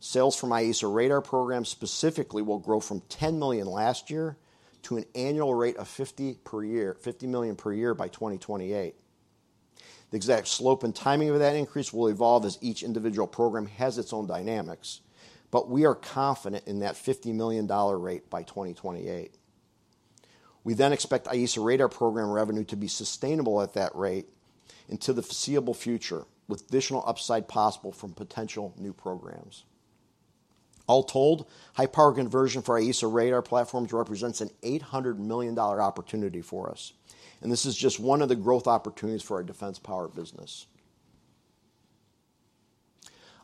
Sales from AESA radar programs specifically will grow from $10 million last year to an annual rate of $50 per year-- $50 million per year by 2028. The exact slope and timing of that increase will evolve as each individual program has its own dynamics, but we are confident in that $50 million rate by 2028. We then expect AESA radar program revenue to be sustainable at that rate into the foreseeable future, with additional upside possible from potential new programs. All told, high-power conversion for AESA radar platforms represents a $800 million opportunity for us, and this is just one of the growth opportunities for our defense power business.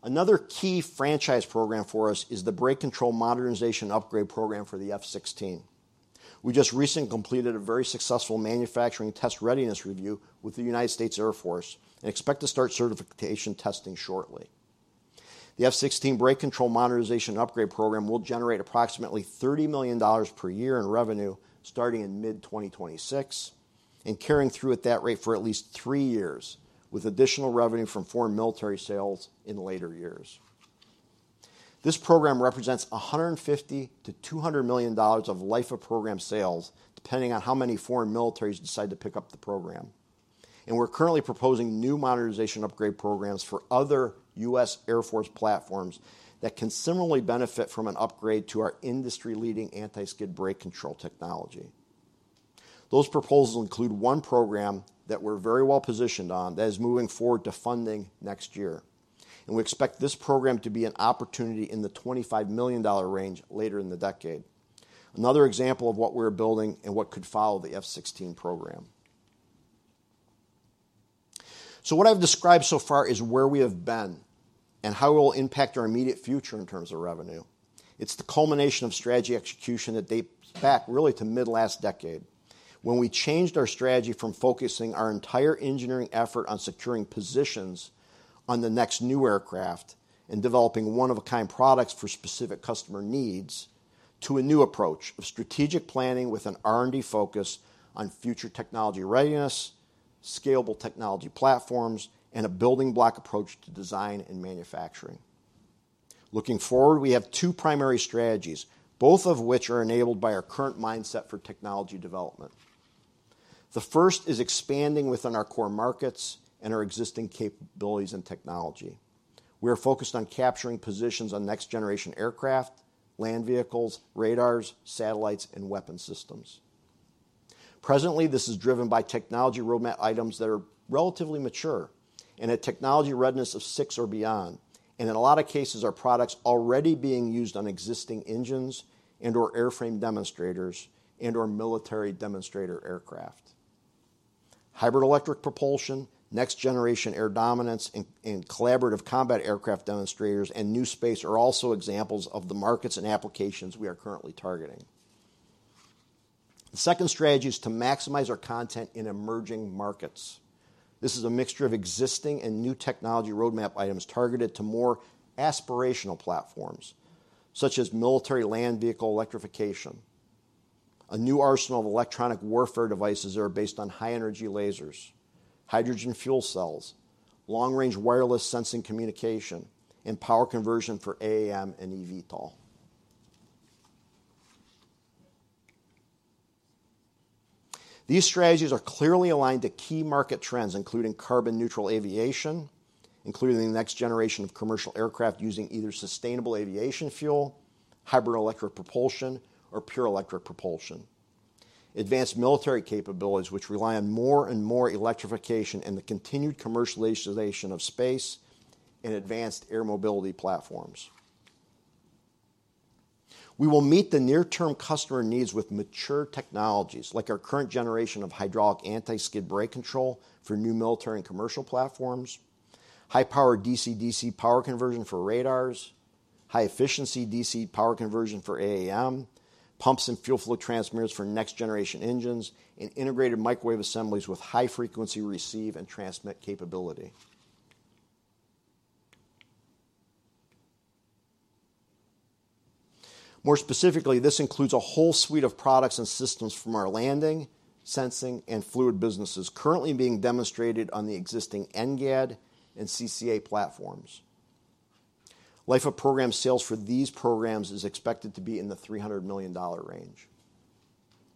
Another key franchise program for us is the brake control modernization upgrade program for the F-16. We just recently completed a very successful manufacturing test readiness review with the United States Air Force and expect to start certification testing shortly. The F-16 brake control modernization upgrade program will generate approximately $30 million per year in revenue starting in mid-2026 and carrying through at that rate for at least 3 years, with additional revenue from foreign military sales in later years. This program represents $150-$200 million of life-of-program sales, depending on how many foreign militaries decide to pick up the program. We're currently proposing new modernization upgrade programs for other US Air Force platforms that can similarly benefit from an upgrade to our industry-leading anti-skid brake control technology. Those proposals include one program that we're very well positioned on that is moving forward to funding next year, and we expect this program to be an opportunity in the $25 million range later in the decade. Another example of what we're building and what could follow the F-16 program. What I've described so far is where we have been and how it will impact our immediate future in terms of revenue. It's the culmination of strategy execution that dates back really to mid last decade, when we changed our strategy from focusing our entire engineering effort on securing positions on the next new aircraft and developing one-of-a-kind products for specific customer needs, to a new approach of strategic planning with an R&D focus on future technology readiness, scalable technology platforms, and a building block approach to design and manufacturing. Looking forward, we have two primary strategies, both of which are enabled by our current mindset for technology development. The first is expanding within our core markets and our existing capabilities and technology. We are focused on capturing positions on next-generation aircraft, land vehicles, radars, satellites, and weapon systems. Presently, this is driven by technology roadmap items that are relatively mature and a technology readiness of six or beyond, and in a lot of cases, are products already being used on existing engines and/or airframe demonstrators and/or military demonstrator aircraft. Hybrid electric propulsion, Next Generation Air Dominance, and Collaborative Combat Aircraft demonstrators, and new space are also examples of the markets and applications we are currently targeting. The second strategy is to maximize our content in emerging markets.... This is a mixture of existing and new technology roadmap items targeted to more aspirational platforms, such as military land vehicle electrification, a new arsenal of electronic warfare devices that are based on high-energy lasers, hydrogen fuel cells, long-range wireless sensing communication, and power conversion for AAM and eVTOL. These strategies are clearly aligned to key market trends, including carbon neutral aviation, including the next generation of commercial aircraft using either sustainable aviation fuel, hybrid electric propulsion, or pure electric propulsion, advanced military capabilities which rely on more and more electrification, and the continued commercialization of space and advanced air mobility platforms. We will meet the near-term customer needs with mature technologies, like our current generation of hydraulic anti-skid brake control for new military and commercial platforms, high-power DC-DC power conversion for radars, high-efficiency DC power conversion for AAM, pumps and fuel flow transmitters for next generation engines, and integrated microwave assemblies with high frequency receive and transmit capability. More specifically, this includes a whole suite of products and systems from our landing, sensing, and fluid businesses currently being demonstrated on the existing NGAD and CCA platforms. Life of program sales for these programs is expected to be in the $300 million range.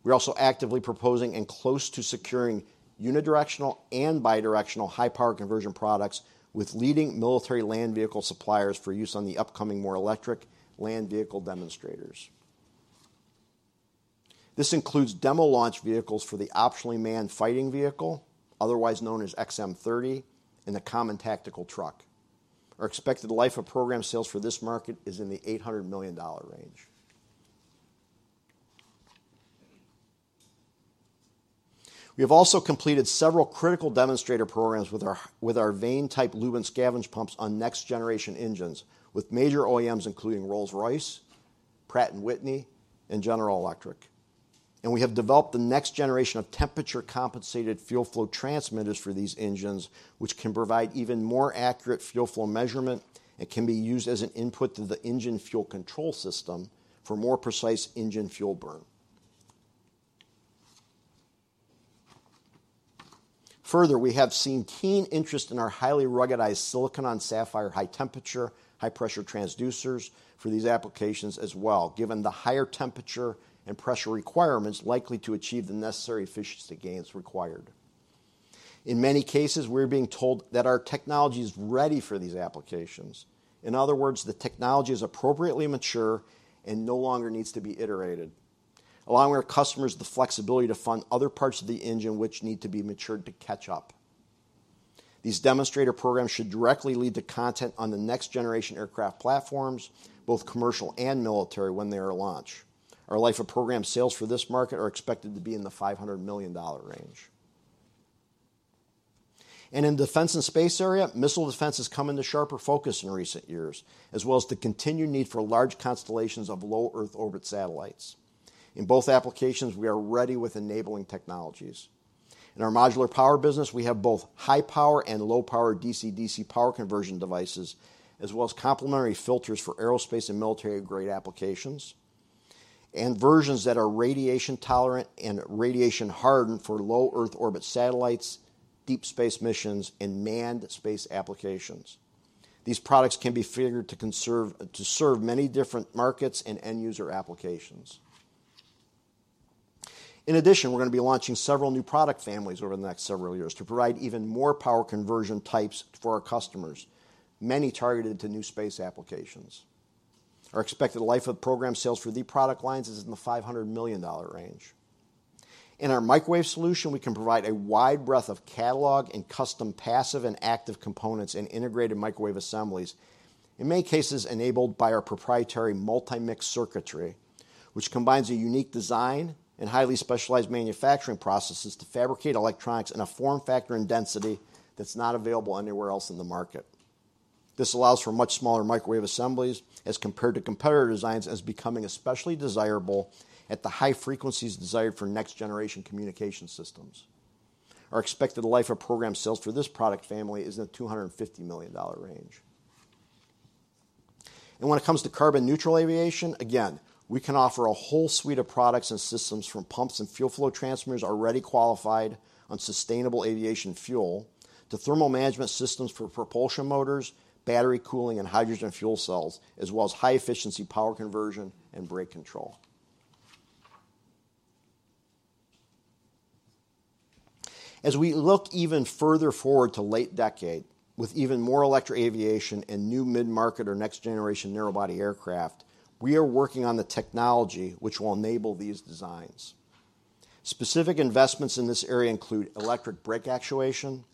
We're also actively proposing and close to securing unidirectional and bidirectional high-power conversion products with leading military land vehicle suppliers for use on the upcoming more electric land vehicle demonstrators. This includes demo launch vehicles for the Optionally Manned Fighting Vehicle, otherwise known as XM-30, and the Common Tactical Truck. Our expected life of program sales for this market is in the $800 million range. We have also completed several critical demonstrator programs with our vane-type lube and scavenge pumps on next generation engines, with major OEMs including Rolls-Royce, Pratt & Whitney, and General Electric. We have developed the next generation of temperature-compensated fuel flow transmitters for these engines, which can provide even more accurate fuel flow measurement and can be used as an input to the engine fuel control system for more precise engine fuel burn. Further, we have seen keen interest in our highly ruggedized silicon-on-sapphire, high temperature, high pressure transducers for these applications as well, given the higher temperature and pressure requirements likely to achieve the necessary efficiency gains required. In many cases, we're being told that our technology is ready for these applications. In other words, the technology is appropriately mature and no longer needs to be iterated, allowing our customers the flexibility to fund other parts of the engine which need to be matured to catch up. These demonstrator programs should directly lead to content on the next generation aircraft platforms, both commercial and military, when they are launched. Our life of program sales for this market are expected to be in the $500 million range. In defense and space area, missile defense has come into sharper focus in recent years, as well as the continued need for large constellations of low Earth orbit satellites. In both applications, we are ready with enabling technologies. In our modular power business, we have both high power and low power DC-DC power conversion devices, as well as complementary filters for aerospace and military-grade applications, and versions that are radiation-tolerant and radiation-hardened for low Earth orbit satellites, deep space missions, and manned space applications. These products can be configured to serve many different markets and end user applications. In addition, we're going to be launching several new product families over the next several years to provide even more power conversion types for our customers, many targeted to new space applications. Our expected life of program sales for the product lines is in the $500 million range. In our microwave solution, we can provide a wide breadth of catalog and custom passive and active components and integrated microwave assemblies, in many cases, enabled by our proprietary Multi-Mix circuitry, which combines a unique design and highly specialized manufacturing processes to fabricate electronics in a form factor and density that's not available anywhere else in the market. This allows for much smaller microwave assemblies as compared to competitor designs, as becoming especially desirable at the high frequencies desired for next generation communication systems. Our expected life of program sales for this product family is in the $250 million range. When it comes to carbon neutral aviation, again, we can offer a whole suite of products and systems, from pumps and fuel flow transmitters already qualified on sustainable aviation fuel, to thermal management systems for propulsion motors, battery cooling, and hydrogen fuel cells, as well as high efficiency power conversion and brake control. As we look even further forward to late decade, with even more electric aviation and new mid-market or next generation narrow body aircraft, we are working on the technology which will enable these designs. Specific investments in this area include electric brake actuation,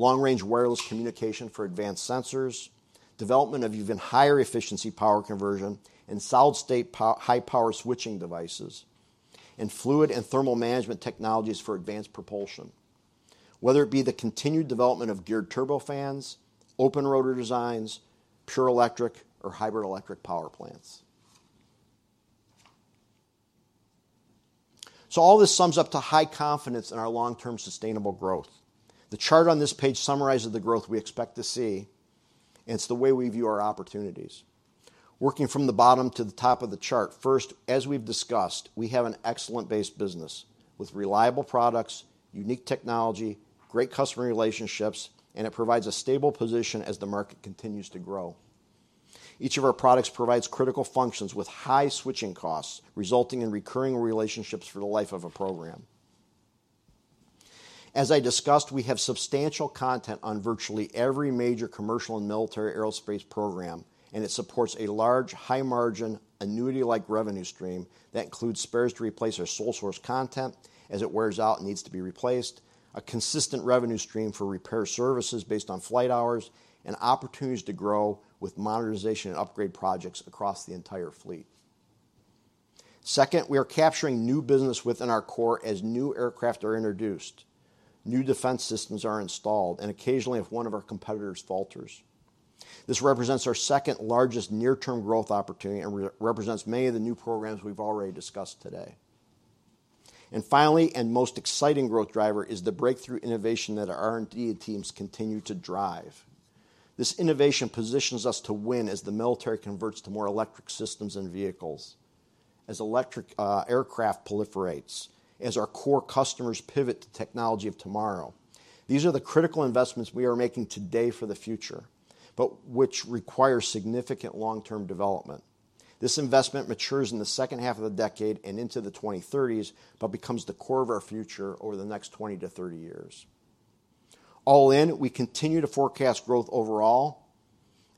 long-range wireless communication for advanced sensors, development of even higher efficiency power conversion and solid-state high-power switching devices, and fluid and thermal management technologies for advanced propulsion, whether it be the continued development of geared turbofans, open rotor designs, pure electric or hybrid electric power plants... So all this sums up to high confidence in our long-term sustainable growth. The chart on this page summarizes the growth we expect to see, and it's the way we view our opportunities. Working from the bottom to the top of the chart, first, as we've discussed, we have an excellent base business with reliable products, unique technology, great customer relationships, and it provides a stable position as the market continues to grow. Each of our products provides critical functions with high switching costs, resulting in recurring relationships for the life of a program. As I discussed, we have substantial content on virtually every major commercial and military aerospace program, and it supports a large, high-margin, annuity-like revenue stream that includes spares to replace our sole source content as it wears out and needs to be replaced, a consistent revenue stream for repair services based on flight hours, and opportunities to grow with modernization and upgrade projects across the entire fleet. Second, we are capturing new business within our core as new aircraft are introduced, new defense systems are installed, and occasionally, if one of our competitors falters. This represents our second-largest near-term growth opportunity and represents many of the new programs we've already discussed today. And finally, and most exciting growth driver, is the breakthrough innovation that our R&D teams continue to drive. This innovation positions us to win as the military converts to more electric systems and vehicles, as electric aircraft proliferates, as our core customers pivot to technology of tomorrow. These are the critical investments we are making today for the future, but which require significant long-term development. This investment matures in the second half of the decade and into the 2030s, but becomes the core of our future over the next 20-30 years. All in, we continue to forecast growth overall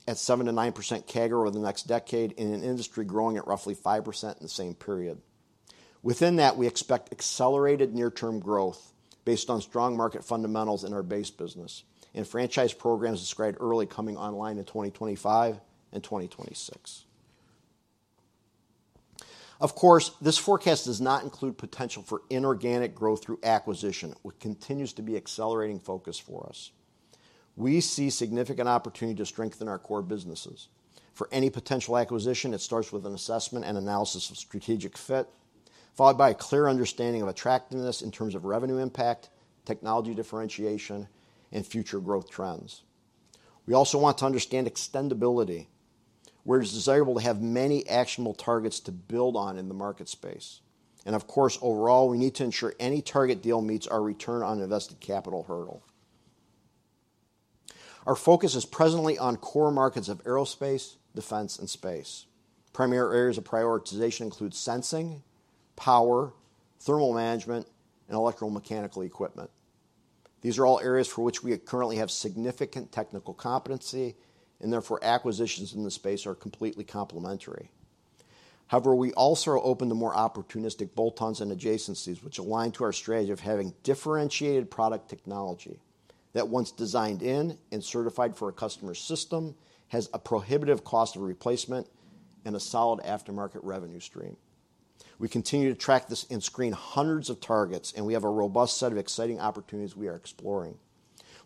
at 7%-9% CAGR over the next decade, in an industry growing at roughly 5% in the same period. Within that, we expect accelerated near-term growth based on strong market fundamentals in our base business and franchise programs described early coming online in 2025 and 2026. Of course, this forecast does not include potential for inorganic growth through acquisition, which continues to be accelerating focus for us. We see significant opportunity to strengthen our core businesses. For any potential acquisition, it starts with an assessment and analysis of strategic fit, followed by a clear understanding of attractiveness in terms of revenue impact, technology differentiation, and future growth trends. We also want to understand extendability, where it's desirable to have many actionable targets to build on in the market space. And of course, overall, we need to ensure any target deal meets our Return on Invested Capital hurdle. Our focus is presently on core markets of aerospace, defense, and space. Primary areas of prioritization include sensing, power, thermal management, and electromechanical equipment. These are all areas for which we currently have significant technical competency, and therefore, acquisitions in this space are completely complementary. However, we also are open to more opportunistic bolt-ons and adjacencies which align to our strategy of having differentiated product technology, that once designed in and certified for a customer's system, has a prohibitive cost of replacement and a solid aftermarket revenue stream. We continue to track this and screen hundreds of targets, and we have a robust set of exciting opportunities we are exploring.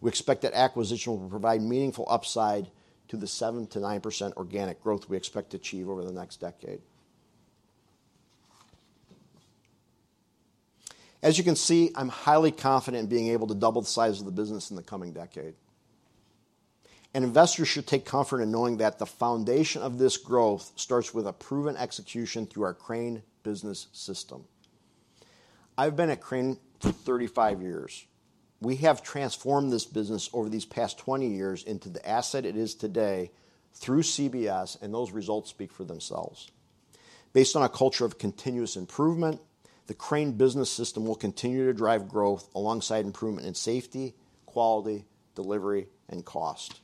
We expect that acquisition will provide meaningful upside to the 7%-9% organic growth we expect to achieve over the next decade. As you can see, I'm highly confident in being able to double the size of the business in the coming decade. And investors should take comfort in knowing that the foundation of this growth starts with a proven execution through our Crane Business System. I've been at Crane for 35 years. We have transformed this business over these past 20 years into the asset it is today through CBS, and those results speak for themselves. Based on a culture of continuous improvement, the Crane Business System will continue to drive growth alongside improvement in safety, quality, delivery, and cost.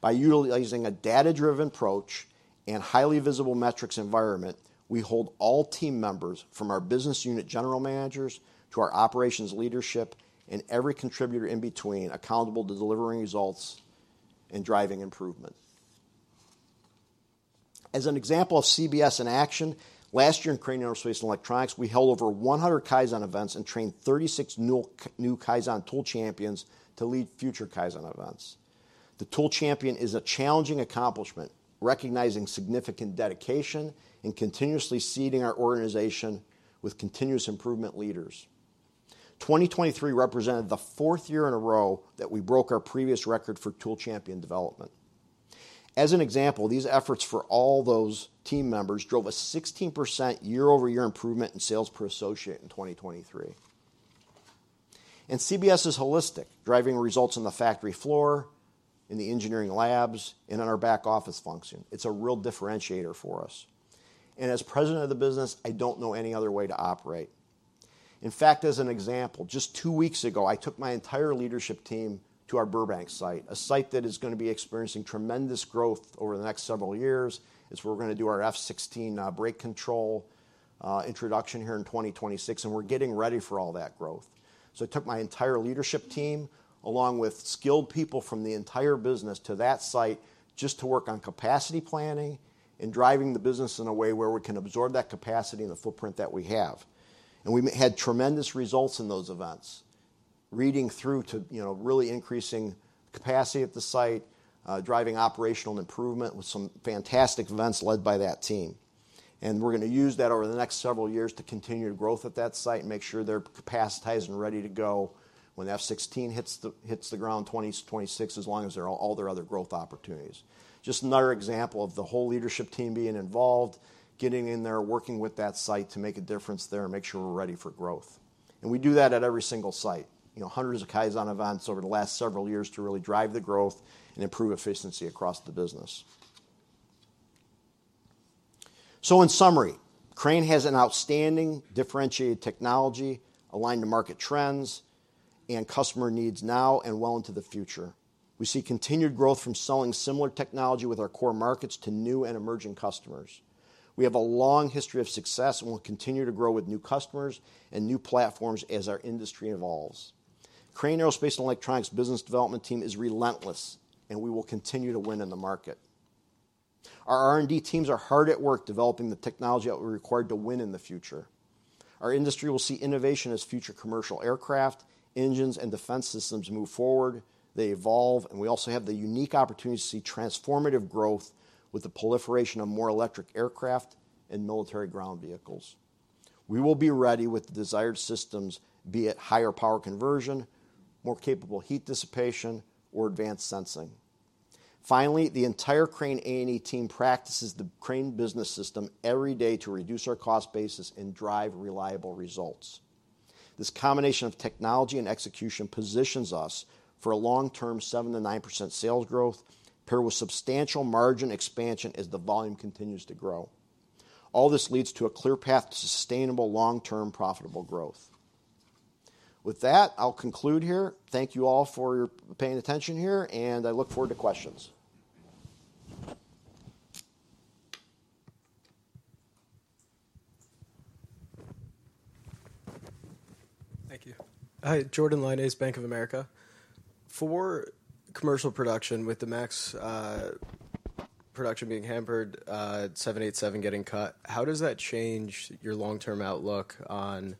By utilizing a data-driven approach and highly visible metrics environment, we hold all team members, from our business unit general managers to our operations leadership and every contributor in between, accountable to delivering results and driving improvement. As an example of CBS in action, last year in Crane Aerospace and Electronics, we held over 100 Kaizen events and trained 36 new Kaizen tool champions to lead future Kaizen events. The tool champion is a challenging accomplishment, recognizing significant dedication and continuously seeding our organization with continuous improvement leaders. 2023 represented the fourth year in a row that we broke our previous record for tool champion development. As an example, these efforts for all those team members drove a 16% year-over-year improvement in sales per associate in 2023. CBS is holistic, driving results on the factory floor, in the engineering labs, and in our back office function. It's a real differentiator for us. As president of the business, I don't know any other way to operate. In fact, as an example, just two weeks ago, I took my entire leadership team to our Burbank site, a site that is gonna be experiencing tremendous growth over the next several years. It's where we're gonna do our F-16 brake control introduction here in 2026, and we're getting ready for all that growth. So I took my entire leadership team, along with skilled people from the entire business, to that site just to work on capacity planning and driving the business in a way where we can absorb that capacity in the footprint that we have. And we had tremendous results in those events, leading to, you know, really increasing capacity at the site, driving operational improvement with some fantastic events led by that team. And we're gonna use that over the next several years to continue the growth at that site and make sure their capacity is ready to go when the F-16 hits the ground 2026, along with all their other growth opportunities. Just another example of the whole leadership team being involved, getting in there, working with that site to make a difference there and make sure we're ready for growth. We do that at every single site. You know, hundreds of Kaizen events over the last several years to really drive the growth and improve efficiency across the business. So in summary, Crane has an outstanding differentiated technology aligned to market trends and customer needs now and well into the future. We see continued growth from selling similar technology with our core markets to new and emerging customers. We have a long history of success, and we'll continue to grow with new customers and new platforms as our industry evolves. Crane Aerospace and Electronics business development team is relentless, and we will continue to win in the market. Our R&D teams are hard at work developing the technology that we're required to win in the future. Our industry will see innovation as future commercial aircraft, engines, and defense systems move forward, they evolve, and we also have the unique opportunity to see transformative growth with the proliferation of more electric aircraft and military ground vehicles. We will be ready with the desired systems, be it higher power conversion, more capable heat dissipation, or advanced sensing. Finally, the entire Crane A&E team practices the Crane business system every day to reduce our cost basis and drive reliable results. This combination of technology and execution positions us for a long-term 7%-9% sales growth, paired with substantial margin expansion as the volume continues to grow. All this leads to a clear path to sustainable, long-term, profitable growth. With that, I'll conclude here. Thank you all for your paying attention here, and I look forward to questions. Thank you. Hi, Jordan J. Lyonnais, Bank of America. For commercial production, with the Max, production being hampered, 787 getting cut, how does that change your long-term outlook on,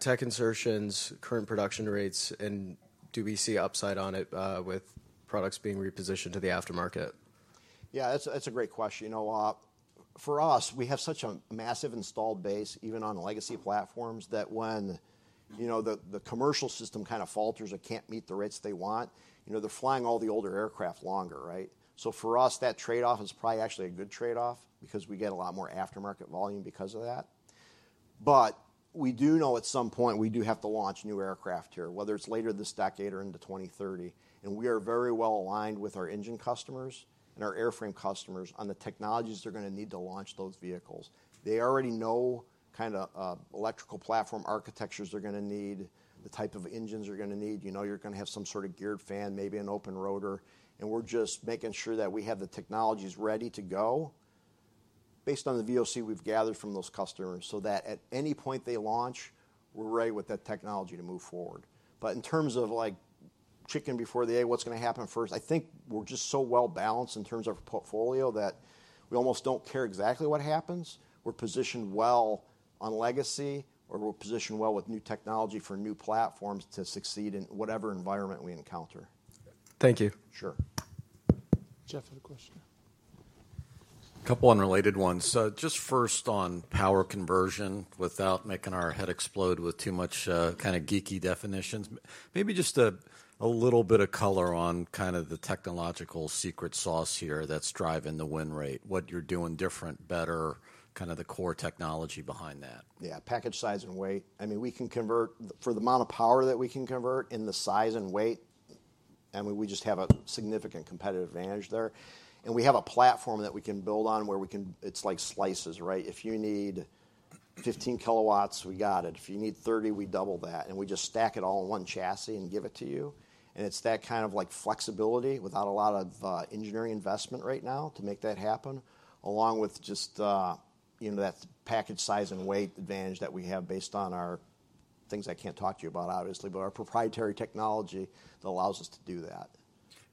tech insertions, current production rates, and do we see upside on it, with products being repositioned to the aftermarket? Yeah, that's a, that's a great question. You know, for us, we have such a massive installed base, even on legacy platforms, that when, you know, the, the commercial system kind of falters or can't meet the rates they want, you know, they're flying all the older aircraft longer, right? So for us, that trade-off is probably actually a good trade-off because we get a lot more aftermarket volume because of that. But we do know at some point, we do have to launch new aircraft here, whether it's later this decade or into 2030, and we are very well aligned with our engine customers and our airframe customers on the technologies they're gonna need to launch those vehicles. They already know kinda, electrical platform architectures they're gonna need, the type of engines they're gonna need. You know, you're gonna have some sort of geared fan, maybe an open rotor, and we're just making sure that we have the technologies ready to go based on the VOC we've gathered from those customers, so that at any point they launch, we're ready with that technology to move forward. But in terms of like chicken before the egg, what's gonna happen first? I think we're just so well-balanced in terms of portfolio, that we almost don't care exactly what happens. We're positioned well on legacy, or we're positioned well with new technology for new platforms to succeed in whatever environment we encounter. Thank you. Sure. Jeff had a question. A couple unrelated ones. So just first on power conversion, without making our head explode with too much, kinda geeky definitions, maybe just a little bit of color on kind of the technological secret sauce here that's driving the win rate, what you're doing different, better, kinda the core technology behind that. Yeah, package, size, and weight. I mean, we can convert, for the amount of power that we can convert into size and weight, I mean, we just have a significant competitive advantage there. And we have a platform that we can build on, where we can, it's like slices, right? If you need 15 kilowatts, we got it. If you need 30, we double that, and we just stack it all in one chassis and give it to you, and it's that kind of, like, flexibility without a lot of engineering investment right now to make that happen, along with just, you know, that package, size, and weight advantage that we have based on our things I can't talk to you about, obviously, but our proprietary technology that allows us to do that.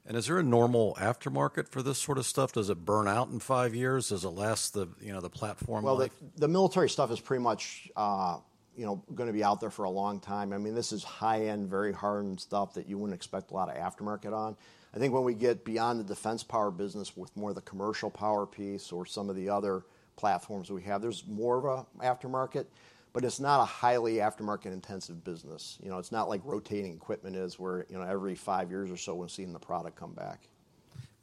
Is there a normal aftermarket for this sort of stuff? Does it burn out in five years? Does it last, you know, the platform life? Well, the military stuff is pretty much, you know, gonna be out there for a long time. I mean, this is high-end, very hardened stuff that you wouldn't expect a lot of aftermarket on. I think when we get beyond the defense power business with more of the commercial power piece or some of the other platforms we have, there's more of an aftermarket, but it's not a highly aftermarket-intensive business. You know, it's not like rotating equipment is where, you know, every five years or so, we're seeing the product come back.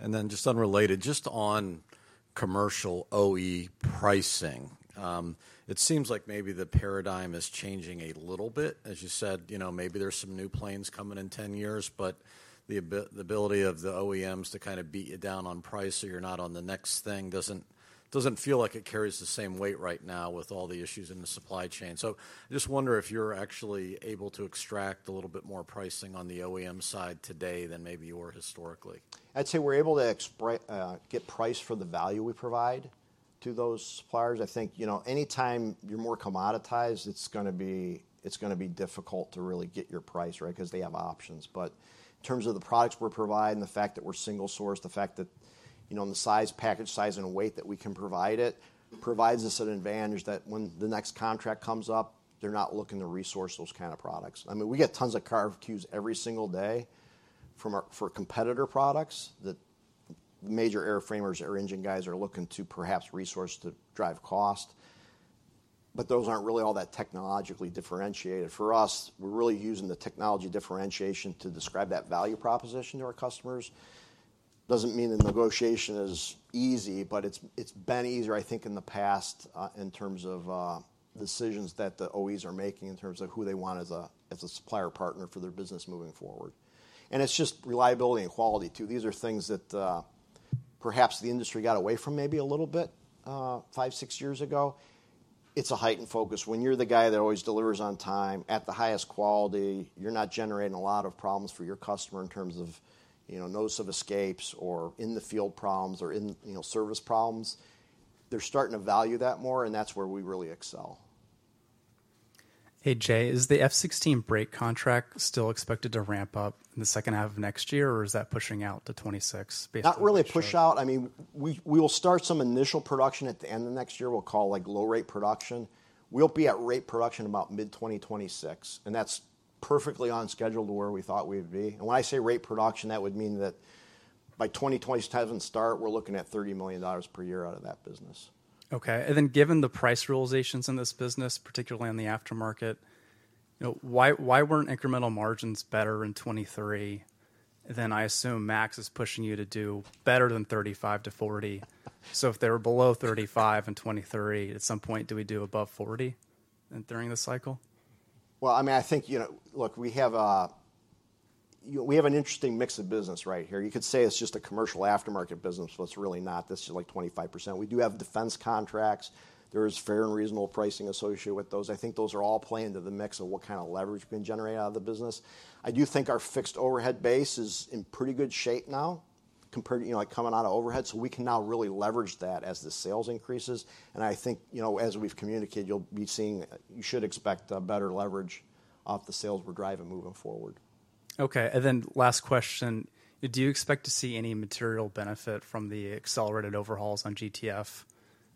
Then just unrelated, just on commercial OE pricing, it seems like maybe the paradigm is changing a little bit. As you said, you know, maybe there are some new planes coming in 10 years, but the ability of the OEMs to kind of beat you down on price or you're not on the next thing doesn't feel like it carries the same weight right now with all the issues in the supply chain. So I just wonder if you're actually able to extract a little bit more pricing on the OEM side today than maybe you were historically. I'd say we're able to get price for the value we provide to those suppliers. I think, you know, anytime you're more commoditized, it's gonna be, it's gonna be difficult to really get your price right 'cause they have options. But in terms of the products we're providing, the fact that we're single source, the fact that, you know, the size, package, size, and weight that we can provide it, provides us an advantage that when the next contract comes up, they're not looking to resource those kind of products. I mean, we get tons of RFQs every single day for competitor products that major airframers or engine guys are looking to perhaps resource to drive cost, but those aren't really all that technologically differentiated. For us, we're really using the technology differentiation to describe that value proposition to our customers. Doesn't mean the negotiation is easy, but it's been easier, I think, in the past, in terms of decisions that the OEs are making, in terms of who they want as a, as a supplier partner for their business moving forward. And it's just reliability and quality, too. These are things that, perhaps the industry got away from maybe a little bit, five, six years ago. It's a heightened focus. When you're the guy that always delivers on time at the highest quality, you're not generating a lot of problems for your customer in terms of, you know, notice of escapes or in-the-field problems or in, you know, service problems. They're starting to value that more, and that's where we really excel. Hey, Jay, is the F-16 brake contract still expected to ramp up in the second half of next year, or is that pushing out to 2026, based on- Not really a push out. I mean, we will start some initial production at the end of next year, we'll call, like, low rate production. We'll be at rate production about mid-2026, and that's perfectly on schedule to where we thought we'd be. And when I say rate production, that would mean that by 2027 start, we're looking at $30 million per year out of that business. Okay. Given the price realizations in this business, particularly on the aftermarket, you know, why, why weren't incremental margins better in 2023? I assume Max is pushing you to do better than 35-40. If they were below 35 in 2030, at some point, do we do above 40 during this cycle? Well, I mean, I think, you know... Look, we have a, you know, we have an interesting mix of business right here. You could say it's just a commercial aftermarket business, but it's really not, that's just, like, 25%. We do have defense contracts. There is fair and reasonable pricing associated with those. I think those are all playing to the mix of what kind of leverage we can generate out of the business. I do think our fixed overhead base is in pretty good shape now, compared, you know, like, coming out of overhead, so we can now really leverage that as the sales increases, and I think, you know, as we've communicated, you'll be seeing, you should expect a better leverage off the sales we're driving moving forward. Okay, and then last question: do you expect to see any material benefit from the accelerated overhauls on GTF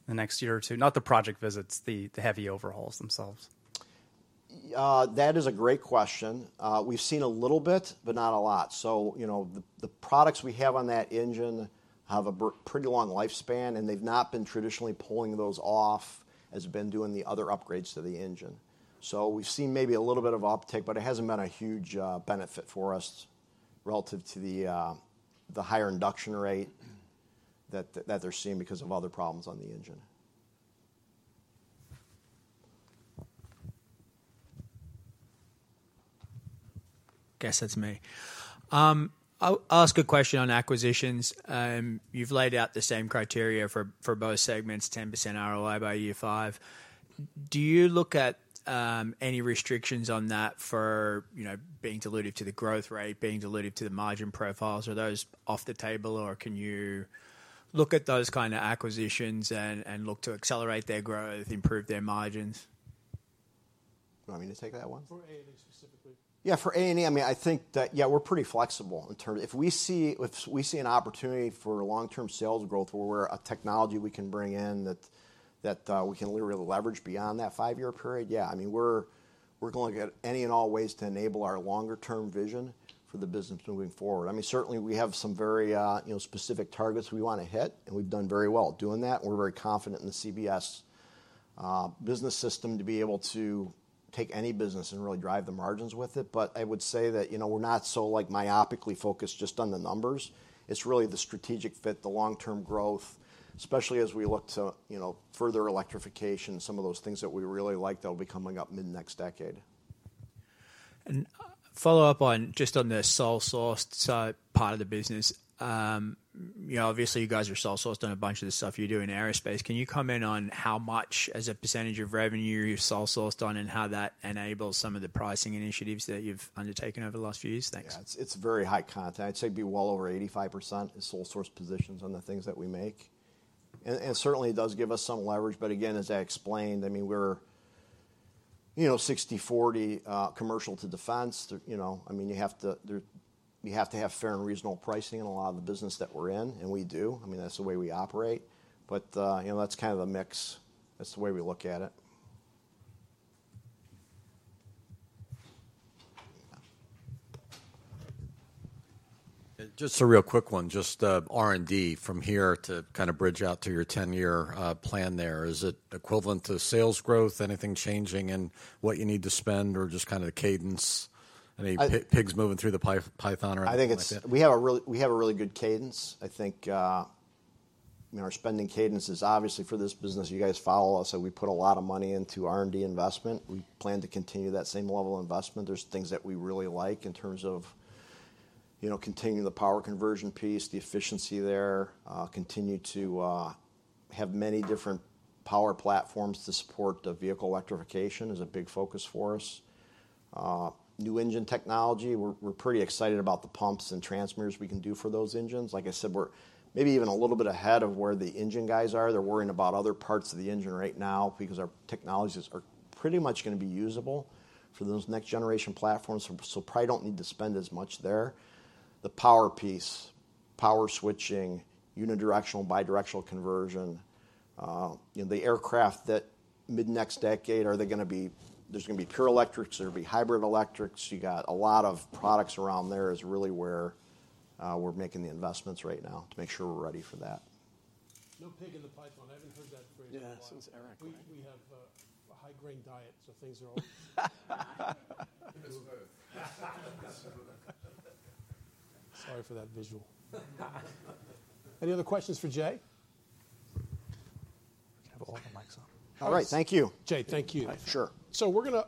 the next year or two? Not the project visits, the heavy overhauls themselves. That is a great question. We've seen a little bit, but not a lot. So, you know, the products we have on that engine have a pretty long lifespan, and they've not been traditionally pulling those off, as we've been doing the other upgrades to the engine. So we've seen maybe a little bit of uptick, but it hasn't been a huge benefit for us relative to the higher induction rate that they're seeing because of other problems on the engine. Guess that's me. I'll ask a question on acquisitions. You've laid out the same criteria for both segments, 10% ROI by year five. Do you look at any restrictions on that for, you know, being dilutive to the growth rate, being dilutive to the margin profiles? Are those off the table, or can you look at those kind of acquisitions and look to accelerate their growth, improve their margins? You want me to take that one? For A&E specifically. Yeah, for A&E, I mean, I think that, yeah, we're pretty flexible in terms. If we see an opportunity for long-term sales growth or where a technology we can bring in, that we can really leverage beyond that five-year period, yeah, I mean, we're going to look at any and all ways to enable our longer-term vision for the business moving forward. I mean, certainly, we have some very, you know, specific targets we wanna hit, and we've done very well doing that, and we're very confident in the CBS business system to be able to take any business and really drive the margins with it. But I would say that, you know, we're not so, like, myopically focused just on the numbers. It's really the strategic fit, the long-term growth, especially as we look to, you know, further electrification, some of those things that we really like that will be coming up mid-next decade. Follow up on, just on the sole sourced part of the business. You know, obviously, you guys are sole sourced on a bunch of the stuff you do in aerospace. Can you comment on how much, as a percentage of revenue, you're sole sourced on, and how that enables some of the pricing initiatives that you've undertaken over the last few years? Thanks. Yeah. It's, it's very high content. I'd say it'd be well over 85% in sole source positions on the things that we make. And, and certainly, it does give us some leverage, but again, as I explained, I mean, we're, you know, 60/40, commercial to defense. You know, I mean, you have to have fair and reasonable pricing in a lot of the business that we're in, and we do. I mean, that's the way we operate. But, you know, that's kind of the mix. That's the way we look at it. Just a real quick one, just, R&D from here to kind of bridge out to your 10-year plan there. Is it equivalent to sales growth? Anything changing in what you need to spend or just kind of cadence? Any pigs moving through the python or anything like that? I think it's. We have a really good cadence. I think our spending cadence is obviously for this business. You guys follow us, so we put a lot of money into R&D investment. We plan to continue that same level of investment. There's things that we really like in terms of, you know, continuing the power conversion piece, the efficiency there, continue to have many different power platforms to support the vehicle electrification is a big focus for us. New engine technology, we're pretty excited about the pumps and transmissions we can do for those engines. Like I said, we're maybe even a little bit ahead of where the engine guys are. They're worrying about other parts of the engine right now because our technologies are pretty much gonna be usable for those next-generation platforms, so probably don't need to spend as much there. The power piece, power switching, unidirectional, bidirectional conversion.... you know, the aircraft that mid-next decade, are they gonna be-- there's gonna be pure electrics, there'll be hybrid electrics. You got a lot of products around there is really where, we're making the investments right now to make sure we're ready for that. No pig in the python. I haven't heard that phrase in a while. Yeah, since Eric, right? We have a high grain diet, so things are all- Give us both. Sorry for that visual. Any other questions for Jay? Have all the mics on. All right, thank you. Jay, thank you. Sure. So we're gonna,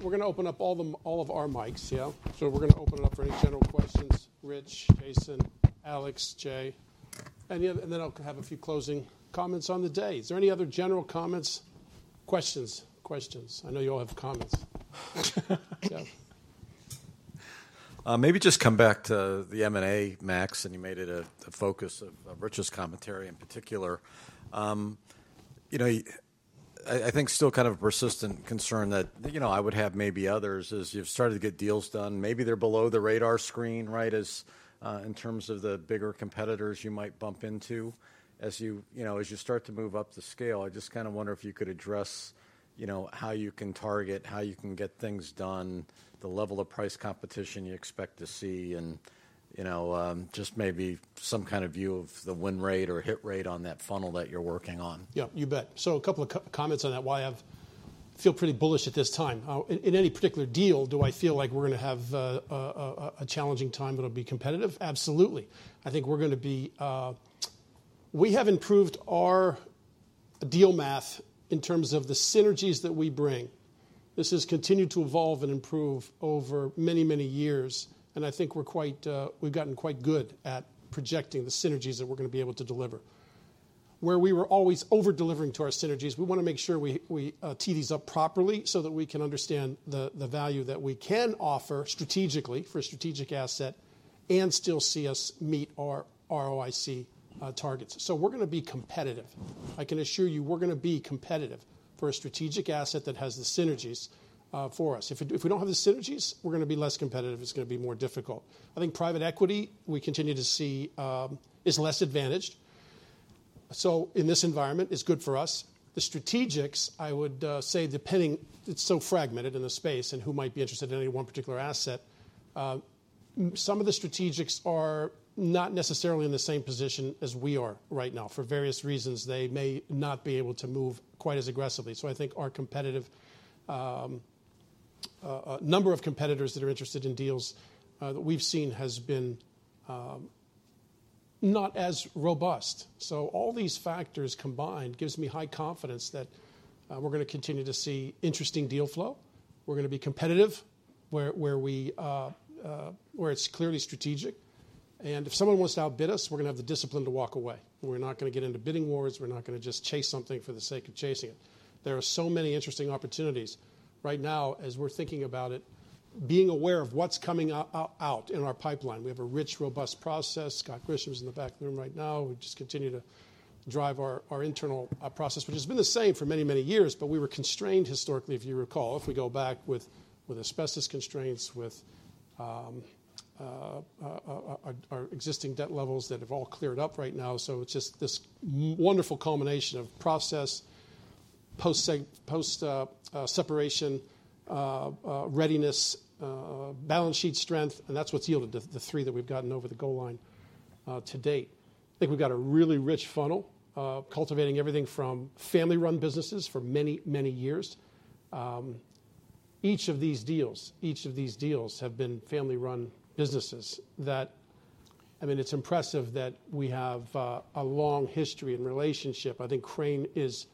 we're gonna open up all the, all of our mics, yeah. So we're gonna open it up for any general questions. Rich, Jason, Alex, Jay, any other, and then I'll have a few closing comments on the day. Is there any other general comments? Questions, questions. I know you all have comments. Maybe just come back to the M&A, Max, and you made it a focus of Rich's commentary in particular. You know, I think still kind of a persistent concern that, you know, I would have, maybe others, is you've started to get deals done. Maybe they're below the radar screen, right, as in terms of the bigger competitors you might bump into. As you know, as you start to move up the scale, I just kinda wonder if you could address, you know, how you can target, how you can get things done, the level of price competition you expect to see, and, you know, just maybe some kind of view of the win rate or hit rate on that funnel that you're working on. Yeah, you bet. So a couple of comments on that, why I feel pretty bullish at this time. In any particular deal, do I feel like we're gonna have a challenging time, but it'll be competitive? Absolutely. I think we're gonna be. We have improved our deal math in terms of the synergies that we bring. This has continued to evolve and improve over many, many years, and I think we're quite—we've gotten quite good at projecting the synergies that we're gonna be able to deliver. Where we were always over-delivering to our synergies, we wanna make sure we tee these up properly, so that we can understand the value that we can offer strategically for a strategic asset and still see us meet our ROIC targets. So we're gonna be competitive. I can assure you, we're gonna be competitive for a strategic asset that has the synergies for us. If we don't have the synergies, we're gonna be less competitive, it's gonna be more difficult. I think private equity, we continue to see, is less advantaged, so in this environment, it's good for us. The strategics, I would say, depending—it's so fragmented in the space and who might be interested in any one particular asset. Some of the strategics are not necessarily in the same position as we are right now. For various reasons, they may not be able to move quite as aggressively. So I think our competitive number of competitors that are interested in deals that we've seen has been not as robust. So all these factors combined gives me high confidence that we're gonna continue to see interesting deal flow. We're gonna be competitive where it's clearly strategic, and if someone wants to outbid us, we're gonna have the discipline to walk away. We're not gonna get into bidding wars. We're not gonna just chase something for the sake of chasing it. There are so many interesting opportunities right now, as we're thinking about it, being aware of what's coming out in our pipeline. We have a rich, robust process. Scott Griswold is in the back of the room right now. We just continue to drive our internal process, which has been the same for many, many years, but we were constrained historically, if you recall, if we go back with asbestos constraints, with our existing debt levels that have all cleared up right now. So it's just this wonderful culmination of process, post separation, readiness, balance sheet strength, and that's what's yielded the three that we've gotten over the goal line to date. I think we've got a really rich funnel cultivating everything from family-run businesses for many, many years. Each of these deals, each of these deals have been family-run businesses that I mean, it's impressive that we have a long history and relationship. I think Crane is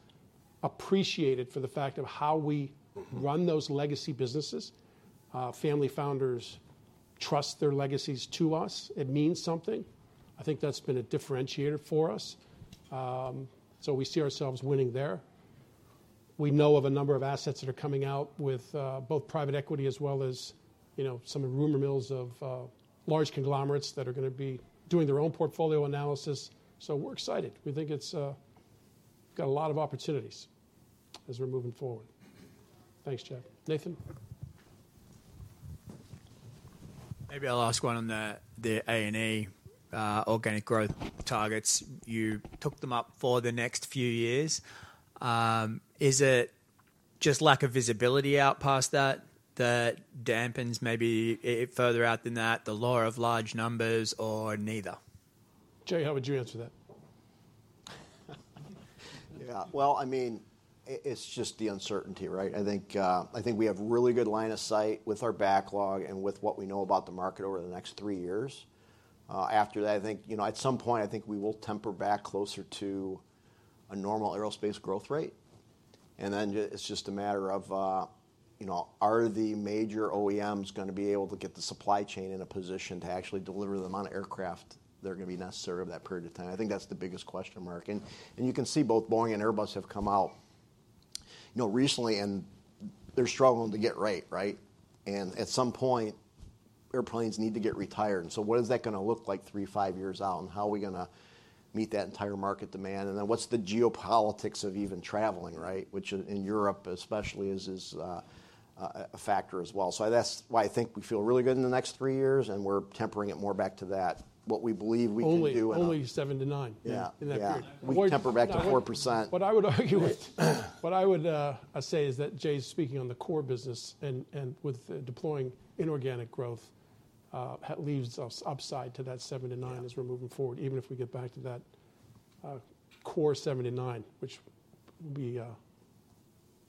appreciated for the fact of how we run those legacy businesses. Family founders trust their legacies to us. It means something. I think that's been a differentiator for us. So we see ourselves winning there. We know of a number of assets that are coming out with both private equity as well as, you know, some rumor mills of large conglomerates that are gonna be doing their own portfolio analysis. So we're excited. We think it's got a lot of opportunities as we're moving forward. Thanks, Jay. Nathan? Maybe I'll ask one on the A&E organic growth targets. You took them up for the next few years. Is it just lack of visibility out past that that dampens maybe further out than that, the law of large numbers, or neither? Jay, how would you answer that? Yeah, well, I mean, it's just the uncertainty, right? I think, I think we have really good line of sight with our backlog and with what we know about the market over the next three years. After that, I think, you know, at some point, I think we will temper back closer to a normal aerospace growth rate. And then it's just a matter of, you know, are the major OEMs gonna be able to get the supply chain in a position to actually deliver the amount of aircraft that are gonna be necessary over that period of time? I think that's the biggest question mark. And you can see both Boeing and Airbus have come out, you know, recently, and they're struggling to get rate, right? And at some point-... Airplanes need to get retired, and so what is that gonna look like 3, 5 years out? And how are we gonna meet that entire market demand? And then what's the geopolitics of even traveling, right? Which in Europe especially is a factor as well. So that's why I think we feel really good in the next 3 years, and we're tempering it more back to that, what we believe we can do- Only 7-9. Yeah. In that period. Yeah. We temper back to 4%. What I would say is that Jay's speaking on the core business, and with deploying inorganic growth, that leaves us upside to that 7-9- Yeah as we're moving forward, even if we get back to that, core 7-9, which we're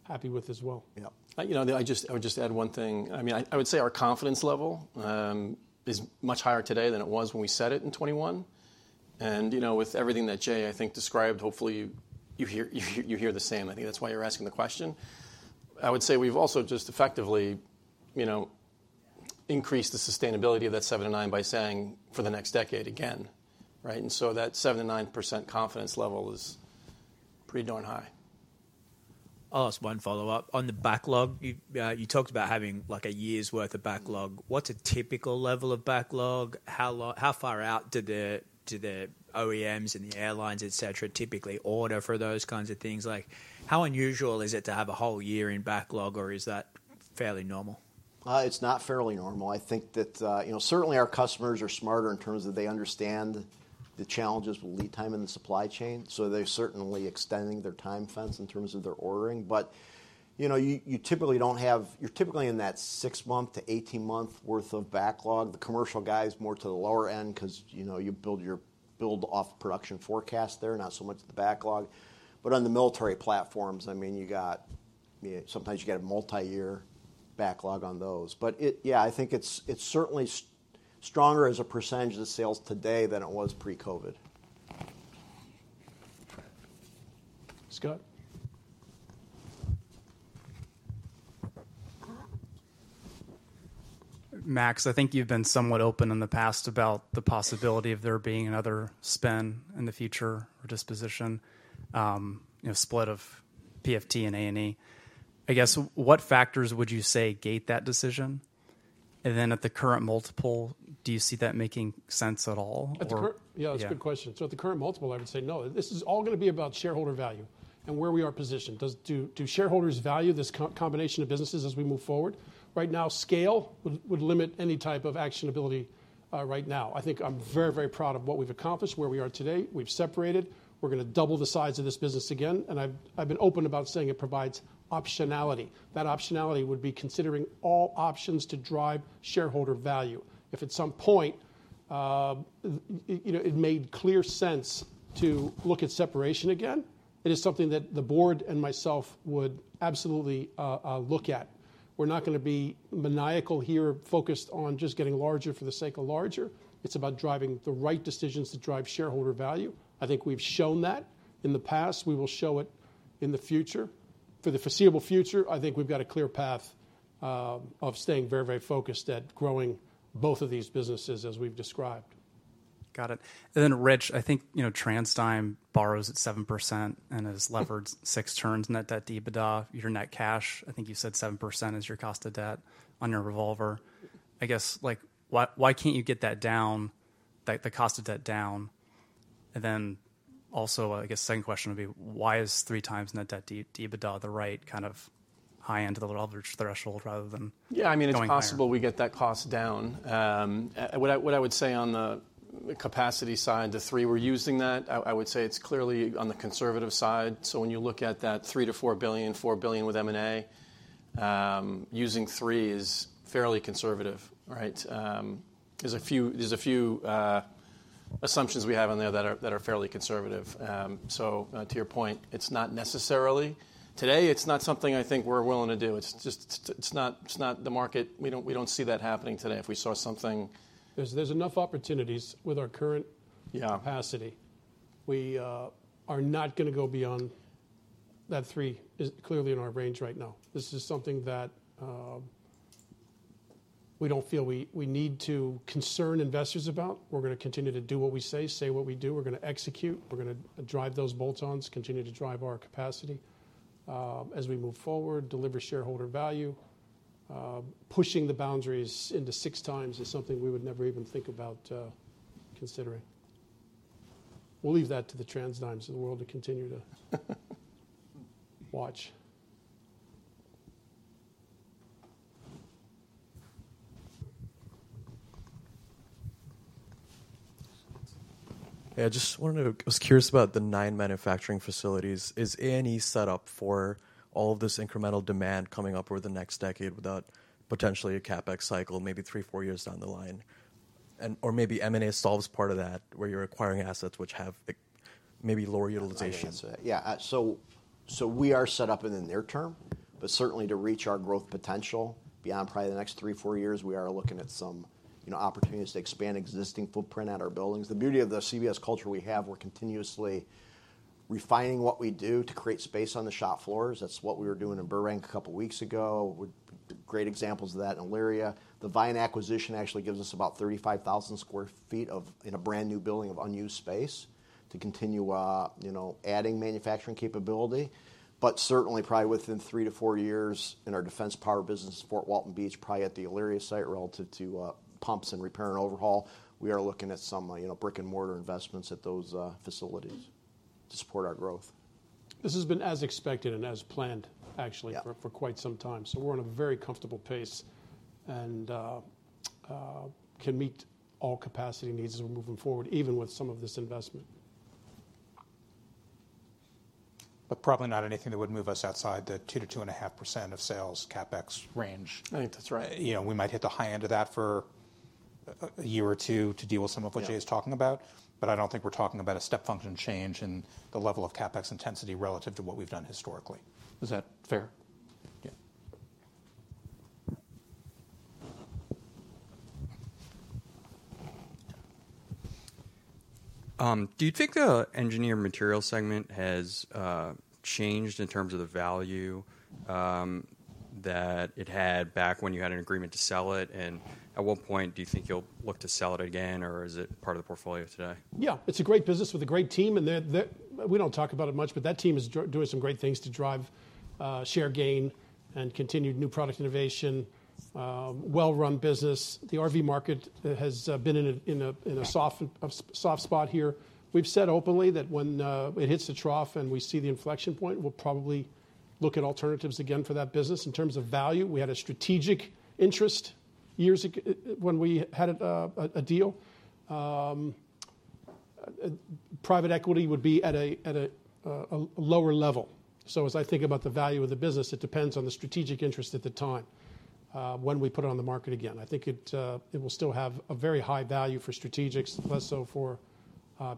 happy with as well. Yeah. You know, I just—I would just add one thing. I mean, I would say our confidence level is much higher today than it was when we set it in 2021. And, you know, with everything that Jay, I think, described, hopefully you hear the same. I think that's why you're asking the question. I would say we've also just effectively, you know, increased the sustainability of that 7-9 by saying for the next decade again, right? And so that 7%-9% confidence level is pretty darn high. I'll ask one follow-up. On the backlog, you, you talked about having, like, a year's worth of backlog. What's a typical level of backlog? How far out do the, do the OEMs and the airlines, et cetera, typically order for those kinds of things? Like, how unusual is it to have a whole year in backlog, or is that fairly normal? It's not fairly normal. I think that, you know, certainly our customers are smarter in terms of they understand the challenges with lead time in the supply chain, so they're certainly extending their time fence in terms of their ordering. But, you know, you typically don't have-- You're typically in that 6-month to 18-month worth of backlog. The commercial guy is more to the lower end 'cause, you know, you build off production forecast there, not so much the backlog. But on the military platforms, I mean, you got... Yeah, sometimes you get a multi-year backlog on those. But it-- Yeah, I think it's, it's certainly stronger as a percentage of sales today than it was pre-COVID. Scott? Max, I think you've been somewhat open in the past about the possibility of there being another spin in the future or disposition, you know, split of PFT and A&E. I guess, what factors would you say gate that decision? And then at the current multiple, do you see that making sense at all, or- At the current- Yeah. Yeah, that's a good question. So at the current multiple, I would say no. This is all gonna be about shareholder value and where we are positioned. Do shareholders value this combination of businesses as we move forward? Right now, scale would limit any type of actionability right now. I think I'm very, very proud of what we've accomplished, where we are today. We've separated. We're gonna double the size of this business again, and I've been open about saying it provides optionality. That optionality would be considering all options to drive shareholder value. If at some point, you know, it made clear sense to look at separation again, it is something that the board and myself would absolutely look at. We're not gonna be maniacal here, focused on just getting larger for the sake of larger. It's about driving the right decisions to drive shareholder value. I think we've shown that in the past. We will show it in the future. For the foreseeable future, I think we've got a clear path of staying very, very focused at growing both of these businesses as we've described. Got it. And then, Rich, I think, you know, TransDigm borrows at 7% and has levered 6x net debt to EBITDA. Your net cash, I think you said 7% is your cost of debt on your revolver. I guess, like, why, why can't you get that down, like, the cost of debt down? And then also, I guess second question would be: Why is 3x net debt to EBITDA the right kind of high end of the revolver threshold rather than- Yeah, I mean- going higher?... it's possible we get that cost down. What I would say on the capacity side, the 3 we're using that, I would say it's clearly on the conservative side. So when you look at that $3 billion-$4 billion, $4 billion with M&A, using 3 is fairly conservative, right? There's a few assumptions we have on there that are fairly conservative. So, to your point, it's not necessarily— Today, it's not something I think we're willing to do. It's just, it's not the market. We don't see that happening today. If we saw something- There's enough opportunities with our current- Yeah... capacity. We are not gonna go beyond that 3. It's clearly in our range right now. This is something that we don't feel we need to concern investors about. We're gonna continue to do what we say, say what we do. We're gonna execute, we're gonna drive those bolt-ons, continue to drive our capacity as we move forward, deliver shareholder value. Pushing the boundaries into 6 times is something we would never even think about considering. We'll leave that to the TransDigm's of the world to continue to watch. Hey, I just wanted to... I was curious about the nine manufacturing facilities. Is A&E set up for all of this incremental demand coming up over the next decade without potentially a CapEx cycle, maybe three, four years down the line? And, or maybe M&A solves part of that, where you're acquiring assets which have, maybe lower utilization. I can answer that. Yeah, so we are set up in the near term, but certainly to reach our growth potential beyond probably the next 3-4 years, we are looking at some, you know, opportunities to expand existing footprint at our buildings. The beauty of the CBS culture we have, we're continuously refining what we do to create space on the shop floors. That's what we were doing in Burr Ridge a couple of weeks ago, with great examples of that in Elyria. The Vian acquisition actually gives us about 35,000 sq ft of, in a brand-new building of unused space to continue, you know, adding manufacturing capability. But certainly, probably within 3-4 years in our defense power business in Fort Walton Beach, probably at the Elyria site, relative to pumps and repair and overhaul, we are looking at some, you know, brick-and-mortar investments at those facilities to support our growth. This has been as expected and as planned, actually. Yeah for quite some time. So we're on a very comfortable pace and can meet all capacity needs as we're moving forward, even with some of this investment. Probably not anything that would move us outside the 2%-2.5% of sales CapEx range. I think that's right. You know, we might hit the high end of that for a year or two to deal with some of what- Yeah Jay is talking about, but I don't think we're talking about a step function change in the level of CapEx intensity relative to what we've done historically. Is that fair? Yeah. Do you think the Engineered Materials segment has changed in terms of the value that it had back when you had an agreement to sell it? And at what point do you think you'll look to sell it again, or is it part of the portfolio today? Yeah, it's a great business with a great team, and we don't talk about it much, but that team is doing some great things to drive share gain and continued new product innovation. Well-run business. The RV market has been in a soft spot here. We've said openly that when it hits the trough and we see the inflection point, we'll probably look at alternatives again for that business. In terms of value, we had a strategic interest years ago when we had a deal. Private equity would be at a lower level. So as I think about the value of the business, it depends on the strategic interest at the time when we put it on the market again. I think it will still have a very high value for strategics, less so for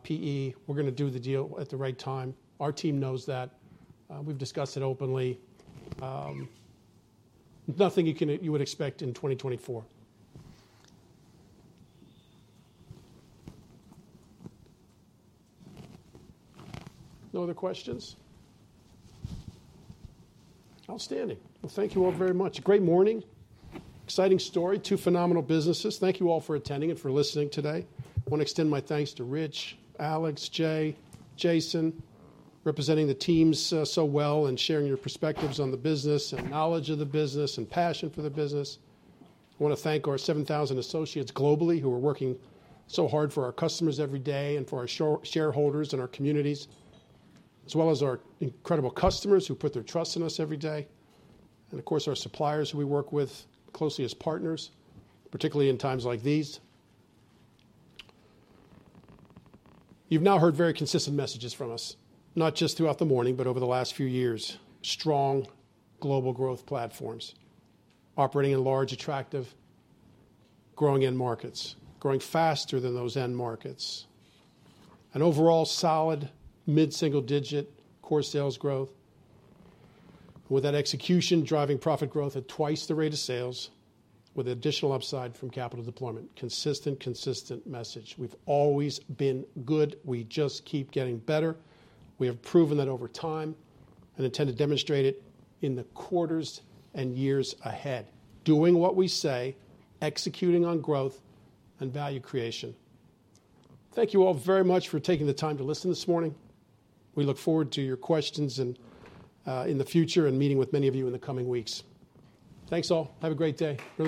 PE. We're gonna do the deal at the right time. Our team knows that. We've discussed it openly. Nothing you would expect in 2024. No other questions? Outstanding. Well, thank you all very much. Great morning. Exciting story, two phenomenal businesses. Thank you all for attending and for listening today. I want to extend my thanks to Rich, Alex, Jay, Jason, representing the teams so well and sharing your perspectives on the business and knowledge of the business and passion for the business. I want to thank our 7,000 associates globally who are working so hard for our customers every day and for our shareholders and our communities, as well as our incredible customers who put their trust in us every day, and of course, our suppliers, who we work with closely as partners, particularly in times like these. You've now heard very consistent messages from us, not just throughout the morning, but over the last few years. Strong global growth platforms, operating in large, attractive, growing end markets, growing faster than those end markets. An overall solid, mid-single-digit core sales growth, with that execution driving profit growth at twice the rate of sales, with additional upside from capital deployment. Consistent, consistent message. We've always been good. We just keep getting better. We have proven that over time and intend to demonstrate it in the quarters and years ahead, doing what we say, executing on growth and value creation. Thank you all very much for taking the time to listen this morning. We look forward to your questions and, in the future, and meeting with many of you in the coming weeks. Thanks, all. Have a great day. Really appreciate it.